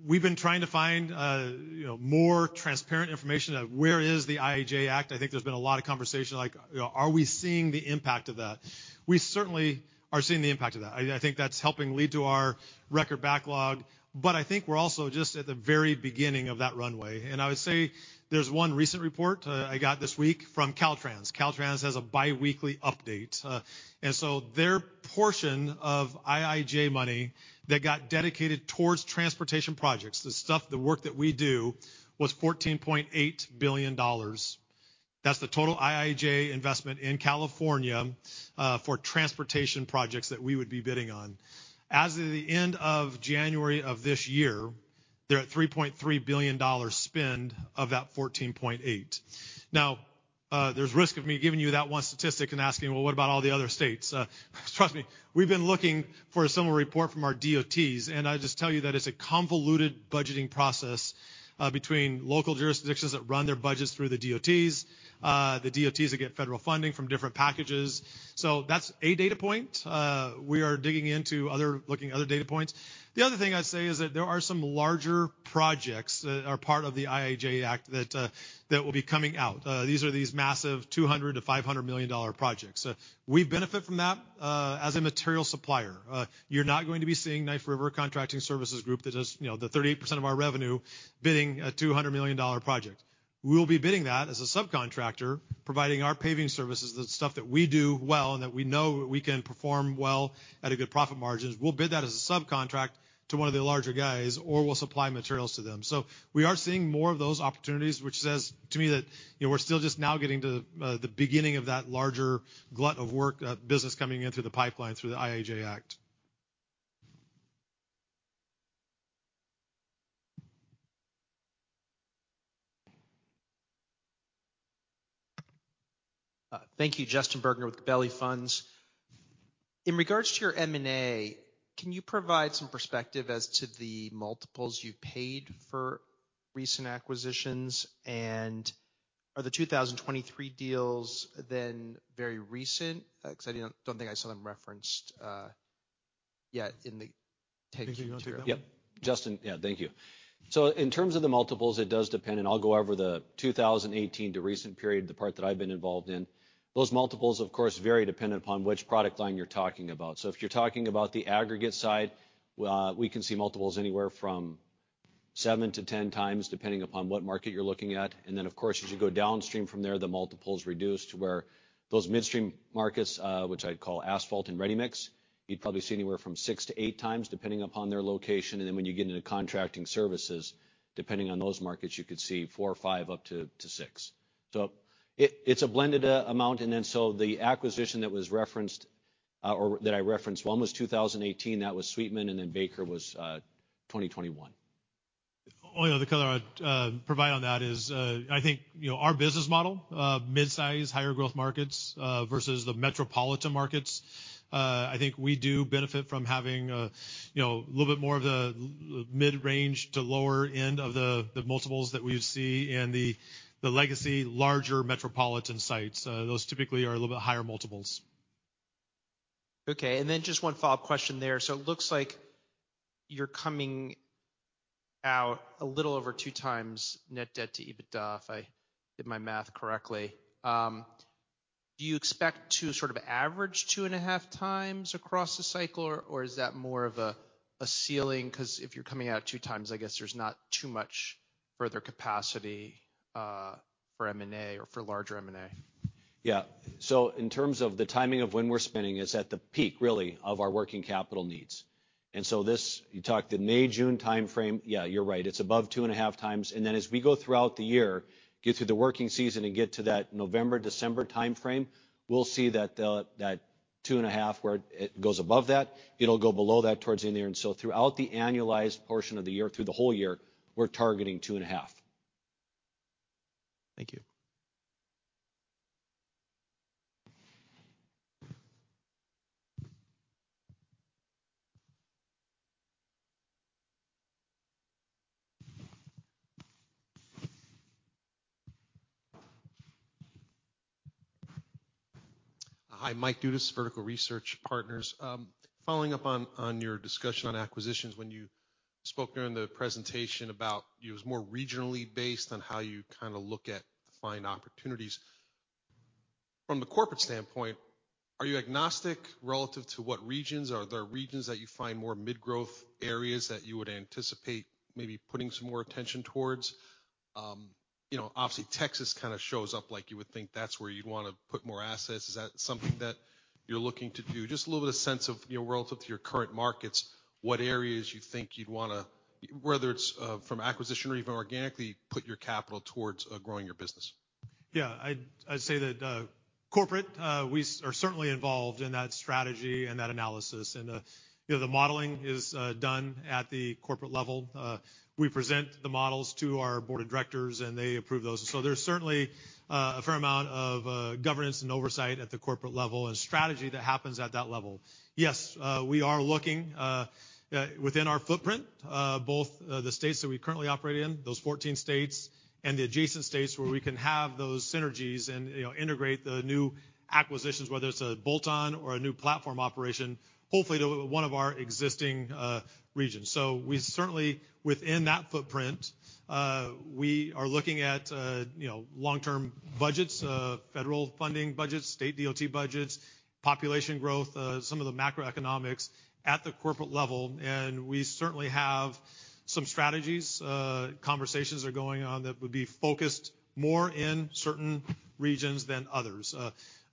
Speaker 2: we've been trying to find, you know, more transparent information of where is the IIJA Act. I think there's been a lot of conversation like, you know, are we seeing the impact of that? We certainly are seeing the impact of that. I think that's helping lead to our record backlog, but I think we're also just at the very beginning of that runway. I would say there's one recent report I got this week from Caltrans. Caltrans has a biweekly update. Their portion of IIJ money that got dedicated towards transportation projects, the stuff, the work that we do, was $14.8 billion. That's the total IIJ investment in California for transportation projects that we would be bidding on. As of the end of January of this year, they're at $3.3 billion spend of that $14.8 billion. There's risk of me giving you that one statistic and asking, "Well, what about all the other states?" Trust me, we've been looking for a similar report from our DOTs, and I just tell you that it's a convoluted budgeting process, between local jurisdictions that run their budgets through the DOTs, the DOTs that get federal funding from different packages. That's a data point. We are looking at other data points. The other thing I'd say is that there are some larger projects that are part of the IIJA Act that will be coming out. These are these massive $200 million-$500 million projects. We benefit from that, as a material supplier. You're not going to be seeing Knife River Contracting Services Group that does, you know, the 38% of our revenue bidding a $200 million project. We'll be bidding that as a subcontractor, providing our paving services, the stuff that we do well, and that we know we can perform well at a good profit margins. We'll bid that as a subcontract to one of the larger guys, or we'll supply materials to them. We are seeing more of those opportunities, which says to me that, you know, we're still just now getting to the beginning of that larger glut of work, business coming in through the pipeline through the IIJA Act.
Speaker 11: Thank you. Justin Bergner with Gabelli Funds. In regards to your M&A, can you provide some perspective as to the multiples you paid for recent acquisitions? Are the 2023 deals then very recent? 'Cause I don't think I saw them referenced yet in the
Speaker 2: Justin, yeah. Thank you. In terms of the multiples, it does depend, and I'll go over the 2018 to recent period, the part that I've been involved in. Those multiples, of course, vary dependent upon which product line you're talking about. If you're talking about the aggregate side, we can see multiples anywhere from 7x to 10x, depending upon what market you're looking at. Then, of course, as you go downstream from there, the multiples reduce to where those midstream markets, which I'd call asphalt and ready-mix, you'd probably see anywhere from 6x to 8x, depending upon their location. Then when you get into contracting services, depending on those markets, you could see 4x or 5x up to 6x. It's a blended amount. The acquisition that was referenced, or that I referenced, one was 2018. That was Sweetman, and then Baker was 2021. Only other color I'd provide on that is, I think, you know, our business model, midsize, higher growth markets, versus the metropolitan markets. I think we do benefit from having, you know, a little bit more of the mid-range to lower end of the multiples that we see in the legacy larger metropolitan sites. Those typically are a little bit higher multiples.
Speaker 11: Just one follow-up question there. It looks like you're coming out a little over 2x net debt to EBITDA, if I did my math correctly. Do you expect to sort of average 2.5x across the cycle or is that more of a ceiling? 'Cause if you're coming out 2x, I guess there's not too much further capacity for M&A or for larger M&A.
Speaker 2: Yeah. In terms of the timing of when we're spending is at the peak, really, of our working capital needs. This, you talked the May-June timeframe, yeah, you're right, it's above 2.5x. Then as we go throughout the year, get through the working season and get to that November-December timeframe, we'll see that 2.5x, where it goes above that. It'll go below that towards the end of the year. Throughout the annualized portion of the year, through the whole year, we're targeting 2.5x.
Speaker 11: Thank you.
Speaker 12: Hi, Mike Dudas, Vertical Research Partners. Following up on your discussion on acquisitions when you spoke during the presentation about it was more regionally based on how you kind of look at to find opportunities. From the corporate standpoint, are you agnostic relative to what regions? Are there regions that you find more mid-growth areas that you would anticipate maybe putting some more attention towards? You know, obviously, Texas kinda shows up like you would think that's where you'd wanna put more assets. Is that something that you're looking to do? Just a little bit of sense of, you know, relative to your current markets, what areas you think you'd wanna, whether it's from acquisition or even organically, put your capital towards growing your business.
Speaker 2: Yeah. I'd say that corporate we are certainly involved in that strategy and that analysis and, you know, the modeling is done at the corporate level. We present the models to our board of directors, and they approve those. There's certainly a fair amount of governance and oversight at the corporate level, and strategy that happens at that level. Yes, we are looking within our footprint, both the states that we currently operate in, those 14 states, and the adjacent states where we can have those synergies and, you know, integrate the new acquisitions, whether it's a bolt-on or a new platform operation, hopefully to one of our existing regions. We certainly, within that footprint, we are looking at, you know, long-term budgets, federal funding budgets, state DOT budgets, population growth, some of the macroeconomics at the corporate level. We certainly have some strategies. Conversations are going on that would be focused more in certain regions than others.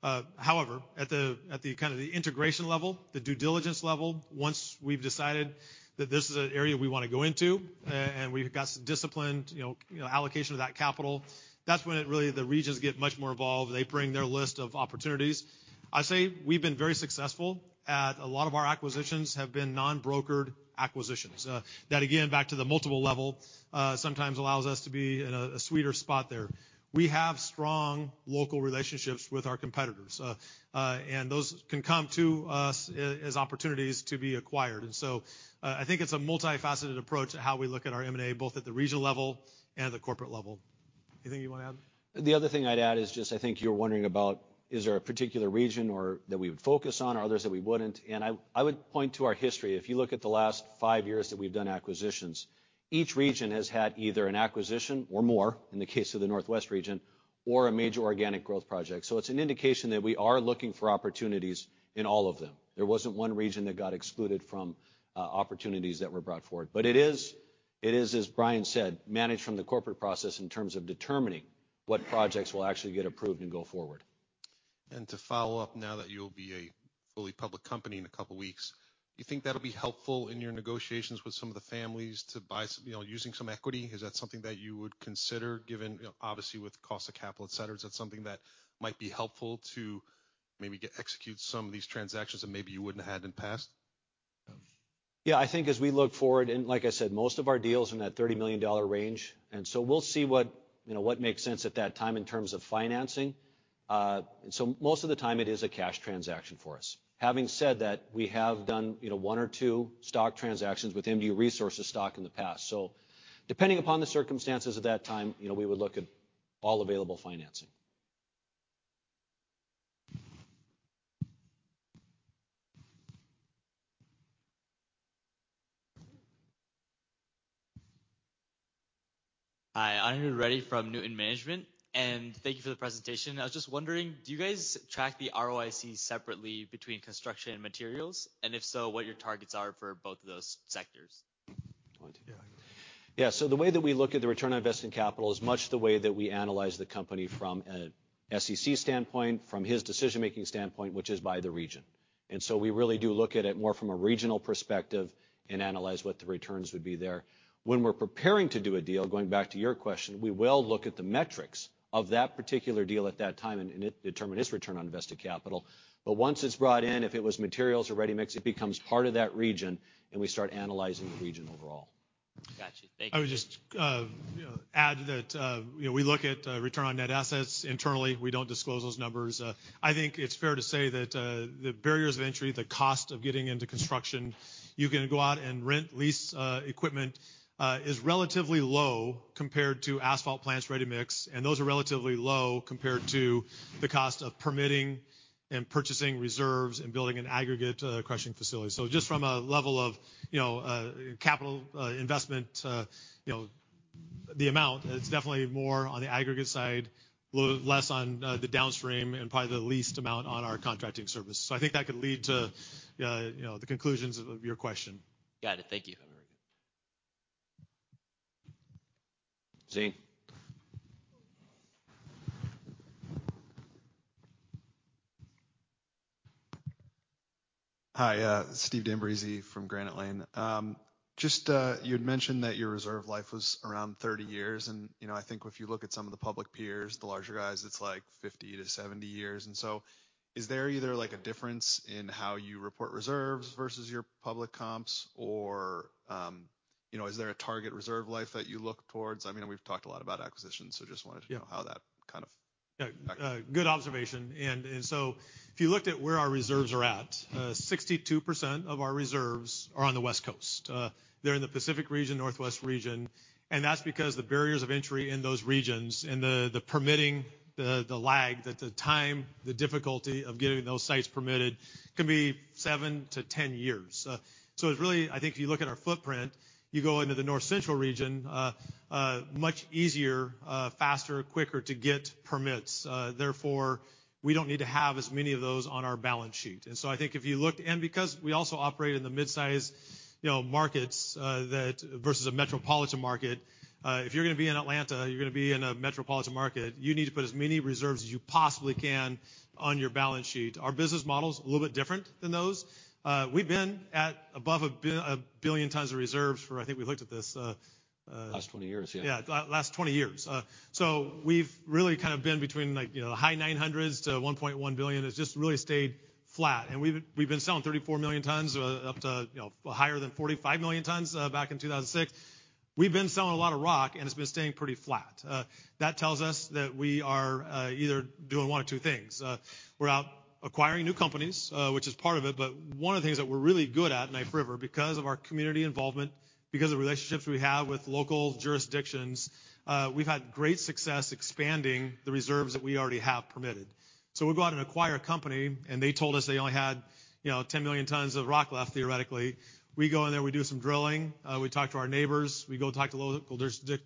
Speaker 2: However, at the, at the kind of the integration level, the due diligence level, once we've decided that this is an area we wanna go into, and we've got disciplined, you know, allocation of that capital, that's when it really, the regions get much more involved. They bring their list of opportunities. I'd say we've been very successful at a lot of our acquisitions have been non-brokered acquisitions, that, again, back to the multiple level, sometimes allows us to be in a sweeter spot there. We have strong local relationships with our competitors. Those can come to us as opportunities to be acquired. I think it's a multifaceted approach to how we look at our M&A, both at the regional level and at the corporate level. Anything you wanna add?
Speaker 6: The other thing I'd add is just, I think you're wondering about is there a particular region or that we would focus on or others that we wouldn't? I would point to our history. If you look at the last five years that we've done acquisitions, each region has had either an acquisition or more, in the case of the Northwest region, or a major organic growth project. It's an indication that we are looking for opportunities in all of them. There wasn't one region that got excluded from opportunities that were brought forward. It is, as Brian said, managed from the corporate process in terms of determining what projects will actually get approved and go forward.
Speaker 12: To follow up now that you'll be a fully public company in a couple weeks, do you think that'll be helpful in your negotiations with some of the families to buy you know, using some equity? Is that something that you would consider given, you know, obviously with cost of capital, et cetera, is that something that might be helpful to maybe get execute some of these transactions that maybe you wouldn't have in past?
Speaker 6: Yeah. I think as we look forward, like I said, most of our deals are in that $30 million range. We'll see what, you know, what makes sense at that time in terms of financing. Most of the time it is a cash transaction for us. Having said that, we have done, you know, one or two stock transactions with MDU Resources stock in the past. Depending upon the circumstances at that time, you know, we would look at all available financing.
Speaker 13: Hi. Anirudh Reddy from Newtyn Management, thank you for the presentation. I was just wondering, do you guys track the ROIC separately between construction and materials? If so, what your targets are for both of those sectors.
Speaker 2: You want to?
Speaker 6: Yeah. The way that we look at the return on investing capital is much the way that we analyze the company from an SEC standpoint, from his decision-making standpoint, which is by the region. We really do look at it more from a regional perspective and analyze what the returns would be there. When we're preparing to do a deal, going back to your question, we will look at the metrics of that particular deal at that time and determine its return on invested capital. Once it's brought in, if it was materials or ready-mix, it becomes part of that region, and we start analyzing the region overall.
Speaker 13: Gotcha. Thank you.
Speaker 2: I would just, you know, add that, you know, we look at return on net assets internally. We don't disclose those numbers. I think it's fair to say that the barriers of entry, the cost of getting into construction, you can go out and rent, lease, equipment, is relatively low compared to asphalt plants ready-mix. Those are relatively low compared to the cost of permitting and purchasing reserves and building an aggregate crushing facility. Just from a level of, you know, capital investment, you know, the amount, it's definitely more on the aggregate side, less on the downstream, and probably the least amount on our contracting service. I think that could lead to, you know, the conclusions of your question.
Speaker 13: Got it. Thank you.
Speaker 7: Steve.
Speaker 14: Hi, Steve D'Ambrisi from Granite Lane. Just, you had mentioned that your reserve life was around 30 years. You know, I think if you look at some of the public peers, the larger guys, it's like 50-70 years. Is there either, like, a difference in how you report reserves versus your public comps or, you know, is there a target reserve life that you look towards? I mean, we've talked a lot about acquisitions, just wanted to know how that kind of-
Speaker 2: Yeah, good observation. So if you looked at where our reserves are at, 62% of our reserves are on the West Coast. They're in the Pacific region, Northwest region, and that's because the barriers of entry in those regions and the permitting, the lag, the time, the difficulty of getting those sites permitted can be seven to 10 years. So it's really... I think if you look at our footprint, you go into the North Central region, much easier, faster, quicker to get permits. Therefore, we don't need to have as many of those on our balance sheet. So I think if you look... And because we also operate in the midsize, you know, markets, that versus a metropolitan market, if you're gonna be in Atlanta, you're gonna be in a metropolitan market. You need to put as many reserves as you possibly can on your balance sheet. Our business model's a little bit different than those. We've been at above 1 billion tons of reserves for I think we looked at this.
Speaker 6: Last 20 years. Yeah.
Speaker 2: Yeah. Last 20 years. We've really kind of been between like, you know, high 900s to 1.1 billion. It's just really stayed flat. We've been selling 34 million tons, up to, you know, higher than 45 million tons, back in 2006. We've been selling a lot of rock, and it's been staying pretty flat. That tells us that we are either doing one of two things. We're out acquiring new companies, which is part of it, but one of the things that we're really good at, Knife River, because of our community involvement, because of the relationships we have with local jurisdictions, we've had great success expanding the reserves that we already have permitted. We go out and acquire a company. They told us they only had, you know, 10 million tons of rock left, theoretically. We go in there, we do some drilling, we talk to our neighbors, we go talk to local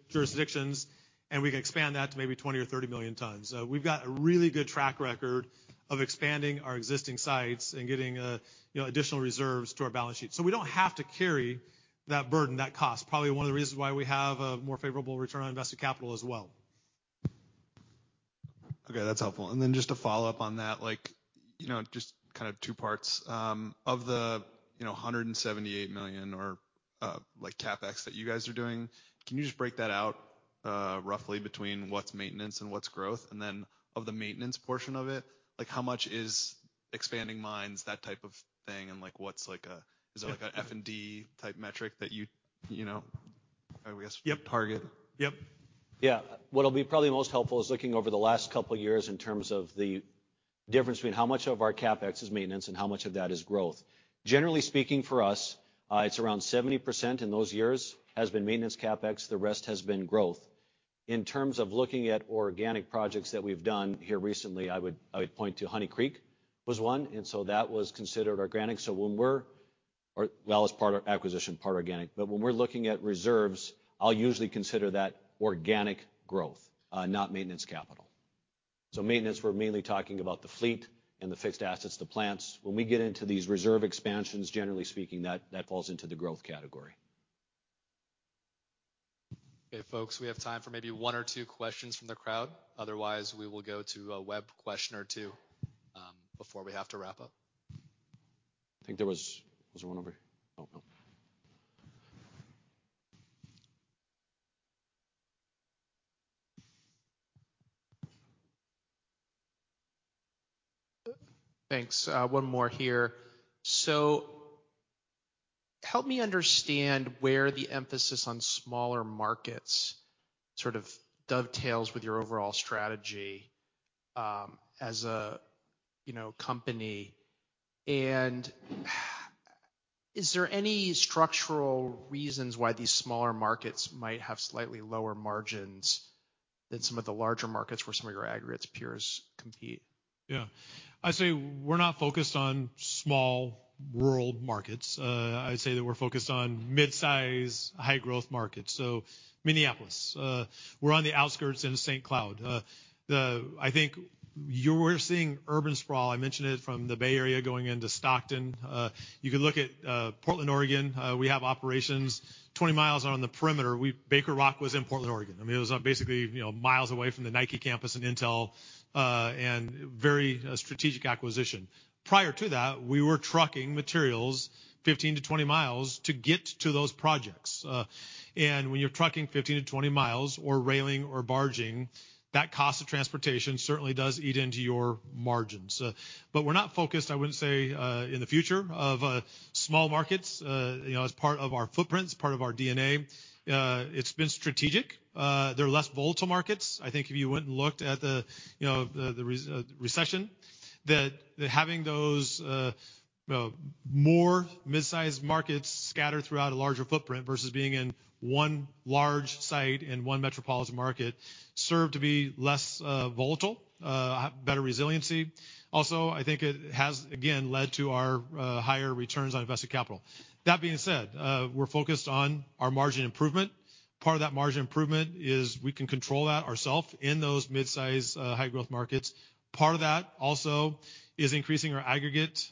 Speaker 2: jurisdictions, and we can expand that to maybe 20 or 30 million tons. We've got a really good track record of expanding our existing sites and getting a, you know, additional reserves to our balance sheet. We don't have to carry that burden, that cost. Probably one of the reasons why we have a more favorable return on invested capital as well.
Speaker 14: Okay, that's helpful. Just to follow up on that, like, you know, just kind of two parts. Of the, you know, $178 million or, like, CapEx that you guys are doing, can you just break that out, roughly between what's maintenance and what's growth? Of the maintenance portion of it, like how much is expanding mines, that type of thing, and like what's like a, is it like a F&D type metric that you know.
Speaker 2: Yep.
Speaker 14: -target?
Speaker 2: Yep.
Speaker 6: Yeah. What'll be probably most helpful is looking over the last couple years in terms of the difference between how much of our CapEx is maintenance and how much of that is growth. Generally speaking for us, it's around 70% in those years has been maintenance CapEx, the rest has been growth. In terms of looking at organic projects that we've done here recently, I would point to Honey Creek was one, and so that was considered organic, as part of acquisition, part organic. When we're looking at reserves, I'll usually consider that organic growth, not maintenance capital. Maintenance, we're mainly talking about the fleet and the fixed assets to plants. When we get into these reserve expansions, generally speaking, that falls into the growth category.
Speaker 7: Okay, folks, we have time for maybe one or two questions from the crowd. Otherwise, we will go to a web question or two before we have to wrap up.
Speaker 6: I think there was... Was there one over here? Oh, no.
Speaker 11: Thanks. One more here. Help me understand where the emphasis on smaller markets sort of dovetails with your overall strategy, as a, you know, company. Is there any structural reasons why these smaller markets might have slightly lower margins than some of the larger markets where some of your aggregates peers compete?
Speaker 2: Yeah. I'd say we're not focused on small rural markets. I'd say that we're focused on mid-size, high growth markets. Minneapolis, we're on the outskirts into St. Cloud. I think we're seeing urban sprawl, I mentioned it from the Bay Area going into Stockton. You could look at Portland, Oregon. We have operations 20 miles out on the perimeter. Baker Rock was in Portland, Oregon. I mean, it was, basically, you know, miles away from the Nike campus and Intel, and very strategic acquisition. Prior to that, we were trucking materials 15-20 miles to get to those projects. When you're trucking 15-20 miles or railing or barging, that cost of transportation certainly does eat into your margins. We're not focused, I wouldn't say, in the future of small markets. You know, as part of our footprints, part of our DNA, it's been strategic. They're less volatile markets. I think if you went and looked at the recession, that having those more mid-sized markets scattered throughout a larger footprint versus being in one large site in one metropolitan market, serve to be less volatile, better resiliency. Also, I think it has again led to our higher returns on invested capital. That being said, we're focused on our margin improvement. Part of that margin improvement is we can control that ourself in those mid-size, high growth markets. Part of that also is increasing our aggregate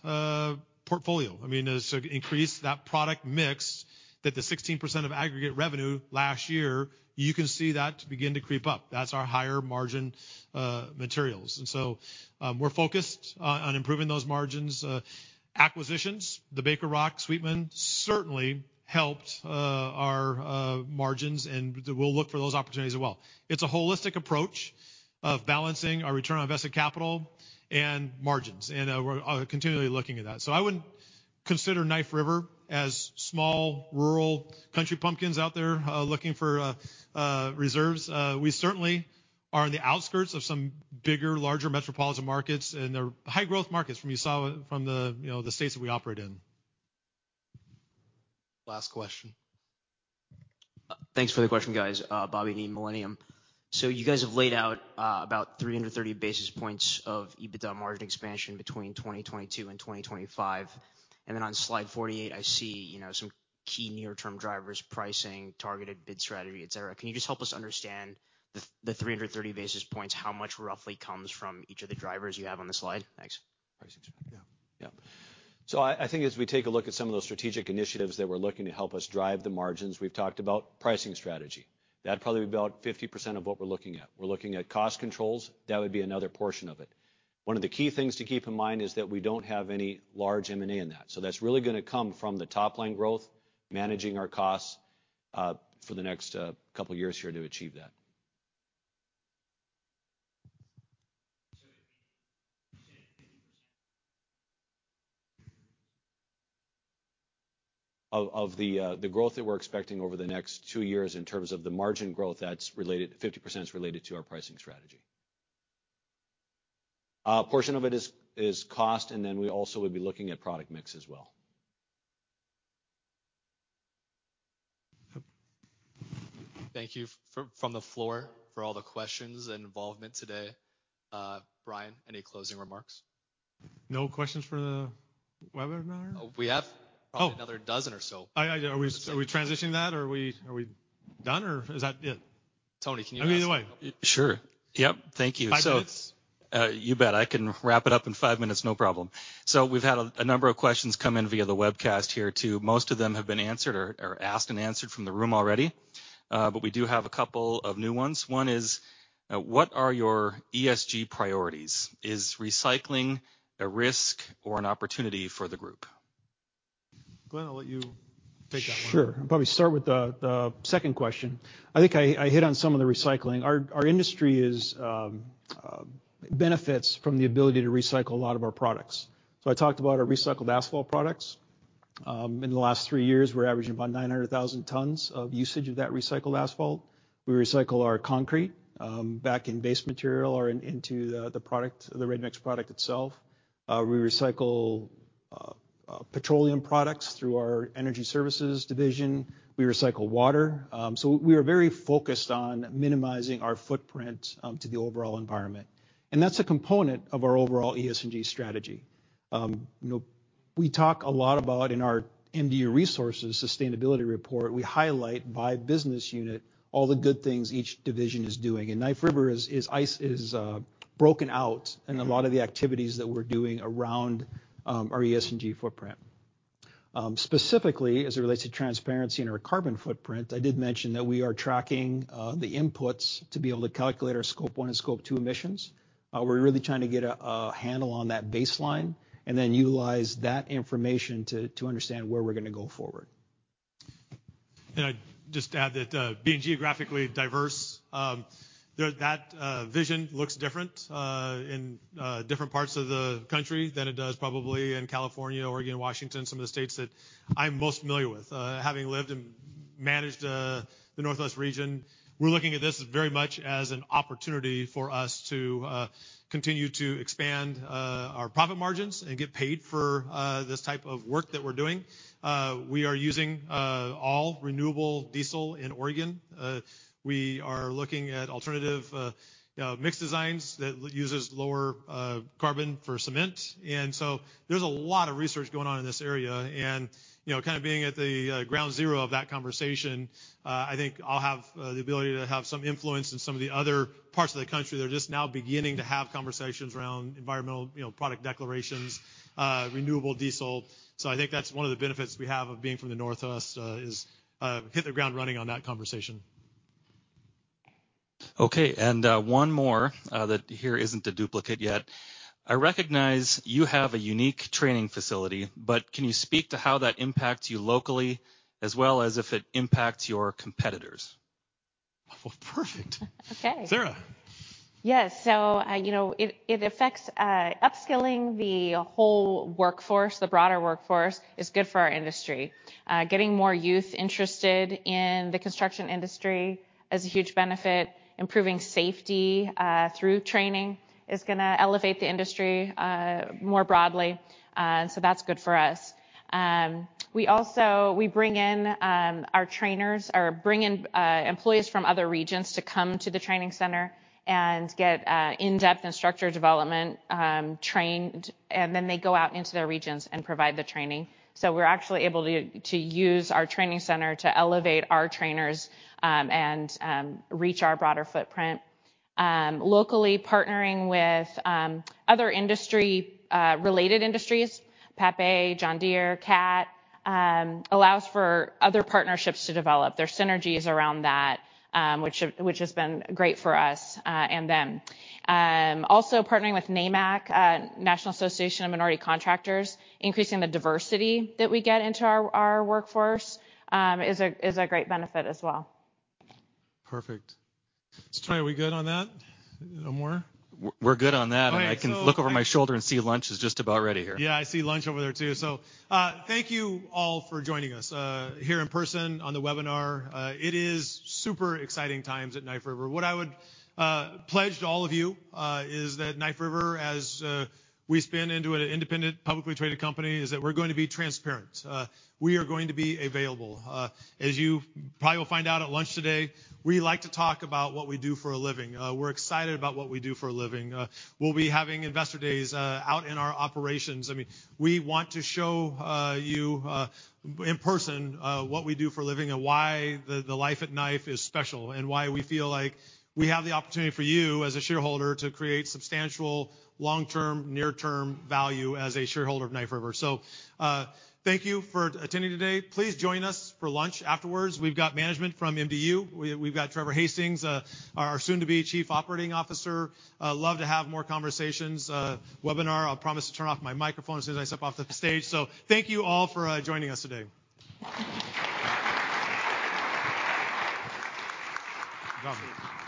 Speaker 2: portfolio. I mean, as increase that product mix that the 16% of aggregate revenue last year, you can see that to begin to creep up. That's our higher margin materials. We're focused on improving those margins. Acquisitions, the Baker Rock, Sweetman certainly helped our margins, and we'll look for those opportunities as well. It's a holistic approach of balancing our return on invested capital and margins, we're continually looking at that. I wouldn't consider Knife River as small, rural country pumpkins out there, looking for reserves. We certainly are on the outskirts of some bigger, larger metropolitan markets, and they're high growth markets from you saw from the, you know, the states that we operate in.
Speaker 7: Last question.
Speaker 15: Thanks for the question, guys. Bobby Jain, Millennium. You guys have laid out about 330 basis points of EBITDA margin expansion between 2022 and 2025. On slide 48, I see, you know, some key near-term drivers, pricing, targeted bid strategy, et cetera. Can you just help us understand the 330 basis points, how much roughly comes from each of the drivers you have on the slide? Thanks.
Speaker 5: Yeah. I think as we take a look at some of those strategic initiatives that we're looking to help us drive the margins, we've talked about pricing strategy. That'd probably be about 50% of what we're looking at. We're looking at cost controls, that would be another portion of it. One of the key things to keep in mind is that we don't have any large M&A in that. That's really gonna come from the top line growth, managing our costs, for the next couple years here to achieve that. *audio distortion* of the growth that we're expecting over the next two years in terms of the margin growth, that's related. 50% is related to our pricing strategy. A portion of it is cost, and then we also will be looking at product mix as well.
Speaker 7: Thank you from the floor for all the questions and involvement today. Brian, any closing remarks?
Speaker 2: No questions for the webinar?
Speaker 7: We have-
Speaker 2: Oh.
Speaker 7: another dozen or so.
Speaker 2: Are we transitioning that or are we done or is that it?
Speaker 7: Tony, can you-
Speaker 2: I mean, either way.
Speaker 16: Sure. Yep. Thank you.
Speaker 2: Five minutes.
Speaker 16: You bet. I can wrap it up in five minutes, no problem. We've had a number of questions come in via the webcast here too. Most of them have been answered or asked and answered from the room already. We do have a couple of new ones. One is, "What are your ESG priorities? Is recycling a risk or an opportunity for the group?
Speaker 2: Glenn, I'll let you take that one.
Speaker 5: Sure. I'll probably start with the second question. I think I hit on some of the recycling. Our industry benefits from the ability to recycle a lot of our products. I talked about our recycled asphalt products. In the last 3 years, we're averaging about 900,000 tons of usage of that recycled asphalt. We recycle our concrete back in base material or into the product, the ready-mix product itself. We recycle petroleum products through our energy services division. We recycle water. We are very focused on minimizing our footprint to the overall environment. That's a component of our overall ESG strategy. You know, we talk a lot about in our MDU Resources Sustainability Report, we highlight by business unit all the good things each division is doing. Knife River is broken out in a lot of the activities that we're doing around our ESG footprint. Specifically as it relates to transparency in our carbon footprint, I did mention that we are tracking the inputs to be able to calculate our Scope 1 and Scope 2 emissions. We're really trying to get a handle on that baseline and then utilize that information to understand where we're gonna go forward.
Speaker 2: I'd just add that being geographically diverse, that vision looks different in different parts of the country than it does probably in California, Oregon, and Washington, some of the states that I'm most familiar with. Having lived and managed the Northwest region, we're looking at this very much as an opportunity for us to continue to expand our profit margins and get paid for this type of work that we're doing. We are using all renewable diesel in Oregon. We are looking at alternative mix designs that uses lower carbon for cement. There's a lot of research going on in this area and, you know, kind of being at the ground zero of that conversation, I think I'll have the ability to have some influence in some of the other parts of the country that are just now beginning to have conversations around environmental, you know, product declarations, renewable diesel. I think that's one of the benefits we have of being from the Northwest, is hit the ground running on that conversation.
Speaker 16: Okay. One more, that here isn't a duplicate yet. "I recognize you have a unique training facility, but can you speak to how that impacts you locally as well as if it impacts your competitors?
Speaker 2: Well, perfect.
Speaker 3: Okay.
Speaker 2: Sarah.
Speaker 3: Yes. You know, it affects upskilling the whole workforce, the broader workforce. It's good for our industry. Getting more youth interested in the construction industry is a huge benefit. Improving safety, through training is gonna elevate the industry, more broadly. That's good for us. We also, we bring in our trainers or bring in employees from other regions to come to the training center and get in-depth instructor development trained, and then they go out into their regions and provide the training. We're actually able to use our training center to elevate our trainers and reach our broader footprint. Locally partnering with other industry related industries, Papé, John Deere, Cat, allows for other partnerships to develop. There's synergies around that, which has been great for us and them. Also partnering with NAMC, National Association of Minority Contractors, increasing the diversity that we get into our workforce is a great benefit as well.
Speaker 2: Perfect. Tony, are we good on that? No more?
Speaker 16: We're good on that.
Speaker 2: Okay.
Speaker 16: I can look over my shoulder and see lunch is just about ready here.
Speaker 2: Yeah, I see lunch over there too. Thank you all for joining us here in person, on the webinar. It is super exciting times at Knife River. What I would pledge to all of you is that Knife River, as we spin into an independent, publicly traded company, is that we're going to be transparent. We are going to be available. As you probably will find out at lunch today, we like to talk about what we do for a living. We're excited about what we do for a living. We'll be having investor days out in our operations. I mean, we want to show you in person what we do for a living and why the Life at Knife is special, and why we feel like we have the opportunity for you as a shareholder to create substantial long-term, near-term value as a shareholder of Knife River. Thank you for attending today. Please join us for lunch afterwards. We've got management from MDU. We've got Trevor Hastings, our soon to be Chief Operating Officer. Love to have more conversations. Webinar, I'll promise to turn off my microphone as soon as I step off the stage. Thank you all for joining us today. Welcome.